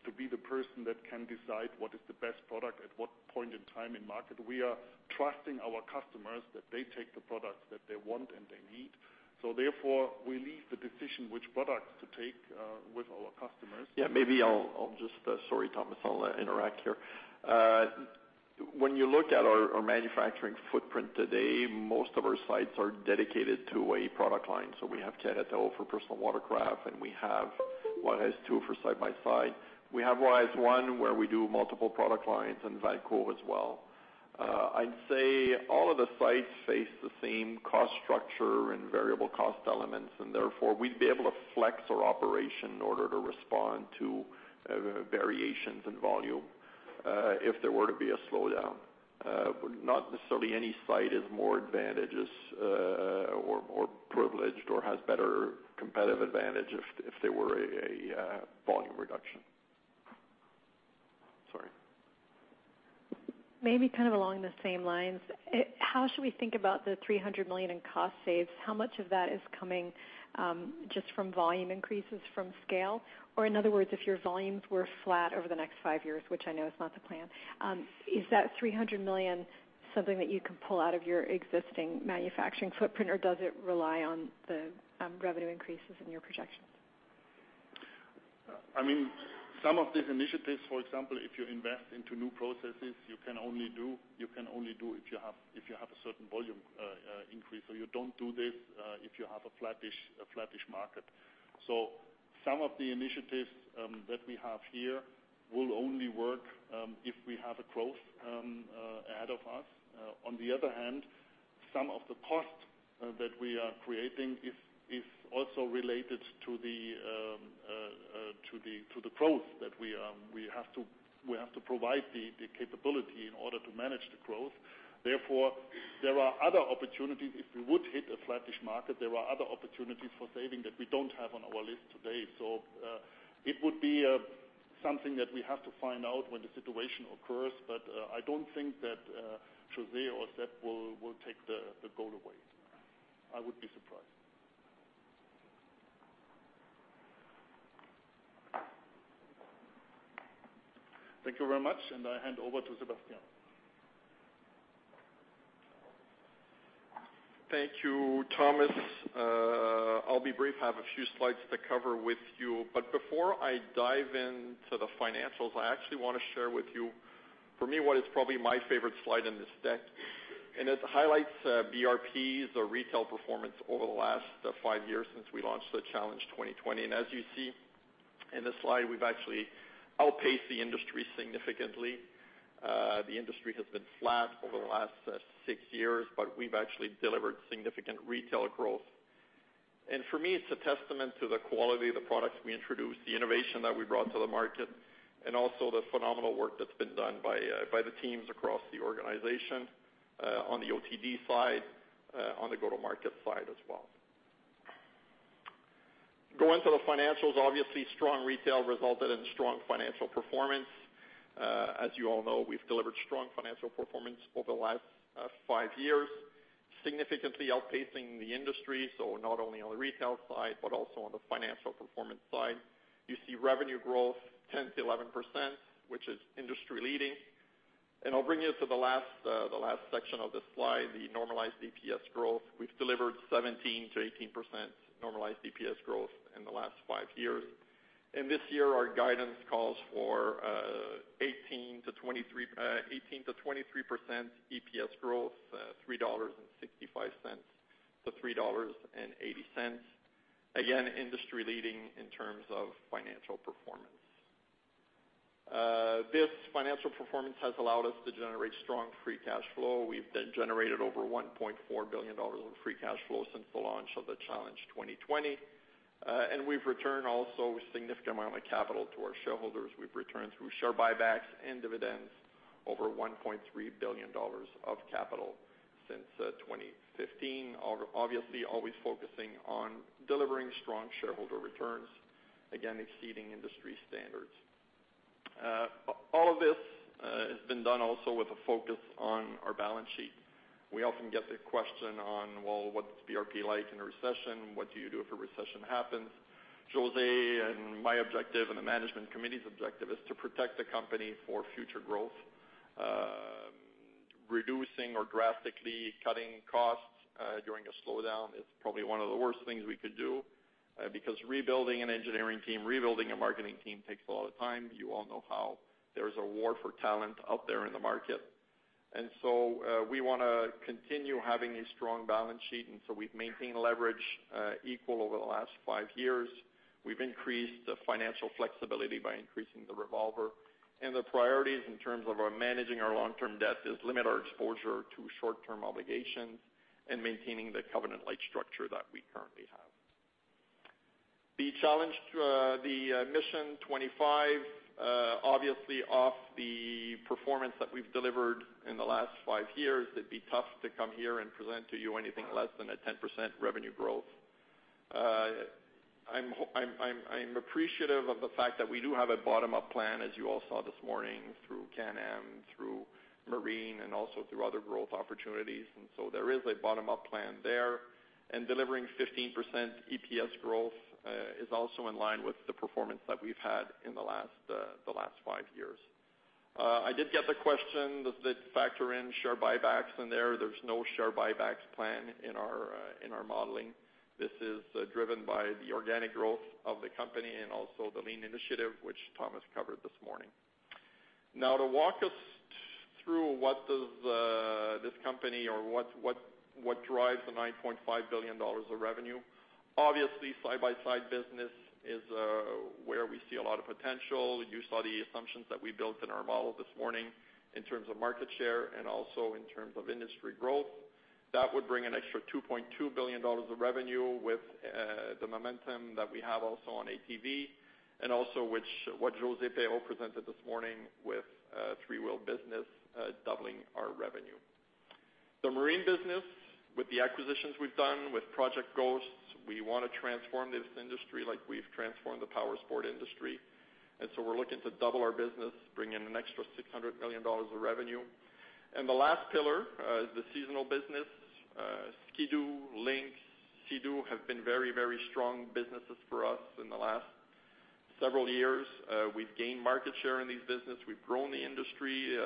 to be the person that can decide what is the best product at what point in time in market. We are trusting our customers that they take the products that they want and they need. Therefore, we leave the decision which products to take with our customers. Yeah, maybe I'll Sorry, Thomas, I'll interact here. When you look at our manufacturing footprint today, most of our sites are dedicated to a product line. We have Querétaro for personal watercraft, and we have Juarez 2 for side by side. We have Juarez 1 where we do multiple product lines and Valcourt as well. I'd say all of the sites face the same cost structure and variable cost elements, and therefore, we'd be able to flex our operation in order to respond to variations in volume, if there were to be a slowdown. Not necessarily any site is more advantaged or privileged or has better competitive advantage if there were a volume reduction. Sorry. Maybe kind of along the same lines. How should we think about the 300 million in cost saves? How much of that is coming just from volume increases from scale? In other words, if your volumes were flat over the next five years, which I know is not the plan, is that 300 million something that you can pull out of your existing manufacturing footprint, or does it rely on the revenue increases in your projections? Some of these initiatives, for example, if you invest into new processes, you can only do if you have a certain volume increase. You don't do this, if you have a flattish market. Some of the initiatives that we have here will only work if we have a growth ahead of us. On the other hand, some of the cost that we are creating is also related to the growth that we have to provide the capability in order to manage the growth. There are other opportunities if we would hit a flattish market. There are other opportunities for saving that we don't have on our list today. It would be something that we have to find out when the situation occurs, but I don't think that José or Sébastien will take the goal away. I would be surprised. Thank you very much, and I hand over to Sébastien. Thank you, Thomas. I'll be brief. I have a few slides to cover with you, but before I dive into the financials, I actually want to share with you, for me, what is probably my favorite slide in this deck. It highlights BRP's retail performance over the last five years since we launched the Challenge 2020. As you see in this slide, we've actually outpaced the industry significantly. The industry has been flat over the last six years, but we've actually delivered significant retail growth. For me, it's a testament to the quality of the products we introduced, the innovation that we brought to the market, and also the phenomenal work that's been done by the teams across the organization, on the OTD side, on the go-to-market side as well. Going to the financials, obviously, strong retail resulted in strong financial performance. As you all know, we've delivered strong financial performance over the last five years, significantly outpacing the industry. Not only on the retail side, but also on the financial performance side. You see revenue growth 10%-11%, which is industry-leading. I'll bring you to the last section of the slide, the normalized EPS growth. We've delivered 17%-18% normalized EPS growth in the last five years. This year, our guidance calls for 18%-23% EPS growth, 3.65-3.80 dollars. Again, industry-leading in terms of financial performance. This financial performance has allowed us to generate strong free cash flow. We've generated over 1.4 billion dollars of free cash flow since the launch of the Challenge 2020. We've returned also a significant amount of capital to our shareholders. We've returned through share buybacks and dividends over 1.3 billion dollars of capital since 2015. Obviously, always focusing on delivering strong shareholder returns, again, exceeding industry standards. All of this has been done also with a focus on our balance sheet. We often get the question on, "Well, what's BRP like in a recession? What do you do if a recession happens?" José and my objective and the management committee's objective is to protect the company for future growth. Reducing or drastically cutting costs during a slowdown is probably one of the worst things we could do, because rebuilding an engineering team, rebuilding a marketing team takes a lot of time. You all know how there's a war for talent out there in the market. We want to continue having a strong balance sheet, and so we've maintained leverage equal over the last five years. We've increased the financial flexibility by increasing the revolver. The priorities in terms of our managing our long-term debt is limit our exposure to short-term obligations and maintaining the covenant-like structure that we currently have. Mission 25, obviously off the performance that we've delivered in the last five years, it'd be tough to come here and present to you anything less than a 10% revenue growth. I'm appreciative of the fact that we do have a bottom-up plan, as you all saw this morning through Can-Am, through Marine, and also through other growth opportunities. There is a bottom-up plan there. Delivering 15% EPS growth is also in line with the performance that we've had in the last five years. I did get the question, does it factor in share buybacks in there? There's no share buybacks plan in our modeling. This is driven by the organic growth of the company and also the Lean initiative, which Thomas covered this morning. To walk us through what does this company or what drives the 9.5 billion dollars of revenue. Obviously, side-by-side business is where we see a lot of potential. You saw the assumptions that we built in our model this morning in terms of market share and also in terms of industry growth. That would bring an extra 2.2 billion dollars of revenue with the momentum that we have also on ATV and also what Josée Perreault presented this morning with three-wheel business doubling our revenue. The Marine business with the acquisitions we've done with Project Ghost, we want to transform this industry like we've transformed the powersport industry. So we're looking to double our business, bring in an extra 600 million dollars of revenue. The last pillar is the seasonal business. Ski-Doo, Lynx, Sea-Doo have been very strong businesses for us in the last several years. We've gained market share in these business. We've grown the industry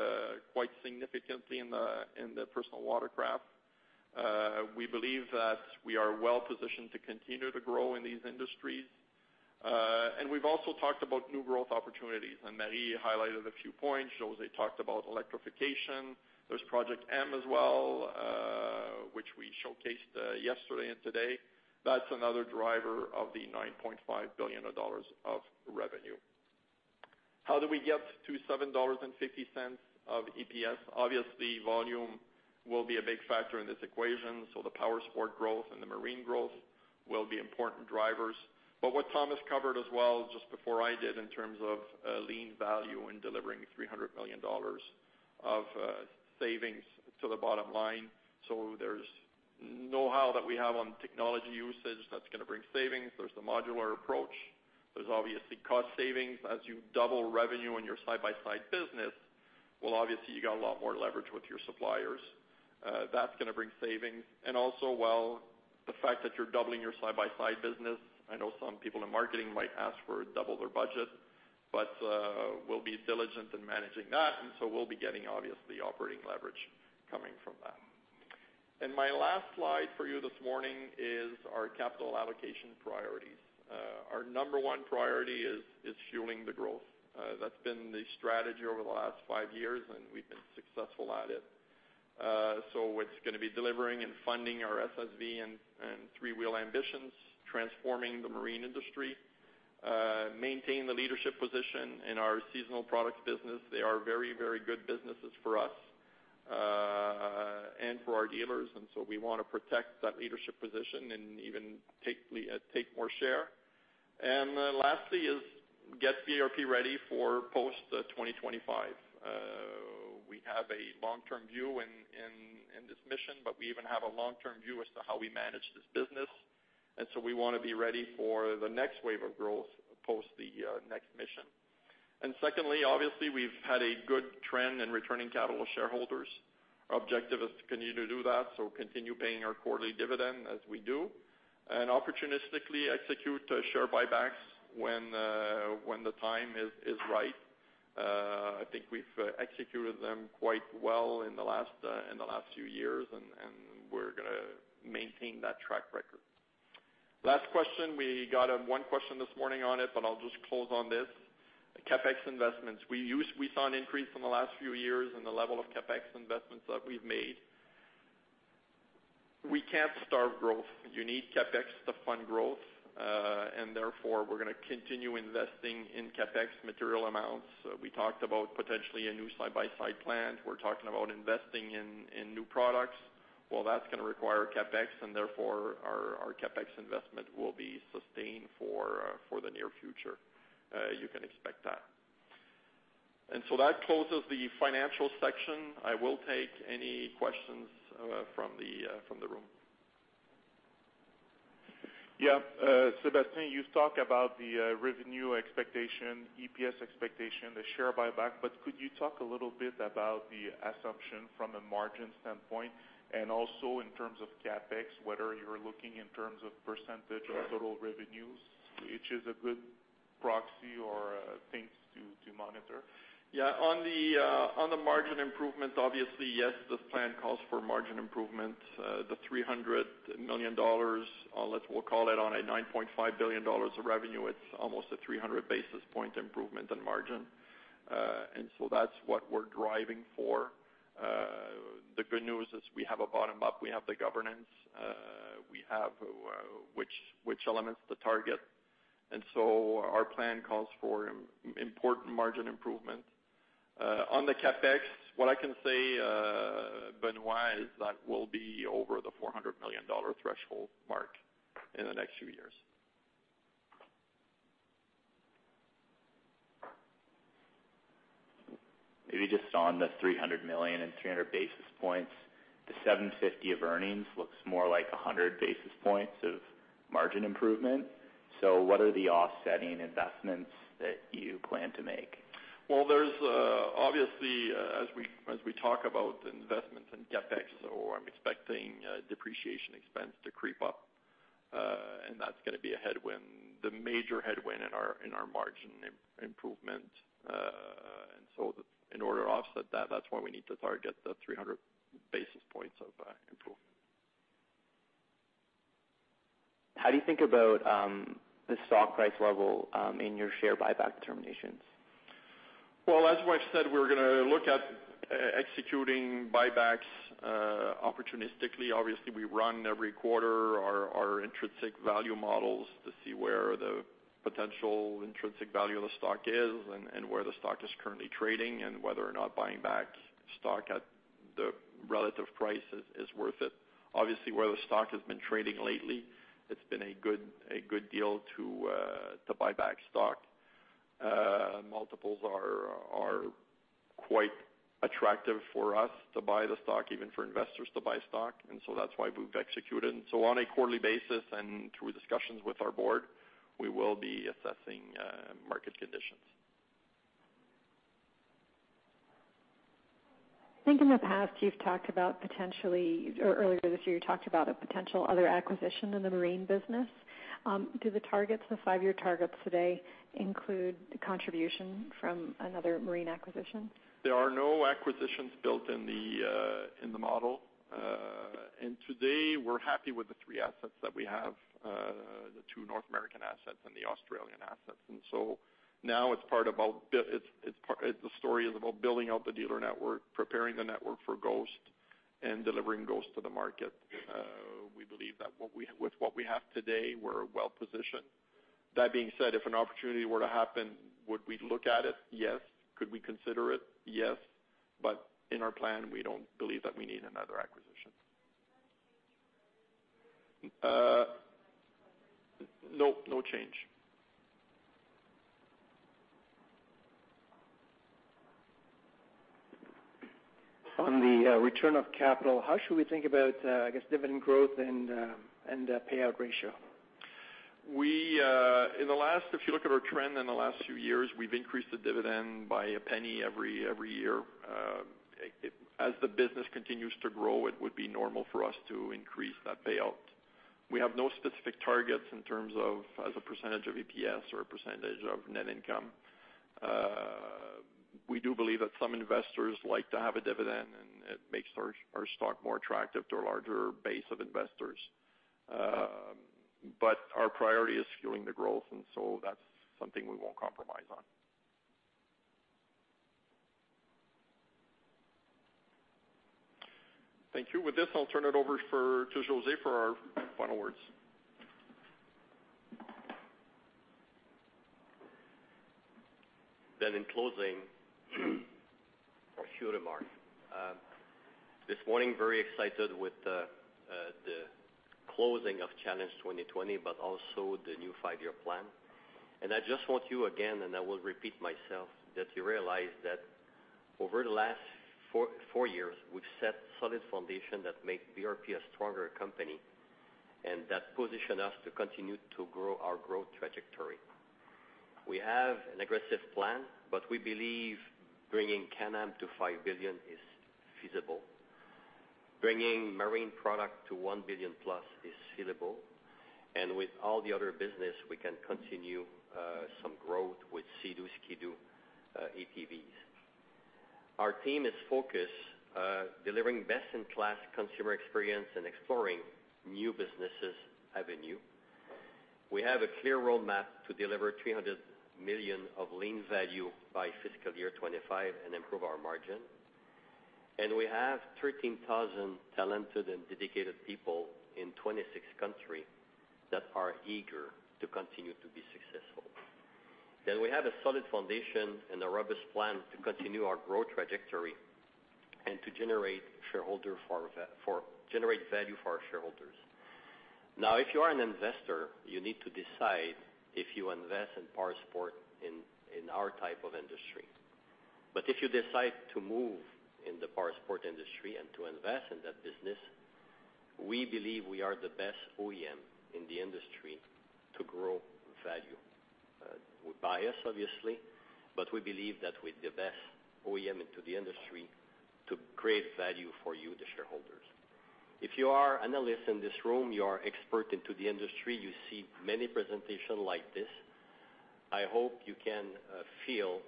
quite significantly in the personal watercraft. We believe that we are well positioned to continue to grow in these industries. We've also talked about new growth opportunities, and Marie highlighted a few points. José talked about electrification. There's Project M as well, which we showcased yesterday and today. That's another driver of the 9.5 billion dollars of revenue. How do we get to 7.50 dollars of EPS? Obviously, volume will be a big factor in this equation, so the powersport growth and the Marine growth will be important drivers. What Thomas covered as well, just before I did, in terms of Lean value in delivering 300 million dollars of savings to the bottom line. There's know-how that we have on technology usage that's going to bring savings. There's the modular approach. There's obviously cost savings as you double revenue in your side-by-side business. Obviously you got a lot more leverage with your suppliers. That's going to bring savings, also while the fact that you're doubling your side-by-side business, I know some people in marketing might ask for double their budget, we'll be diligent in managing that. We'll be getting, obviously, operating leverage coming from that. My last slide for you this morning is our capital allocation priorities. Our number 1 priority is fueling the growth. That's been the strategy over the last five years, we've been successful at it. It's going to be delivering and funding our SSV and 3-wheel ambitions, transforming the marine industry, maintain the leadership position in our seasonal products business. They are very good businesses for us and for our dealers, and so we want to protect that leadership position and even take more share. Lastly is get BRP ready for post-2025. We have a long-term view in this mission, but we even have a long-term view as to how we manage this business. We want to be ready for the next wave of growth post the next mission. Secondly, obviously, we've had a good trend in returning capital to shareholders. Our objective is to continue to do that, so continue paying our quarterly dividend as we do, and opportunistically execute share buybacks when the time is right. I think we've executed them quite well in the last few years, and we're going to maintain that track record. Last question. We got one question this morning on it, but I'll just close on this. CapEx investments. We saw an increase in the last few years in the level of CapEx investments that we've made. We can't starve growth. You need CapEx to fund growth, therefore, we're going to continue investing in CapEx material amounts. We talked about potentially a new side-by-side plant. We're talking about investing in new products. Well, that's going to require CapEx, therefore, our CapEx investment will be sustained for the near future. You can expect that. That closes the financial section. I will take any questions from the room. Sébastien, you talk about the revenue expectation, EPS expectation, the share buyback, could you talk a little bit about the assumption from a margin standpoint and also in terms of CapEx, whether you're looking in terms of % of total revenues, which is a good proxy or things to monitor? On the margin improvement, obviously, yes, this plan calls for margin improvement. The 300 million dollars, we'll call it on a 9.5 billion dollars of revenue, it's almost a 300 basis point improvement in margin. That's what we're driving for. The good news is we have a bottom up. We have the governance. We have which elements to target. Our plan calls for important margin improvement. On the CapEx, what I can say, Benoit, is that we'll be over the 400 million dollar threshold mark in the next few years. Maybe just on the 300 million and 300 basis points, the 7.50 of earnings looks more like 100 basis points of margin improvement. What are the offsetting investments that you plan to make? Well, obviously, as we talk about investments in CapEx, so I'm expecting depreciation expense to creep up, and that's going to be a headwind, the major headwind in our margin improvement. In order to offset that's why we need to target the 300 basis points of improvement. How do you think about the stock price level in your share buyback determinations? Well, as what I've said, we're going to look at executing buybacks opportunistically. Obviously, we run every quarter our intrinsic value models to see where the potential intrinsic value of the stock is and where the stock is currently trading and whether or not buying back stock at the relative price is worth it. Obviously, where the stock has been trading lately, it's been a good deal to buy back stock. Multiples are quite attractive for us to buy the stock, even for investors to buy stock. That's why we've executed. On a quarterly basis and through discussions with our board, we will be assessing market conditions. I think in the past you've talked about, or earlier this year, you talked about a potential other acquisition in the marine business. Do the targets, the five-year targets today, include contribution from another marine acquisition? There are no acquisitions built in the model. To date, we're happy with the three assets that we have, the two North American assets and the Australian assets. Now the story is about building out the dealer network, preparing the network for Ghost, and delivering Ghost to the market. We believe that with what we have today, we're well-positioned. That being said, if an opportunity were to happen, would we look at it? Yes. Could we consider it? Yes. In our plan, we don't believe that we need another acquisition. No change. On the return of capital, how should we think about, I guess, dividend growth and payout ratio? If you look at our trend in the last few years, we've increased the dividend by CAD 0.01 every year. As the business continues to grow, it would be normal for us to increase that payout. We have no specific targets in terms of as a % of EPS or a % of net income. We do believe that some investors like to have a dividend, and it makes our stock more attractive to a larger base of investors. Our priority is fueling the growth, and so that's something we won't compromise on. Thank you. With this, I'll turn it over to José for our final words. In closing or a few remarks. This morning, very excited with the closing of Challenge 2020, but also the new five-year plan. I just want you again, and I will repeat myself, that you realize that over the last four years, we've set solid foundation that make BRP a stronger company, and that position us to continue to grow our growth trajectory. We have an aggressive plan, but we believe bringing Can-Am to 5 billion is feasible. Bringing Marine Product to 1 billion plus is scalable, and with all the other business, we can continue some growth with Sea-Doo, Ski-Doo, ATVs. Our team is focused, delivering best-in-class consumer experience and exploring new businesses avenue. We have a clear roadmap to deliver 300 million of lean value by fiscal year 2025 and improve our margin. We have 13,000 talented and dedicated people in 26 countries that are eager to continue to be successful. We have a solid foundation and a robust plan to continue our growth trajectory and to generate value for our shareholders. If you are an investor, you need to decide if you invest in powersports in our type of industry. If you decide to move in the powersports industry and to invest in that business, we believe we are the best OEM in the industry to grow value. We're biased, obviously, but we believe that we're the best OEM into the industry to create value for you, the shareholders. If you are analysts in this room, you are experts into the industry. You see many presentations like this. I hope you can feel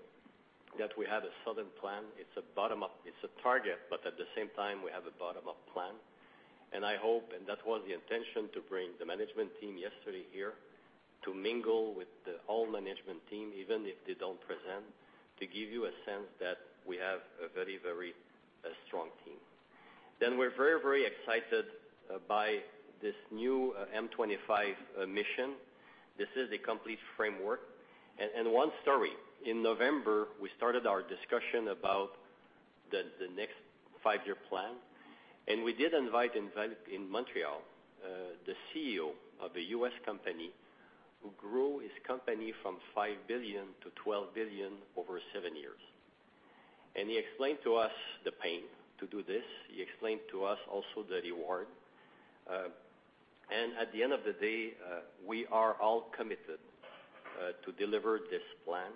that we have a solid plan. It's a target, but at the same time, we have a bottom-up plan. I hope, and that was the intention to bring the management team yesterday here to mingle with the all management team, even if they don't present, to give you a sense that we have a very strong team. We're very excited by this new M25 mission. This is a complete framework. One story. In November, we started our discussion about the next 5-year plan, and we did invite in Montreal, the CEO of a U.S. company who grew his company from 5 billion to 12 billion over 7 years. He explained to us the pain to do this. He explained to us also the reward. At the end of the day, we are all committed to deliver this plan,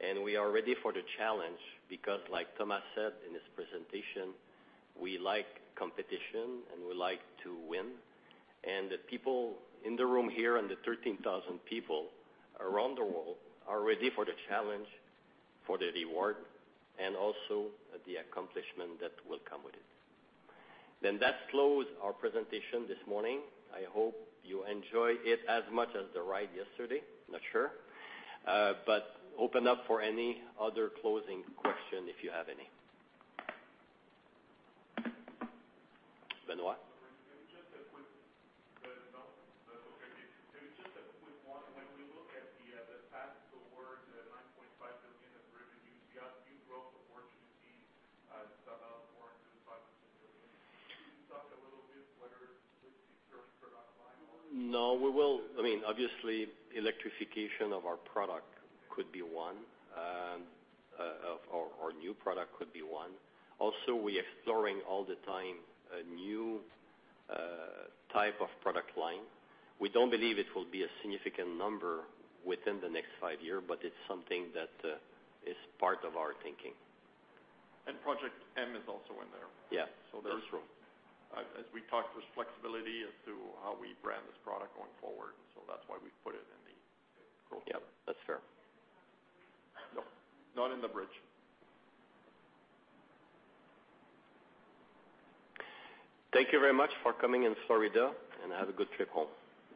and we are ready for the challenge because like Thomas said in his presentation, we like competition and we like to win. The people in the room here and the 13,000 people around the world are ready for the challenge, for the reward, and also the accomplishment that will come with it. That close our presentation this morning. I hope you enjoy it as much as the ride yesterday. Not sure. Open up for any other closing question if you have any. Benoit? Just a quick one. We look at the path toward the CAD 9.5 billion of revenues, you've got new growth opportunities, it's about CAD 400 million to CAD 500 million. Can you talk a little bit whether we see certain product line or? No, we will. Obviously, electrification of our product could be one. Our new product could be one. We exploring all the time a new type of product line. We don't believe it will be a significant number within the next five year, but it's something that is part of our thinking. Project M is also in there. Yeah. That's true. As we talked, there's flexibility as to how we brand this product going forward. That's why we put it in the growth. Yeah, that's fair. No, not in the bridge. Thank you very much for coming in Florida, and have a good trip home.